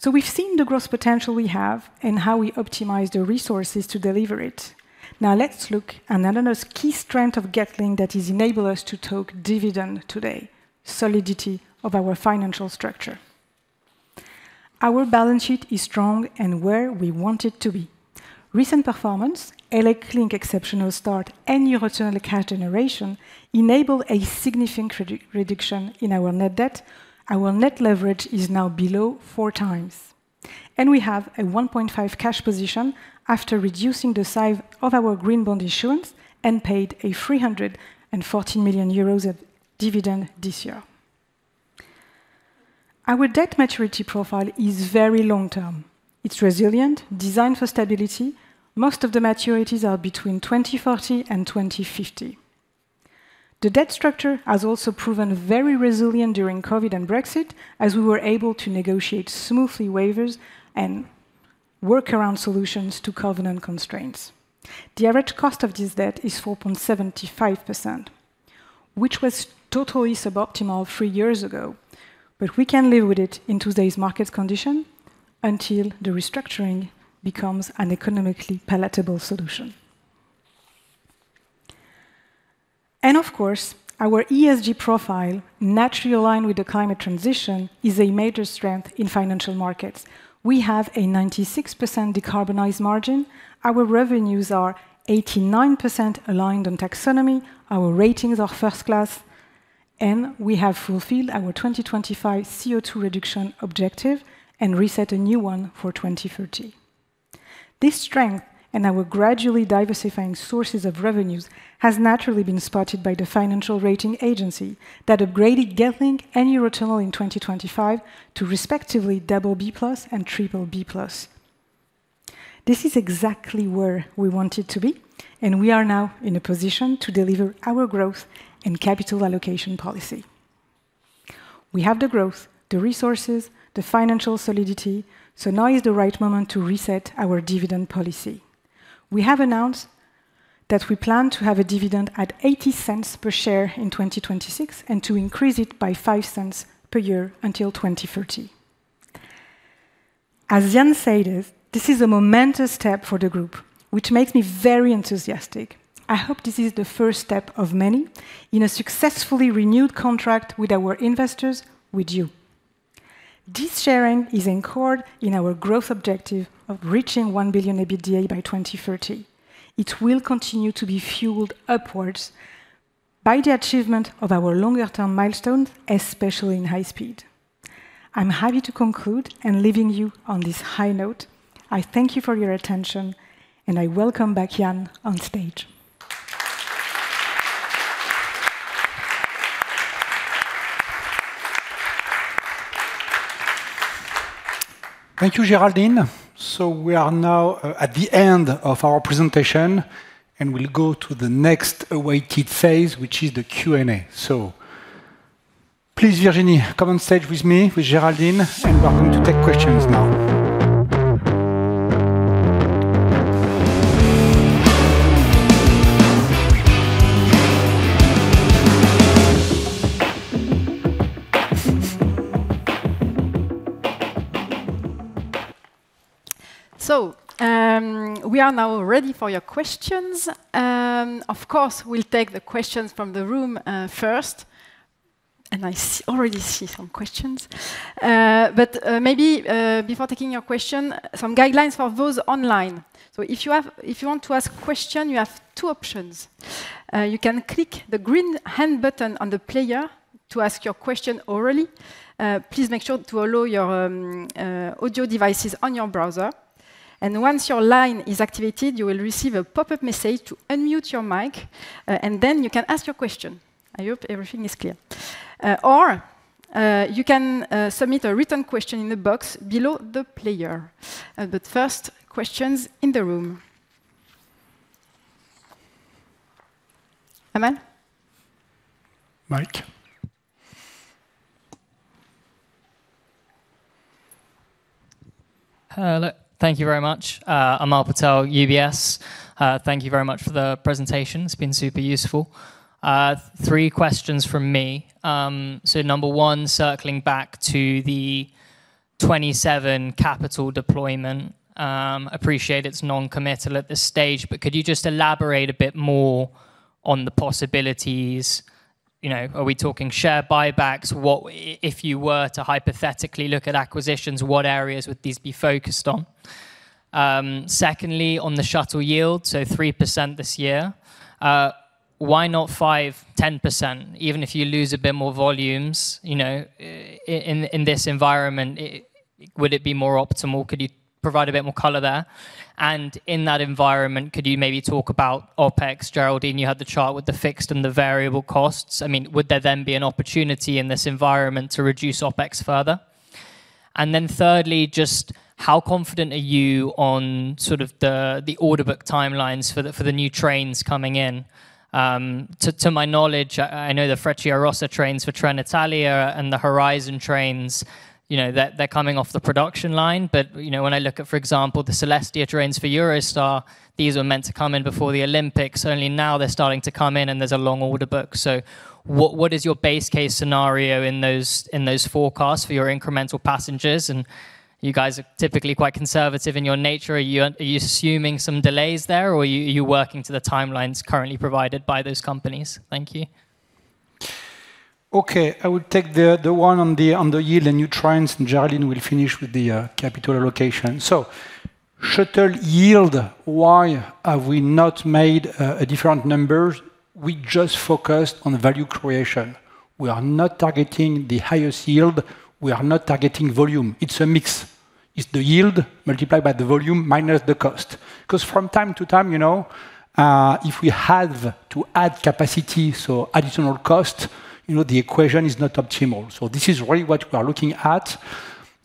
We've seen the growth potential we have and how we optimize the resources to deliver it. Now, let's look another key strength of Getlink that has enabled us to take dividend today: solidity of our financial structure. Our balance sheet is strong and where we want it to be. Recent performance, ElecLink exceptional start, and Eurotunnel cash generation enabled a significant reduction in our net debt. Our net leverage is now below 4x, and we have a 1.5 cash position after reducing the size of our green bond issuance and paid 314 million euros of dividend this year. Our debt maturity profile is very long term. It's resilient, designed for stability. Most of the maturities are between 2040 and 2050. The debt structure has also proven very resilient during COVID and Brexit, as we were able to negotiate smoothly waivers and workaround solutions to covenant constraints. The average cost of this debt is 4.75%, which was totally suboptimal three years ago, but we can live with it in today's market condition until the restructuring becomes an economically palatable solution. Of course, our ESG profile, naturally aligned with the climate transition, is a major strength in financial markets. We have a 96% decarbonized margin. Our revenues are 89% aligned on taxonomy, our ratings are first class. We have fulfilled our 2025 CO2 reduction objective and reset a new one for 2030. This strength, our gradually diversifying sources of revenues, has naturally been spotted by the financial rating agency that upgraded Getlink and Eurotunnel in 2025 to respectively BB+ and BBB+. This is exactly where we wanted to be. We are now in a position to deliver our growth and capital allocation policy. We have the growth, the resources, the financial solidity. Now is the right moment to reset our dividend policy. We have announced that we plan to have a dividend at 0.80 per share in 2026, to increase it by 0.05 per year until 2030. As Yann said, this is a momentous step for the group, which makes me very enthusiastic. I hope this is the first step of many in a successfully renewed contract with our investors, with you. This sharing is in accord in our growth objective of reaching 1 billion EBITDA by 2030. It will continue to be fueled upwards by the achievement of our longer term milestones, especially in high speed. I'm happy to conclude, leaving you on this high note. I thank you for your attention, I welcome back Yann on stage. Thank you, Géraldine. We are now, at the end of our presentation, and we'll go to the next awaited phase, which is the Q&A. Please, Virginie, come on stage with me, with Géraldine, and we are going to take questions now. We are now ready for your questions. Of course, we'll take the questions from the room first, and I already see some questions. Maybe, before taking your question, some guidelines for those online. If you want to ask a question, you have two options. You can click the green hand button on the player to ask your question orally, please make sure to allow your audio devices on your browser. Once your line is activated, you will receive a pop-up message to unmute your mic, and then you can ask your question. I hope everything is clear. You can submit a written question in the box below the player. First, questions in the room. Amal? Mike. Hello. Thank you very much. Amal Patel, UBS. Thank you very much for the presentation. It's been super useful. Three questions from me. Number one, circling back to the 2027 capital deployment, appreciate it's non-committal at this stage, but could you just elaborate a bit more on the possibilities? You know, are we talking share buybacks? If you were to hypothetically look at acquisitions, what areas would these be focused on? Secondly, on the shuttle yield, 3% this year. Why not 5%, 10%, even if you lose a bit more volumes, you know, in this environment, would it be more optimal? Could you provide a bit more color there? In that environment, could you maybe talk about OpEx, Géraldine? You had the chart with the fixed and the variable costs. I mean, would there then be an opportunity in this environment to reduce OpEx further? Thirdly, just how confident are you on sort of the order book timelines for the new trains coming in? To my knowledge, I know the Frecciarossa trains for Trenitalia and the Horizon trains, you know, they're coming off the production line. When I look at, for example, the Avelia Horizon trains for Eurostar, these were meant to come in before the Olympics, and only now they're starting to come in, and there's a long order book. What is your base case scenario in those forecasts for your incremental passengers? You guys are typically quite conservative in your nature. Are you assuming some delays there, or are you working to the timelines currently provided by those companies? Thank you. Okay, I will take the one on the yield and new trains, and Géraldine will finish with the capital allocation. Shuttle yield, why have we not made a different number? We just focused on value creation. We are not targeting the highest yield. We are not targeting volume. It's a mix. It's the yield multiplied by the volume minus the cost. 'Cause from time to time, you know, if we have to add capacity, so additional cost, you know, the equation is not optimal. This is really what we are looking at.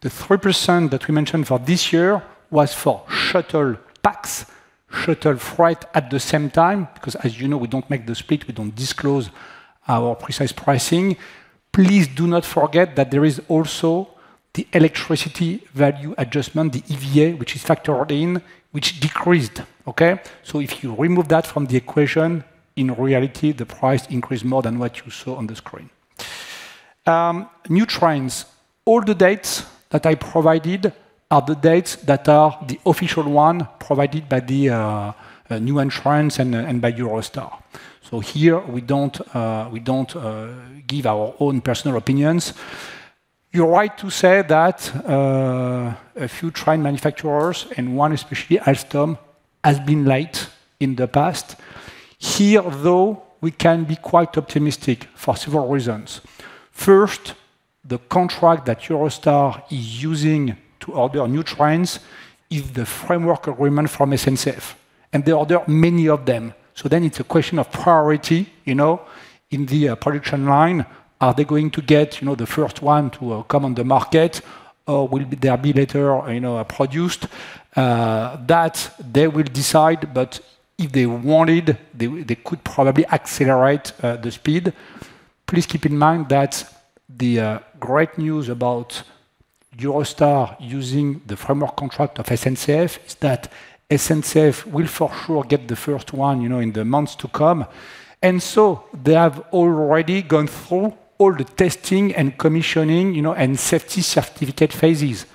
The 3% that we mentioned for this year was for LeShuttle Pax, LeShuttle Freight at the same time, because, as you know, we don't make the split, we don't disclose our precise pricing. Please do not forget that there is also the electricity value adjustment, the EVA, which is factored in, which decreased, okay? If you remove that from the equation, in reality, the price increased more than what you saw on the screen. New trains. All the dates that I provided are the dates that are the official one provided by the new entrance and by Eurostar. Here, we don't give our own personal opinions. You're right to say that a few train manufacturers, and one especially, Alstom, has been late in the past. Here, though, we can be quite optimistic for several reasons. First, the contract that Eurostar is using to order new trains is the framework agreement from SNCF, and they order many of them. It's a question of priority, you know, in the production line. Are they going to get, you know, the first one to come on the market, or will they be later, you know, produced? That they will decide, but if they wanted, they could probably accelerate the speed. Please keep in mind that the great news about Eurostar using the framework contract of SNCF is that SNCF will for sure get the first one, you know, in the months to come. They have already gone through all the testing and commissioning, you know, and safety certificate phases.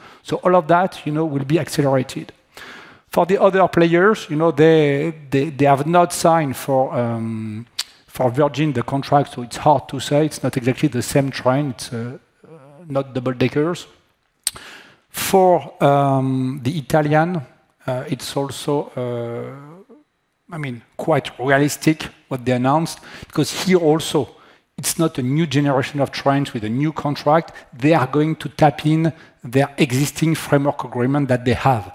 All of that, you know, will be accelerated. For the other players, you know, they have not signed for Virgin, the contract, so it's hard to say. It's not exactly the same train. It's not double deckers. The Italian, I mean, quite realistic what they announced, because here also, it's not a new generation of trains with a new contract. They are going to tap in their existing framework agreement that they have.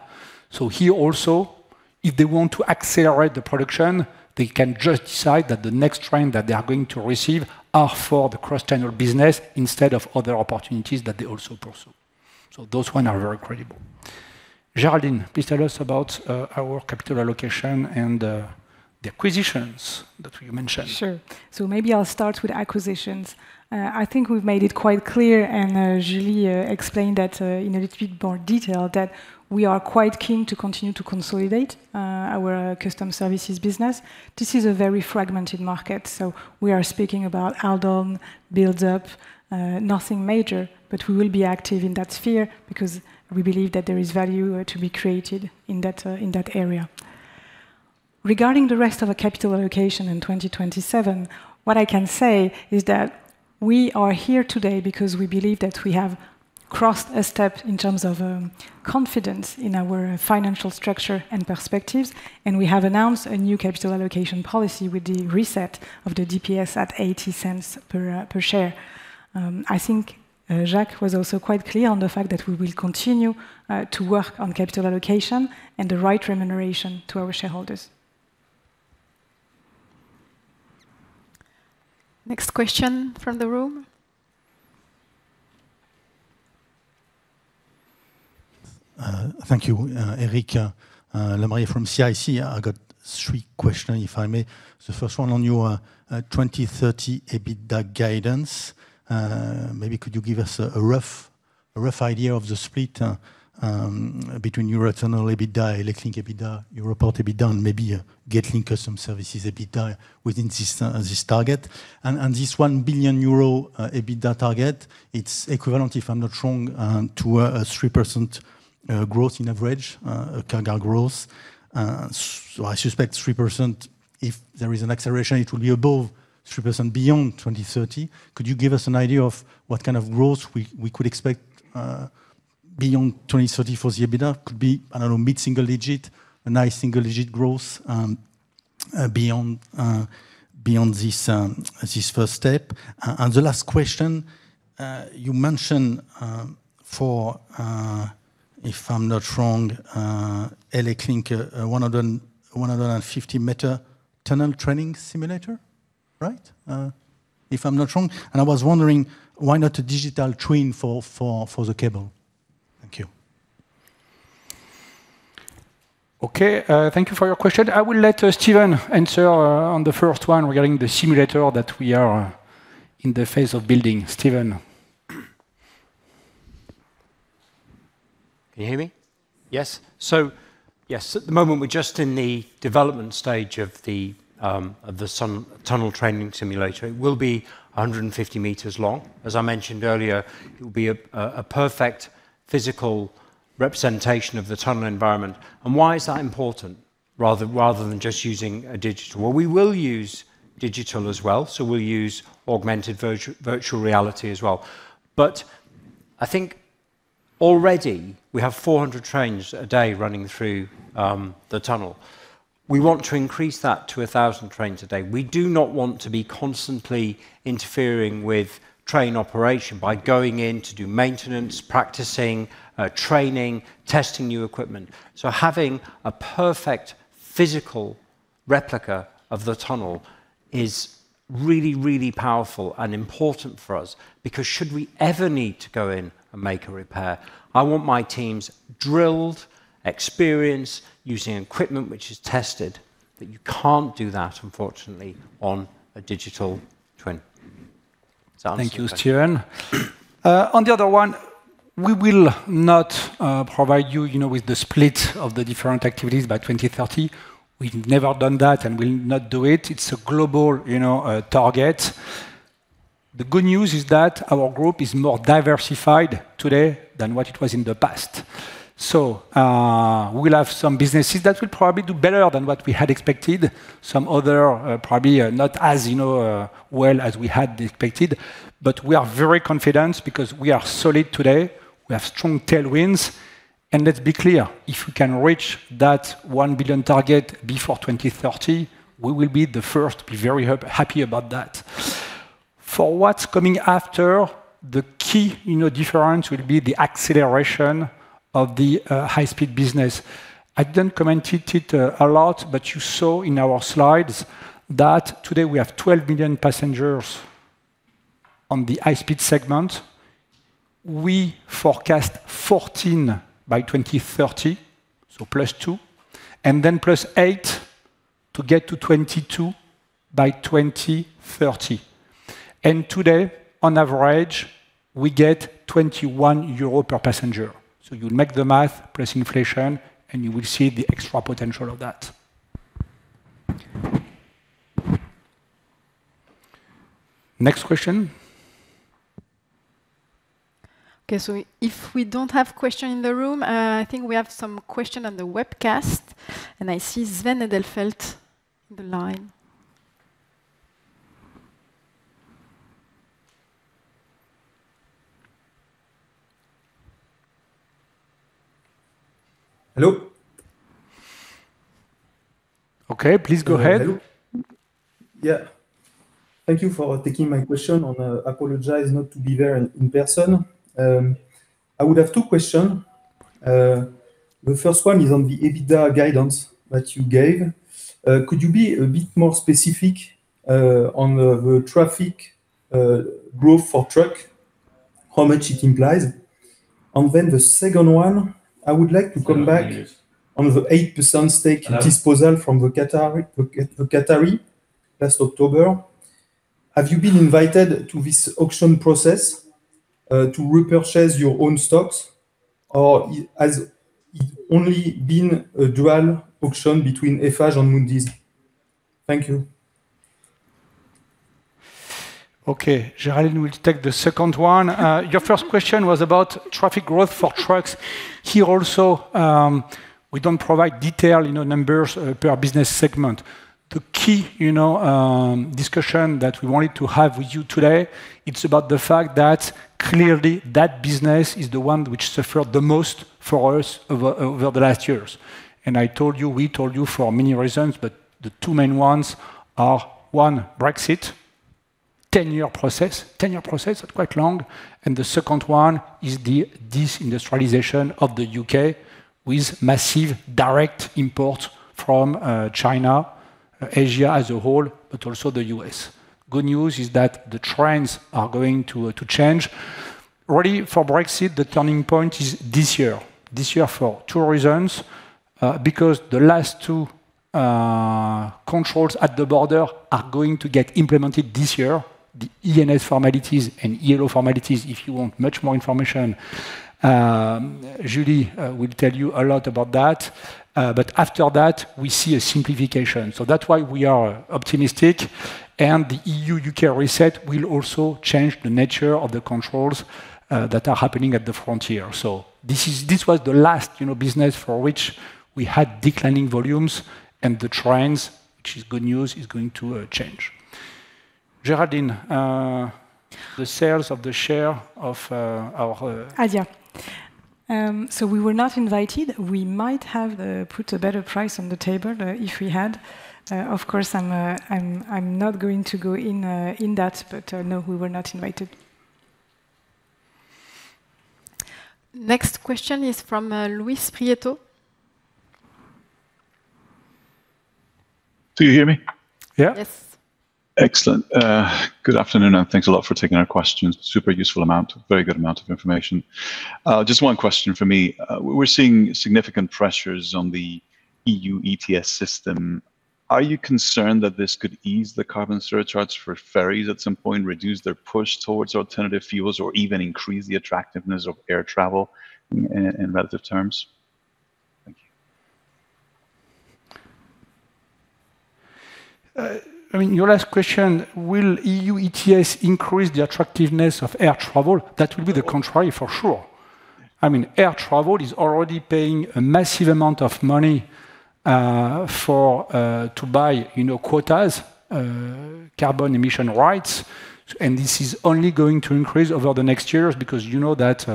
Here also, if they want to accelerate the production, they can just decide that the next train that they are going to receive are for the cross-channel business instead of other opportunities that they also pursue. Those one are very credible. Géraldine, please tell us about our capital allocation and the acquisitions that we mentioned. Sure. Maybe I'll start with acquisitions. I think we've made it quite clear, and Julie explained that in a little bit more detail, that we are quite keen to continue to consolidate our custom services business. This is a very fragmented market, we are speaking about add-on, build-up, nothing major, but we will be active in that sphere because we believe that there is value to be created in that in that area. Regarding the rest of the capital allocation in 2027, what I can say is that we are here today because we believe that we have crossed a step in terms of confidence in our financial structure and perspectives, we have announced a new capital allocation policy with the reset of the DPS at 0.80 per share. I think Jacques was also quite clear on the fact that we will continue to work on capital allocation and the right remuneration to our shareholders. Next question from the room. Thank you. Eric Lemarié from CIC. I got three question, if I may. The first one on your 2030 EBITDA guidance. Maybe could you give us a rough idea of the split between your return on EBITDA, ElecLink EBITDA, Europorte EBITDA, and maybe Getlink Customs Services EBITDA within this target? This 1 billion euro EBITDA target, it's equivalent, if I'm not wrong, to a 3% growth in average, a CAGR growth. I suspect 3%, if there is an acceleration, it will be above 3% beyond 2030. Could you give us an idea of what kind of growth we could expect beyond 2030 for the EBITDA? Could be, I don't know, mid-single-digit, a nice single-digit growth, beyond this first step. The last question, you mentioned for, if I'm not wrong, ElecLink, 150 meter tunnel training simulator, right? If I'm not wrong. I was wondering, why not a digital twin for the cable? Thank you. Okay, thank you for your question. I will let Steven answer on the first one regarding the simulator that we are in the phase of building. Steven? Can you hear me? Yes. Yes, at the moment, we're just in the development stage of the tunnel training simulator. It will be 150 meters long. As I mentioned earlier, it will be a perfect physical representation of the tunnel environment. Why is that important, rather than just using a digital? We will use digital as well, so we'll use augmented virtual reality as well. I think already we have 400 trains a day running through the tunnel. We want to increase that to 1,000 trains a day. We do not want to be constantly interfering with train operation by going in to do maintenance, practicing training, testing new equipment. Having a perfect physical replica of the tunnel is really powerful and important for us. Should we ever need to go in and make a repair, I want my teams drilled, experienced, using equipment which is tested, that you can't do that, unfortunately, on a digital twin. Thank you, Steven. On the other one, we will not provide you know, with the split of the different activities by 2030. We've never done that, and we'll not do it. It's a global, you know, target. The good news is that our group is more diversified today than what it was in the past. We'll have some businesses that will probably do better than what we had expected. Some other, probably, not as, you know, well as we had expected, but we are very confident because we are solid today, we have strong tailwinds. Let's be clear, if we can reach that 1 billion target before 2030, we will be the first to be very happy about that. For what's coming after, the key, you know, difference will be the acceleration of the high-speed business. I didn't commented it, a lot. You saw in our slides that today we have 12 million passengers on the high-speed segment. We forecast 14 by 2030, +2, and then +8 to get to 22 by 2030. Today, on average, we get 21 euros per passenger. You make the math, plus inflation, and you will see the extra potential of that. Next question. Okay, if we don't have question in the room, I think we have some question on the webcast, and I see Sven Daunfeldt on the line. Hello? Okay, please go ahead. Hello. Yeah, thank you for taking my question on, I apologize not to be there in person. I would have two questions. The first one is on the EBITDA guidance that you gave. Could you be a bit more specific on the traffic growth for truck, how much it implies? The second one, I would like to come back Yes On the 8% stake disposal from the Qatari, last October. Have you been invited to this auction process to repurchase your own stocks, or has it only been a dual auction between Eiffage and Mundys? Thank you. Okay, Géraldine will take the second one. Your first question was about traffic growth for trucks. Here also, we don't provide detail, you know, numbers per business segment. The key, you know, discussion that we wanted to have with you today, it's about the fact that clearly that business is the one which suffered the most for us over the last years. I told you, we told you for many reasons, but the two main ones are: one, Brexit, 10-year process. 10-year process, quite long, and the second one is the deindustrialization of the U.K. with massive direct import from China, Asia as a whole, but also the U.S. Good news is that the trends are going to change. Already for Brexit, the turning point is this year, this year for two reasons, because the last two controls at the border are going to get implemented this year, the ENS formalities and ELO formalities. If you want much more information, Julie will tell you a lot about that. After that, we see a simplification. That's why we are optimistic, and the EU-U.K. reset will also change the nature of the controls that are happening at the frontier. This was the last, you know, business for which we had declining volumes, and the trends, which is good news, is going to change. Geraldine, the sales of the share of, Asia. We were not invited. We might have put a better price on the table if we had. Of course, I'm not going to go in that. No, we were not invited. Next question is from, Luis Prieto. Do you hear me? Yeah. Yes. Excellent. Good afternoon, thanks a lot for taking our questions. Super useful amount, very good amount of information. Just one question for me. We're seeing significant pressures on the EU ETS system. Are you concerned that this could ease the carbon surcharges for ferries at some point, reduce their push towards alternative fuels, or even increase the attractiveness of air travel in relative terms? Thank you. I mean, your last question, will EU ETS increase the attractiveness of air travel? That will be the contrary, for sure. I mean, air travel is already paying a massive amount of money for to buy, you know, quotas, carbon emission rights, and this is only going to increase over the next years because you know that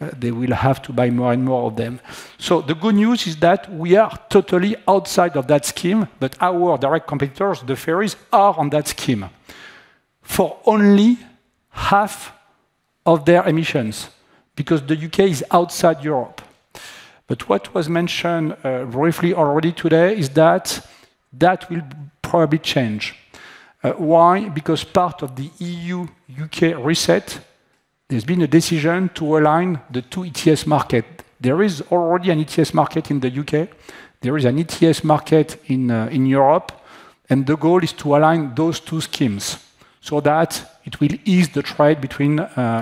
they will have to buy more and more of them. The good news is that we are totally outside of that scheme, but our direct competitors, the ferries, are on that scheme for only half of their emissions because the U.K. is outside Europe. What was mentioned briefly already today is that that will probably change. Why? Because part of the EU-U.K. reset, there's been a decision to align the two ETS market. There is already an ETS market in the U.K. There is an ETS market in Europe, and the goal is to align those two schemes so that it will ease the trade between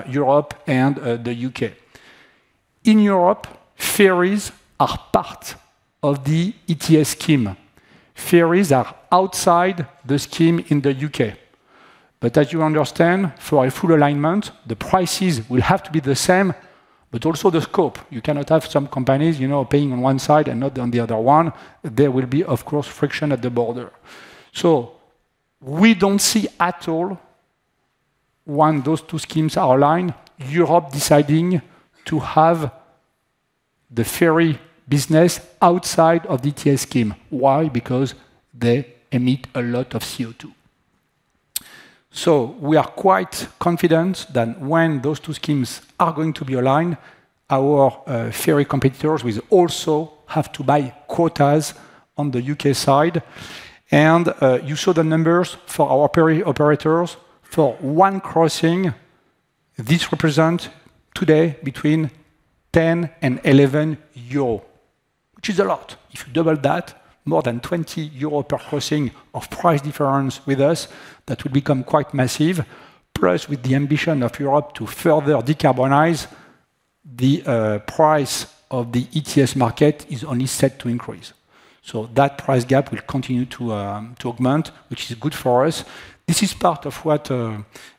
Europe and the U.K. In Europe, ferries are part of the ETS scheme. Ferries are outside the scheme in the U.K. As you understand, for a full alignment, the prices will have to be the same, but also the scope. You cannot have some companies, you know, paying on one side and not on the other one. There will be, of course, friction at the border. We don't see at all when those two schemes are aligned, Europe deciding to have the ferry business outside of the ETS scheme. Why? Because they emit a lot of CO2. We are quite confident that when those two schemes are going to be aligned, our ferry competitors will also have to buy quotas on the U.K. side. You saw the numbers for our ferry operators. For one crossing, this represent today between 10 and 11 euros, which is a lot. If you double that, more than 20 euros per crossing of price difference with us, that would become quite massive. Plus, with the ambition of Europe to further decarbonize, the price of the ETS market is only set to increase. That price gap will continue to augment, which is good for us. This is part of what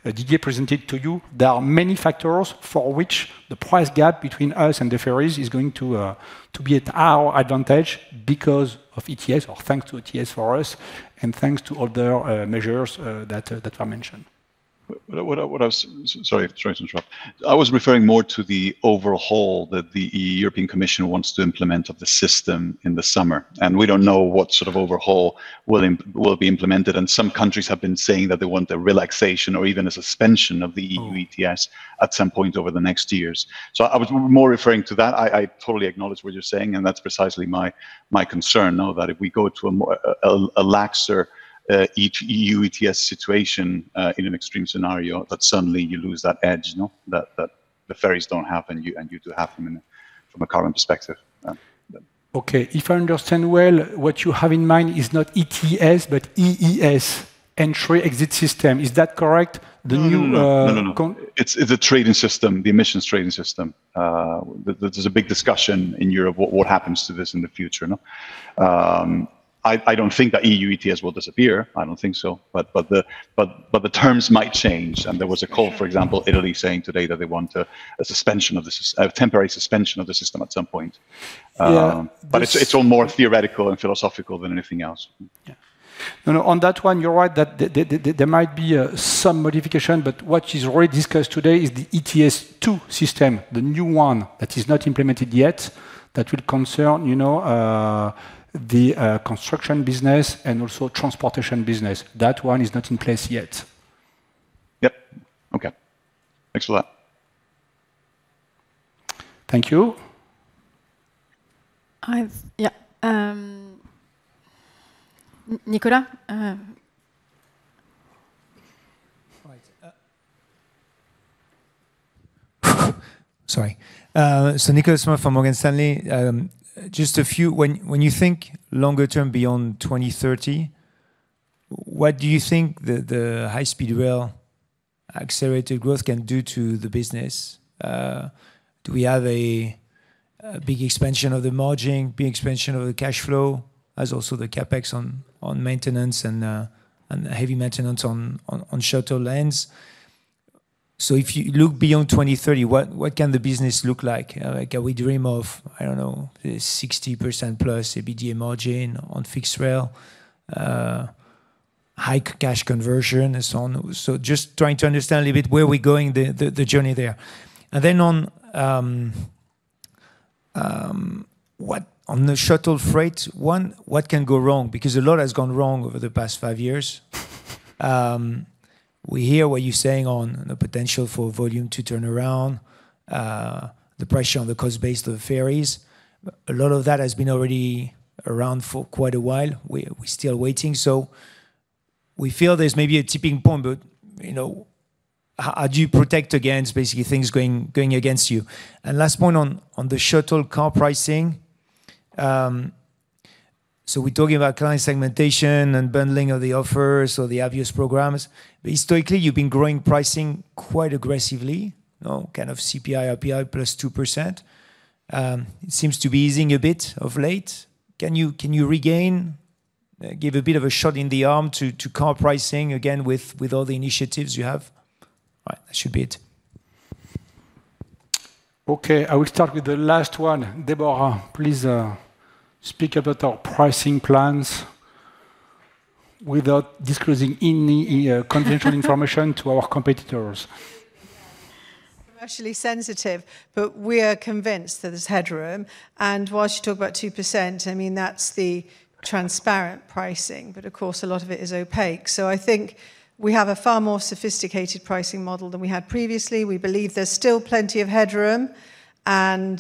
Didier presented to you. There are many factors for which the price gap between us and the ferries is going to be at our advantage because of ETS, or thanks to ETS for us, and thanks to other measures that were mentioned. What I was. Sorry to interrupt. I was referring more to the overhaul that the European Commission wants to implement of the system in the summer. We don't know what sort of overhaul will be implemented. Some countries have been saying that they want a relaxation or even a suspension of the EU ETS at some point over the next years. I was more referring to that. I totally acknowledge what you're saying, and that's precisely my concern, though, that if we go to a more, a laxer EU ETS situation, in an extreme scenario, that suddenly you lose that edge, no? That the ferries don't happen, you, and you do half a minute from a current perspective, yeah. Okay, if I understand well, what you have in mind is not ETS, but EES, Entry/Exit System. Is that correct? The new. No, no. No, no. Con It's a trading system, the emissions trading system. There's a big discussion in Europe, what happens to this in the future, no? I don't think that EU ETS will disappear. I don't think so. The terms might change. Yeah. There was a call, for example, Italy saying today that they want a temporary suspension of the system at some point. Yeah. It's all more theoretical and philosophical than anything else. Yeah. No, no, on that one, you're right, that there might be some modification. What is already discussed today is the ETS2 system, the new one that is not implemented yet, that will concern, you know, the construction business and also transportation business. That one is not in place yet. Yep. Okay. Thanks a lot. Thank you. Yeah, Nicolas? Right, sorry. Nicolas Smale from Morgan Stanley. Just a few, when you think longer term beyond 2030, what do you think the high-speed rail accelerated growth can do to the business? Do we have a big expansion of the margin, big expansion of the cash flow, as also the CapEx on maintenance and heavy maintenance on shuttle lanes? If you look beyond 2030, what can the business look like? Can we dream of, I don't know, 60% plus EBITDA margin on fixed rail, high cash conversion and so on? Just trying to understand a little bit where we're going, the journey there. Then on the shuttle freight, what can go wrong? A lot has gone wrong over the past five years. We hear what you're saying on the potential for volume to turn around, the pressure on the cost base of the ferries. A lot of that has been already around for quite a while. We're still waiting, so we feel there's maybe a tipping point, but, you know, how do you protect against basically things going against you? Last point on the shuttle car pricing. We're talking about client segmentation and bundling of the offers or the Avios programs. Historically, you've been growing pricing quite aggressively, you know, kind of CPI, RPI plus 2%. It seems to be easing a bit of late. Can you regain, give a bit of a shot in the arm to car pricing again with all the initiatives you have? That should be it. I will start with the last one. Deborah, please speak about our pricing plans without disclosing any confidential information to our competitors. Commercially sensitive, but we are convinced that there's headroom. Whilst you talk about 2%, I mean, that's the transparent pricing, but of course, a lot of it is opaque. I think we have a far more sophisticated pricing model than we had previously. We believe there's still plenty of headroom, and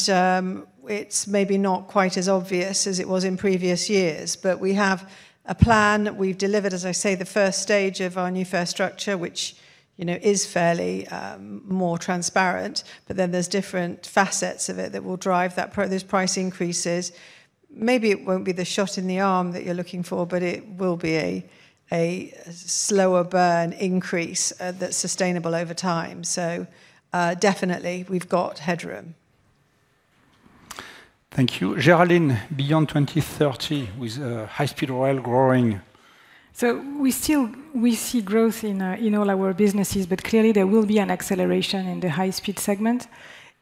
it's maybe not quite as obvious as it was in previous years. We have a plan. We've delivered, as I say, the first stage of our New Fare Structure, which, you know, is fairly more transparent, but then there's different facets of it that will drive those price increases. Maybe it won't be the shot in the arm that you're looking for, but it will be a slower burn increase that's sustainable over time. Definitely, we've got headroom. Thank you. Géraldine, beyond 2030, with high-speed rail growing. We still, we see growth in all our businesses, but clearly, there will be an acceleration in the high-speed segment.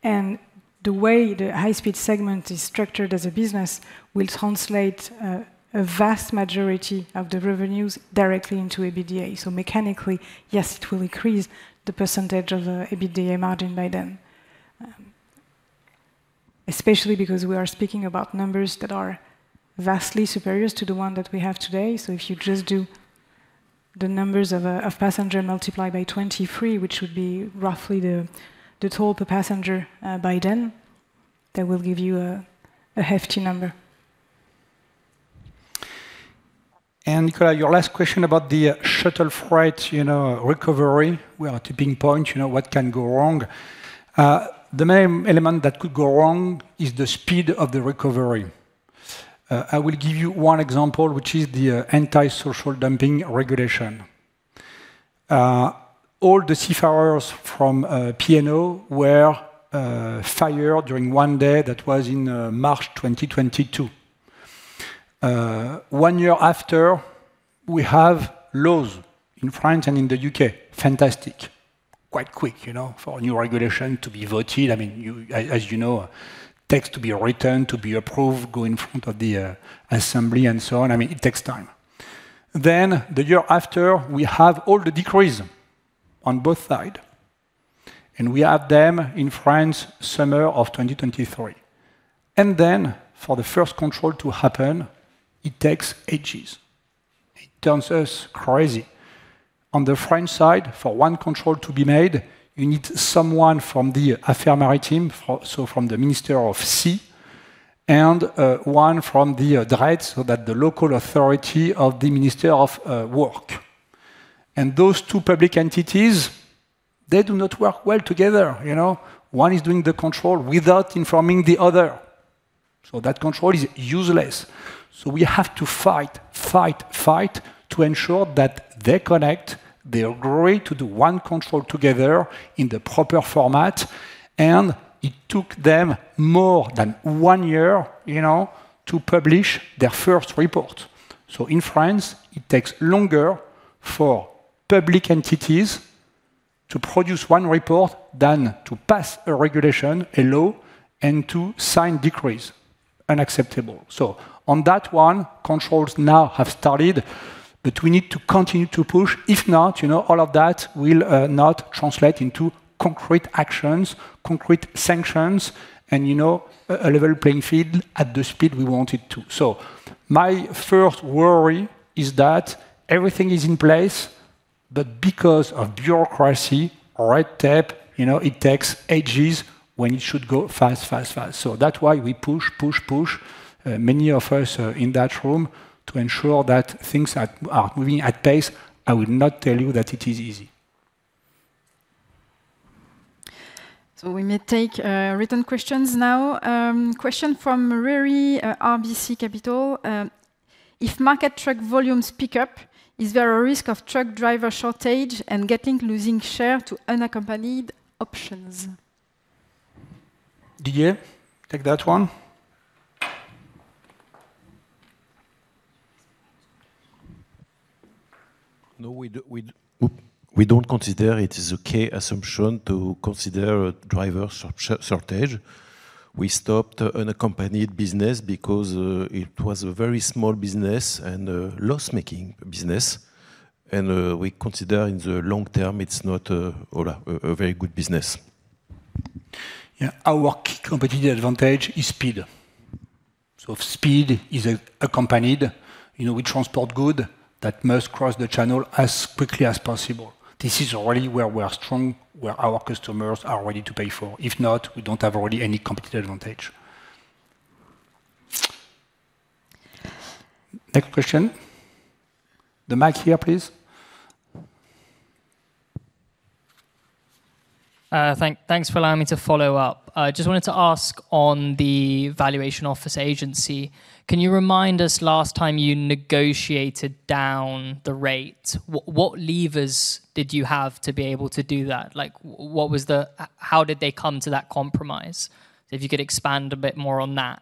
The way the high-speed segment is structured as a business will translate a vast majority of the revenues directly into EBITDA. Mechanically, yes, it will increase the percentage of EBITDA margin by then. Especially because we are speaking about numbers that are vastly superior to the one that we have today. If you just do the numbers of passenger multiply by 23, which would be roughly the toll per passenger by then, that will give you a hefty number. Nicolas, your last question about the shuttle freight, you know, recovery. We are at a tipping point, you know, what can go wrong? The main element that could go wrong is the anti-social dumping regulation. All the seafarers from P&O were fired during one day. That was in March 2022. One year after, we have laws in France and in the U.K. Fantastic. Quite quick, you know, for a new regulation to be voted. I mean, as you know, takes to be written, to be approved, go in front of the assembly and so on. I mean, it takes time. The year after, we have all the decrees on both side, and we have them in France, summer of 2023. For the first control to happen, it takes ages. It turns us crazy. On the French side, for one control to be made, you need someone from the Affaires Maritimes, so from the Minister of Sea, and one from the DREETS, so that the local authority of the Minister of Work. Those two public entities, they do not work well together, you know? One is doing the control without informing the other, so that control is useless. We have to fight to ensure that they connect, they agree to do one control together in the proper format, and it took them more than one year, you know, to publish their first report. In France, it takes longer for public entities to produce one report than to pass a regulation, a law, and to sign decrees. Unacceptable. On that one, controls now have started, but we need to continue to push. If not, you know, all of that will not translate into concrete actions, concrete sanctions, and, you know, a level playing field at the speed we want it to. My first worry is that everything is in place, but because of bureaucracy, red tape, you know, it takes ages when it should go fast, fast, fast. That's why we push, push, many of us in that room, to ensure that things are moving at pace. I will not tell you that it is easy. We may take written questions now. Question from Riri, RBC Capital. If market truck volumes pick up, is there a risk of truck driver shortage and Getlink losing share to unaccompanied options? Didier, take that one. No, we do, we don't consider it is a key assumption to consider a driver shortage. We stopped unaccompanied business because it was a very small business and a loss-making business. We consider in the long term, it's not a very good business. Yeah, our key competitive advantage is speed. If speed is accompanied, you know, we transport good, that must cross the channel as quickly as possible. This is already where we are strong, where our customers are ready to pay for. If not, we don't have already any competitive advantage. Next question. The mic here, please. Thanks for allowing me to follow up. I just wanted to ask on the Valuation Office Agency, can you remind us last time you negotiated down the rate, what levers did you have to be able to do that? Like, what was the how did they come to that compromise? If you could expand a bit more on that.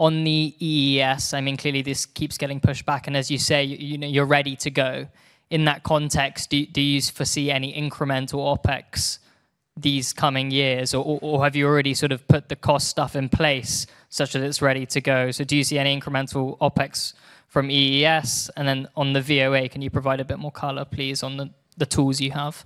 On the EES, I mean, clearly this keeps getting pushed back, and as you say, you know, you're ready to go. In that context, do you foresee any incremental OpEx these coming years, or have you already sort of put the cost stuff in place such that it's ready to go? Do you see any incremental OpEx from EES? On the VOA, can you provide a bit more color, please, on the tools you have?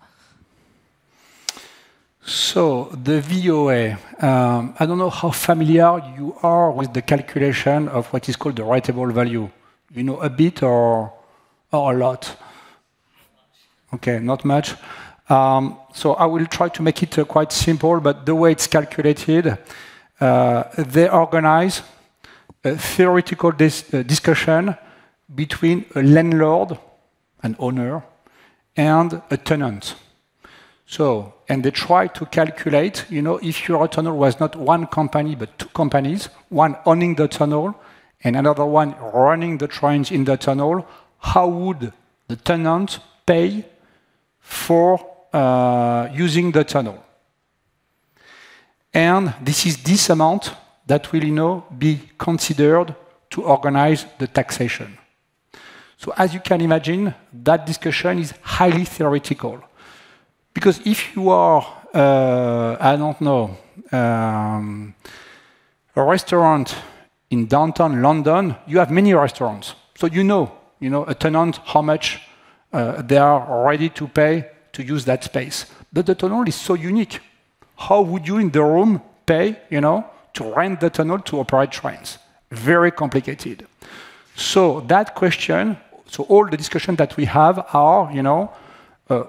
The VOA, I don't know how familiar you are with the calculation of what is called the rateable value. You know, a bit or a lot? Not much. Okay, not much. I will try to make it quite simple, but the way it's calculated, they organize a theoretical discussion between a landlord, an owner, and a tenant. They try to calculate, you know, if your tunnel was not one company, but two companies, one owning the tunnel and another one running the trains in the tunnel, how would the tenant pay for using the tunnel? This is this amount that will now be considered to organize the taxation. As you can imagine, that discussion is highly theoretical. If you are, I don't know, a restaurant in downtown London, you have many restaurants, so you know, you know a tenant, how much they are ready to pay to use that space. The tunnel is so unique. How would you, in the room, pay, you know, to rent the tunnel to operate trains? Very complicated. That question, all the discussion that we have are, you know,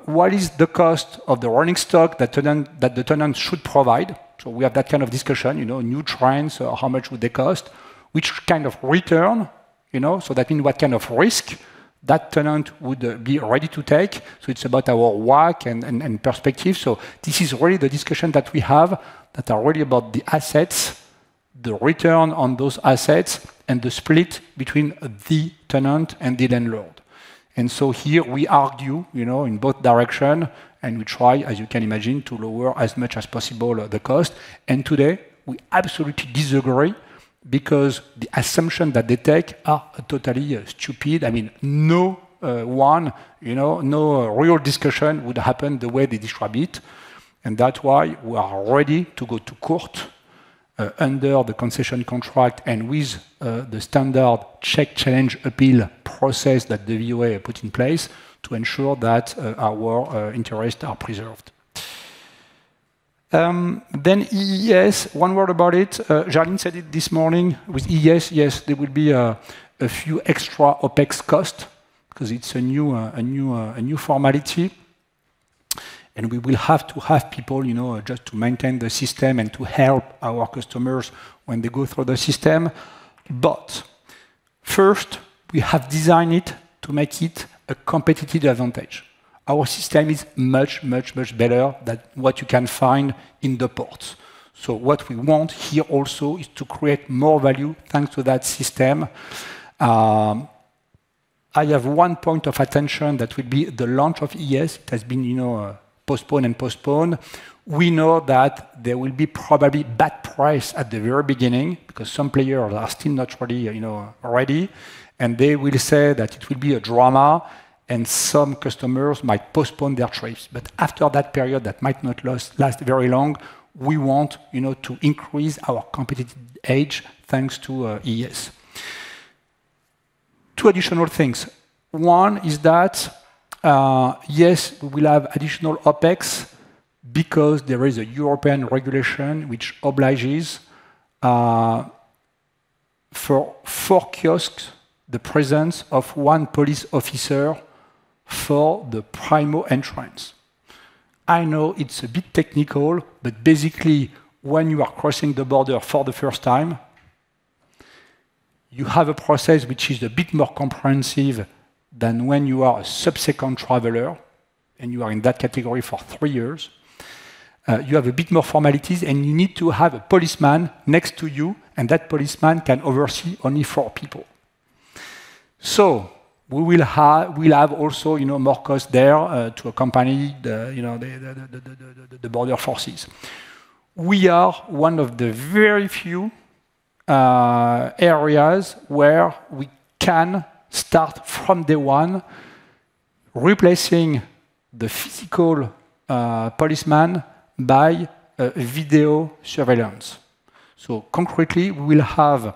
what is the cost of the rolling stock that the tenant should provide? We have that kind of discussion, you know, new trains, how much would they cost? Which kind of return, you know? That means what kind of risk that tenant would be ready to take. It's about our work and perspective. This is really the discussion that we have, that are really about the assets, the return on those assets, and the split between the tenant and the landlord. Here we argue, you know, in both direction, and we try, as you can imagine, to lower as much as possible, the cost. Today, we absolutely disagree because the assumption that they take are totally stupid. I mean, no one, you know, no real discussion would happen the way they describe it, and that's why we are ready to go to court under the concession contract and with the standard check change appeal process that the VOA put in place to ensure that our interests are preserved. EES, one word about it. Yannine said it this morning. With EES, yes, there will be a few extra OpEx cost 'cause it's a new formality. We will have to have people, you know, just to maintain the system and to help our customers when they go through the system. First, we have designed it to make it a competitive advantage. Our system is much, much, much better than what you can find in the ports. What we want here also is to create more value, thanks to that system. I have one point of attention that will be the launch of EES, it has been, you know, postponed and postponed. We know that there will be probably bad price at the very beginning because some players are still not ready, you know, ready, and they will say that it will be a drama, and some customers might postpone their trips. After that period, that might not last very long, we want, you know, to increase our competitive edge, thanks to EES. Two additional things. One is that, yes, we will have additional OpEx because there is a European regulation which obliges for four kiosks, the presence of one police officer for the primo-entrant. I know it's a bit technical, but basically, when you are crossing the border for the first time, you have a process which is a bit more comprehensive than when you are a subsequent traveler, and you are in that category for three years. You have a bit more formalities, and you need to have a policeman next to you, and that policeman can oversee only four people. We will have, we'll have also, you know, more cost there, to accompany the, you know, the border forces. We are one of the very few areas where we can start from day one, replacing the physical policeman by video surveillance. Concretely, we will have,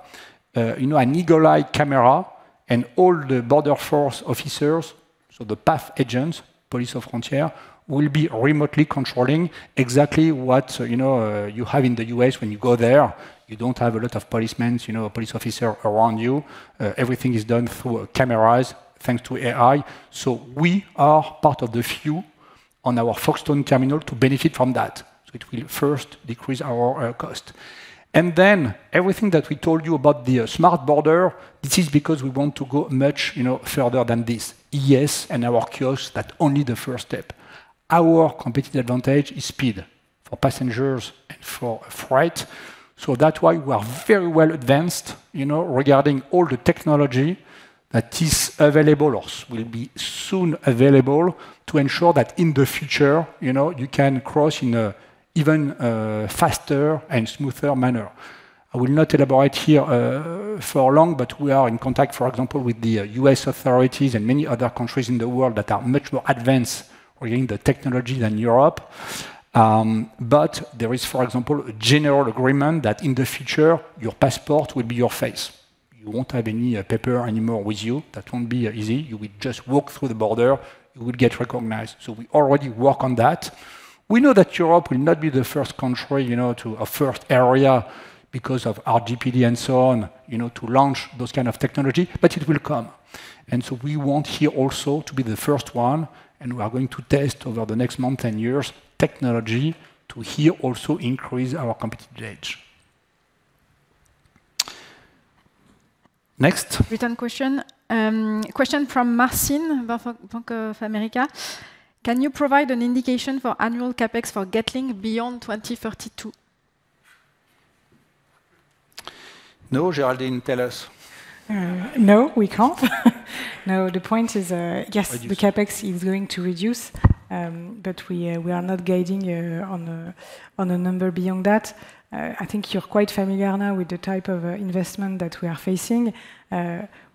you know, an eagle-eye camera and all the border force officers. The PAF agents, Police aux Frontières, will be remotely controlling exactly what, you know, you have in the U.S. when you go there. You don't have a lot of policemen, you know, police officer around you. Everything is done through cameras, thanks to AI. We are part of the few on our Folkestone terminal to benefit from that. It will first decrease our cost. Everything that we told you about the Smart Border, this is because we want to go much, you know, further than this. Our kiosks, that's only the 1st step. Our competitive advantage is speed for passengers and for freight. That's why we are very well advanced, you know, regarding all the technology that is available or will be soon available to ensure that in the future, you know, you can cross in a even faster and smoother manner. I will not elaborate here for long, but we are in contact, for example, with the U.S. authorities and many other countries in the world that are much more advanced regarding the technology than Europe. There is, for example, a general agreement that in the future, your passport will be your face. You won't have any paper anymore with you. That won't be easy. You will just walk through the border, you will get recognized. We already work on that. We know that Europe will not be the first country, you know, to a first area because of our GDP and so on, you know, to launch those kind of technology, but it will come. So we want here also to be the first one. We are going to test over the next month and years, technology to here also increase our competitive edge. Next? Written question. Question from Marcin, Bank of America: Can you provide an indication for annual CapEx for Getlink beyond 2032? No, Géraldine, tell us. No, we can't. The point is, yes, the CapEx is going to reduce, but we are not guiding on a number beyond that. I think you're quite familiar now with the type of investment that we are facing.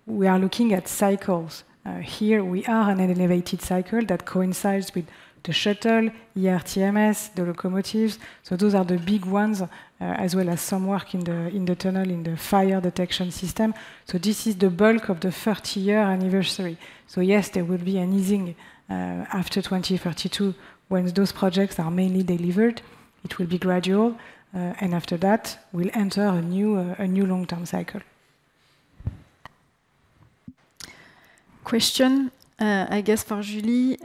We are looking at cycles. Here we are on an elevated cycle that coincides with the shuttle, ERTMS, the locomotives. Those are the big ones, as well as some work in the tunnel, in the fire detection system. This is the bulk of the 30 years anniversary. Yes, there will be an easing after 2032, when those projects are mainly delivered. It will be gradual, and after that, we'll enter a new long-term cycle. Question, I guess for Julie.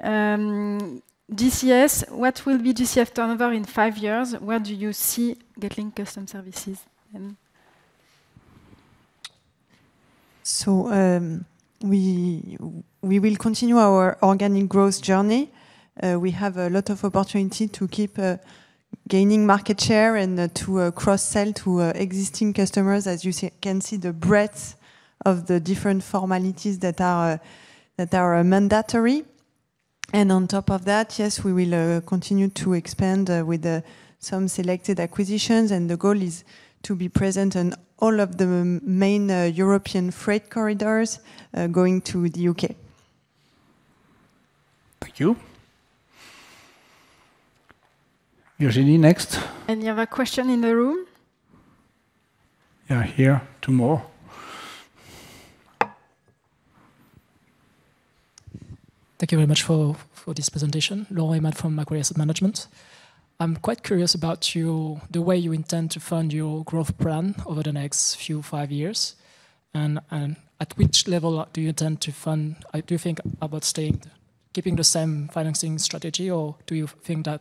DCS, what will be DCS turnover in 5 years? Where do you see Getlink Customs Services then? We will continue our organic growth journey. We have a lot of opportunity to keep gaining market share and to cross-sell to existing customers. As you can see, the breadth of the different formalities that are mandatory. On top of that, yes, we will continue to expand with some selected acquisitions, and the goal is to be present on all of the main European freight corridors going to the U.K. Thank you. Virginie, next. Any other question in the room? Yeah, here, two more. Thank you very much for this presentation. Laurent Emad from Macquarie Asset Management. I'm quite curious about your, the way you intend to fund your growth plan over the next few, five years, and at which level do you intend to fund? Do you think about staying, keeping the same financing strategy, or do you think that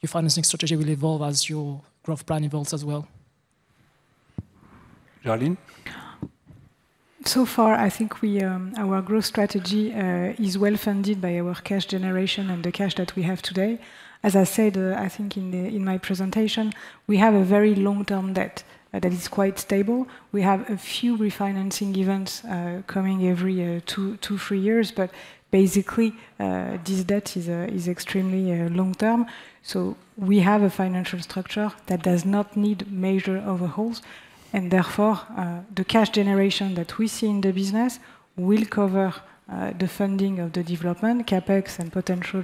your financing strategy will evolve as your growth plan evolves as well? Geraldine? So far, I think we, our growth strategy, is well-funded by our cash generation and the cash that we have today. As I said, I think in my presentation, we have a very long-term debt that is quite stable. We have a few refinancing events, coming every two, thre years, but basically, this debt is extremely long term. So we have a financial structure that does not need major overhauls, and therefore, the cash generation that we see in the business will cover the funding of the development, CapEx, and potential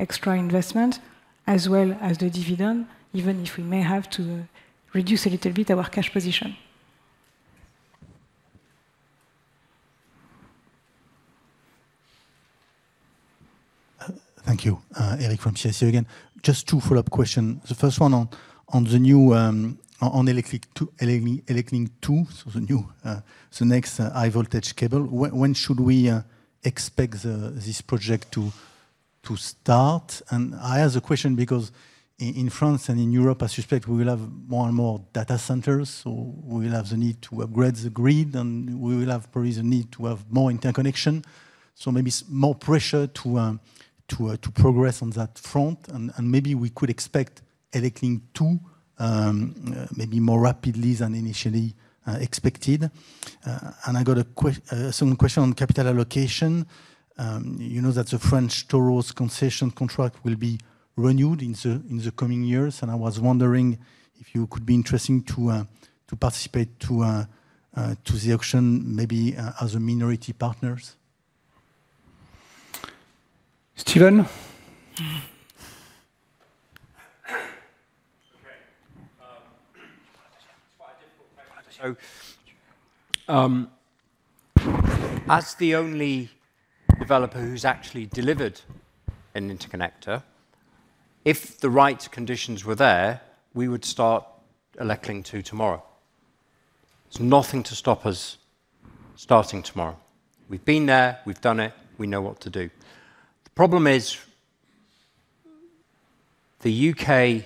extra investment, as well as the dividend, even if we may have to reduce a little bit our cash position. Thank you. Eric from CIC again. Just two follow-up question. The first one on the new ElecLink 2, so the new the next high voltage cable. When should we expect this project to start? I ask the question because in France and in Europe, I suspect we will have more and more data centers, so we will have the need to upgrade the grid, and we will have probably the need to have more interconnection. Maybe more pressure to to progress on that front, and maybe we could expect ElecLink 2 maybe more rapidly than initially expected. I got a second question on capital allocation. you know that the French autoroutes concession contract will be renewed in the coming years. I was wondering if you could be interesting to participate to the auction, maybe, as a minority partners. Steven? Okay, it's quite a difficult question. As the only developer who's actually delivered an interconnector, if the right conditions were there, we would start ElecLink 2 tomorrow. There's nothing to stop us starting tomorrow. We've been there, we've done it. We know what to do. The problem is, the U.K.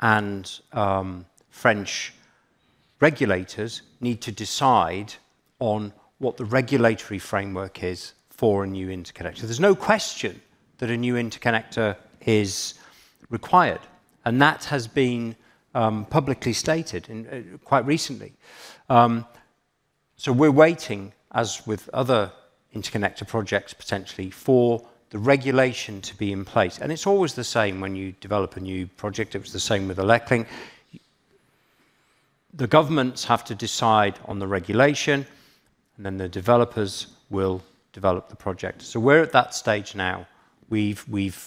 and French regulators need to decide on what the regulatory framework is for a new interconnector. There's no question that a new interconnector is required, and that has been publicly stated and quite recently. We're waiting, as with other interconnector projects, potentially, for the regulation to be in place. It's always the same when you develop a new project. It was the same with ElecLink. The governments have to decide on the regulation, and then the developers will develop the project. We're at that stage now. We've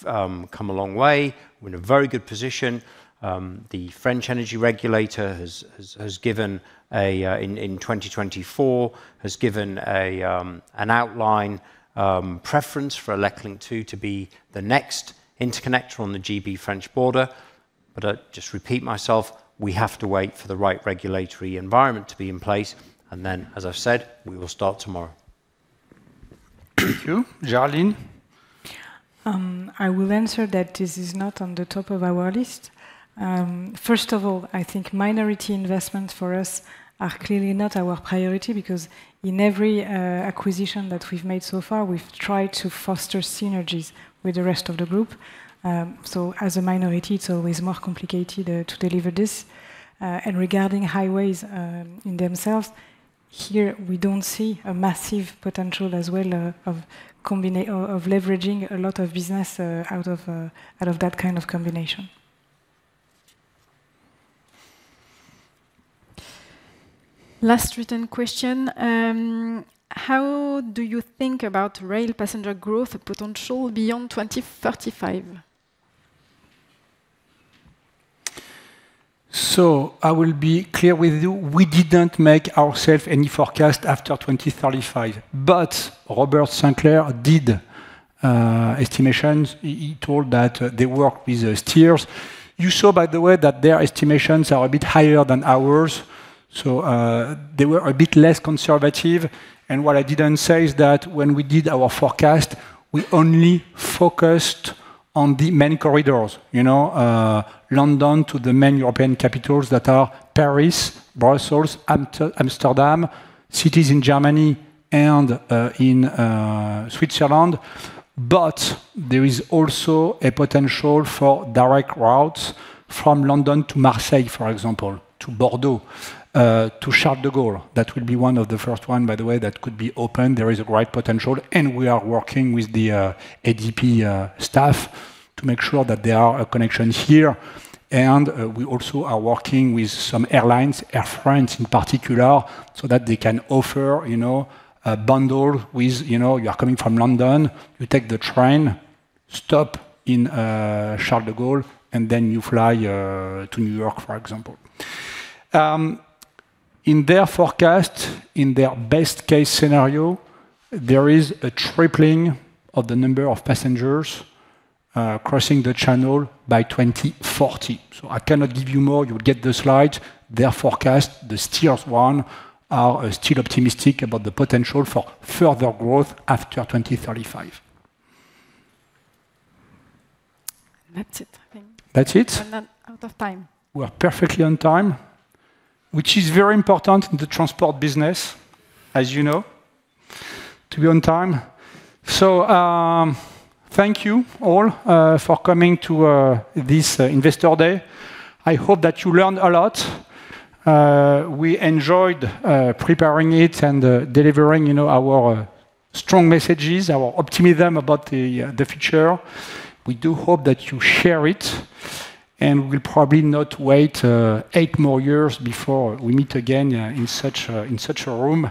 come a long way. We're in a very good position. The French energy regulator has given a in 2024, has given a an outline preference for ElecLink 2 to be the next interconnector on the GB-French border. I just repeat myself, we have to wait for the right regulatory environment to be in place, and then, as I've said, we will start tomorrow. Thank you. Géraldine? I will answer that this is not on the top of our list. First of all, I think minority investments for us are clearly not our priority because in every acquisition that we've made so far, we've tried to foster synergies with the rest of the group. As a minority, it's always more complicated to deliver this. Regarding highways, in themselves, here, we don't see a massive potential as well, of leveraging a lot of business out of that kind of combination. Last written question. How do you think about rail passenger growth potential beyond 2035? I will be clear with you, we didn't make ourselves any forecast after 2035, Robert Sinclair did estimations. He told that they work with Steer. You saw, by the way, that their estimations are a bit higher than ours, so they were a bit less conservative. What I didn't say is that when we did our forecast, we only focused on the main corridors, you know, London to the main European capitals that are Paris, Brussels, Amsterdam, cities in Germany and in Switzerland. There is also a potential for direct routes from London to Marseille, for example, to Bordeaux, to Charles de Gaulle. That will be one of the first one, by the way, that could be opened. There is a great potential. We are working with the ADP staff to make sure that there are connections here. We also are working with some airlines, Air France in particular, so that they can offer, you know, a bundle with. You know, you are coming from London, you take the train, stop in Charles de Gaulle, then you fly to New York, for example. In their forecast, in their best-case scenario, there is a tripling of the number of passengers crossing the channel by 2040. I cannot give you more. You will get the slide. Their forecast, the Steer's one, are still optimistic about the potential for further growth after 2035. That's it, I think. That's it? We're not out of time. We're perfectly on time, which is very important in the transport business, as you know, to be on time. Thank you all for coming to this Investor Day. I hope that you learned a lot. We enjoyed preparing it and delivering, you know, our strong messages, our optimism about the future. We do hope that you share it, and we will probably not wait eight more years before we meet again in such a, in such a room.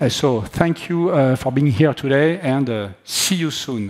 Thank you for being here today, and see you soon.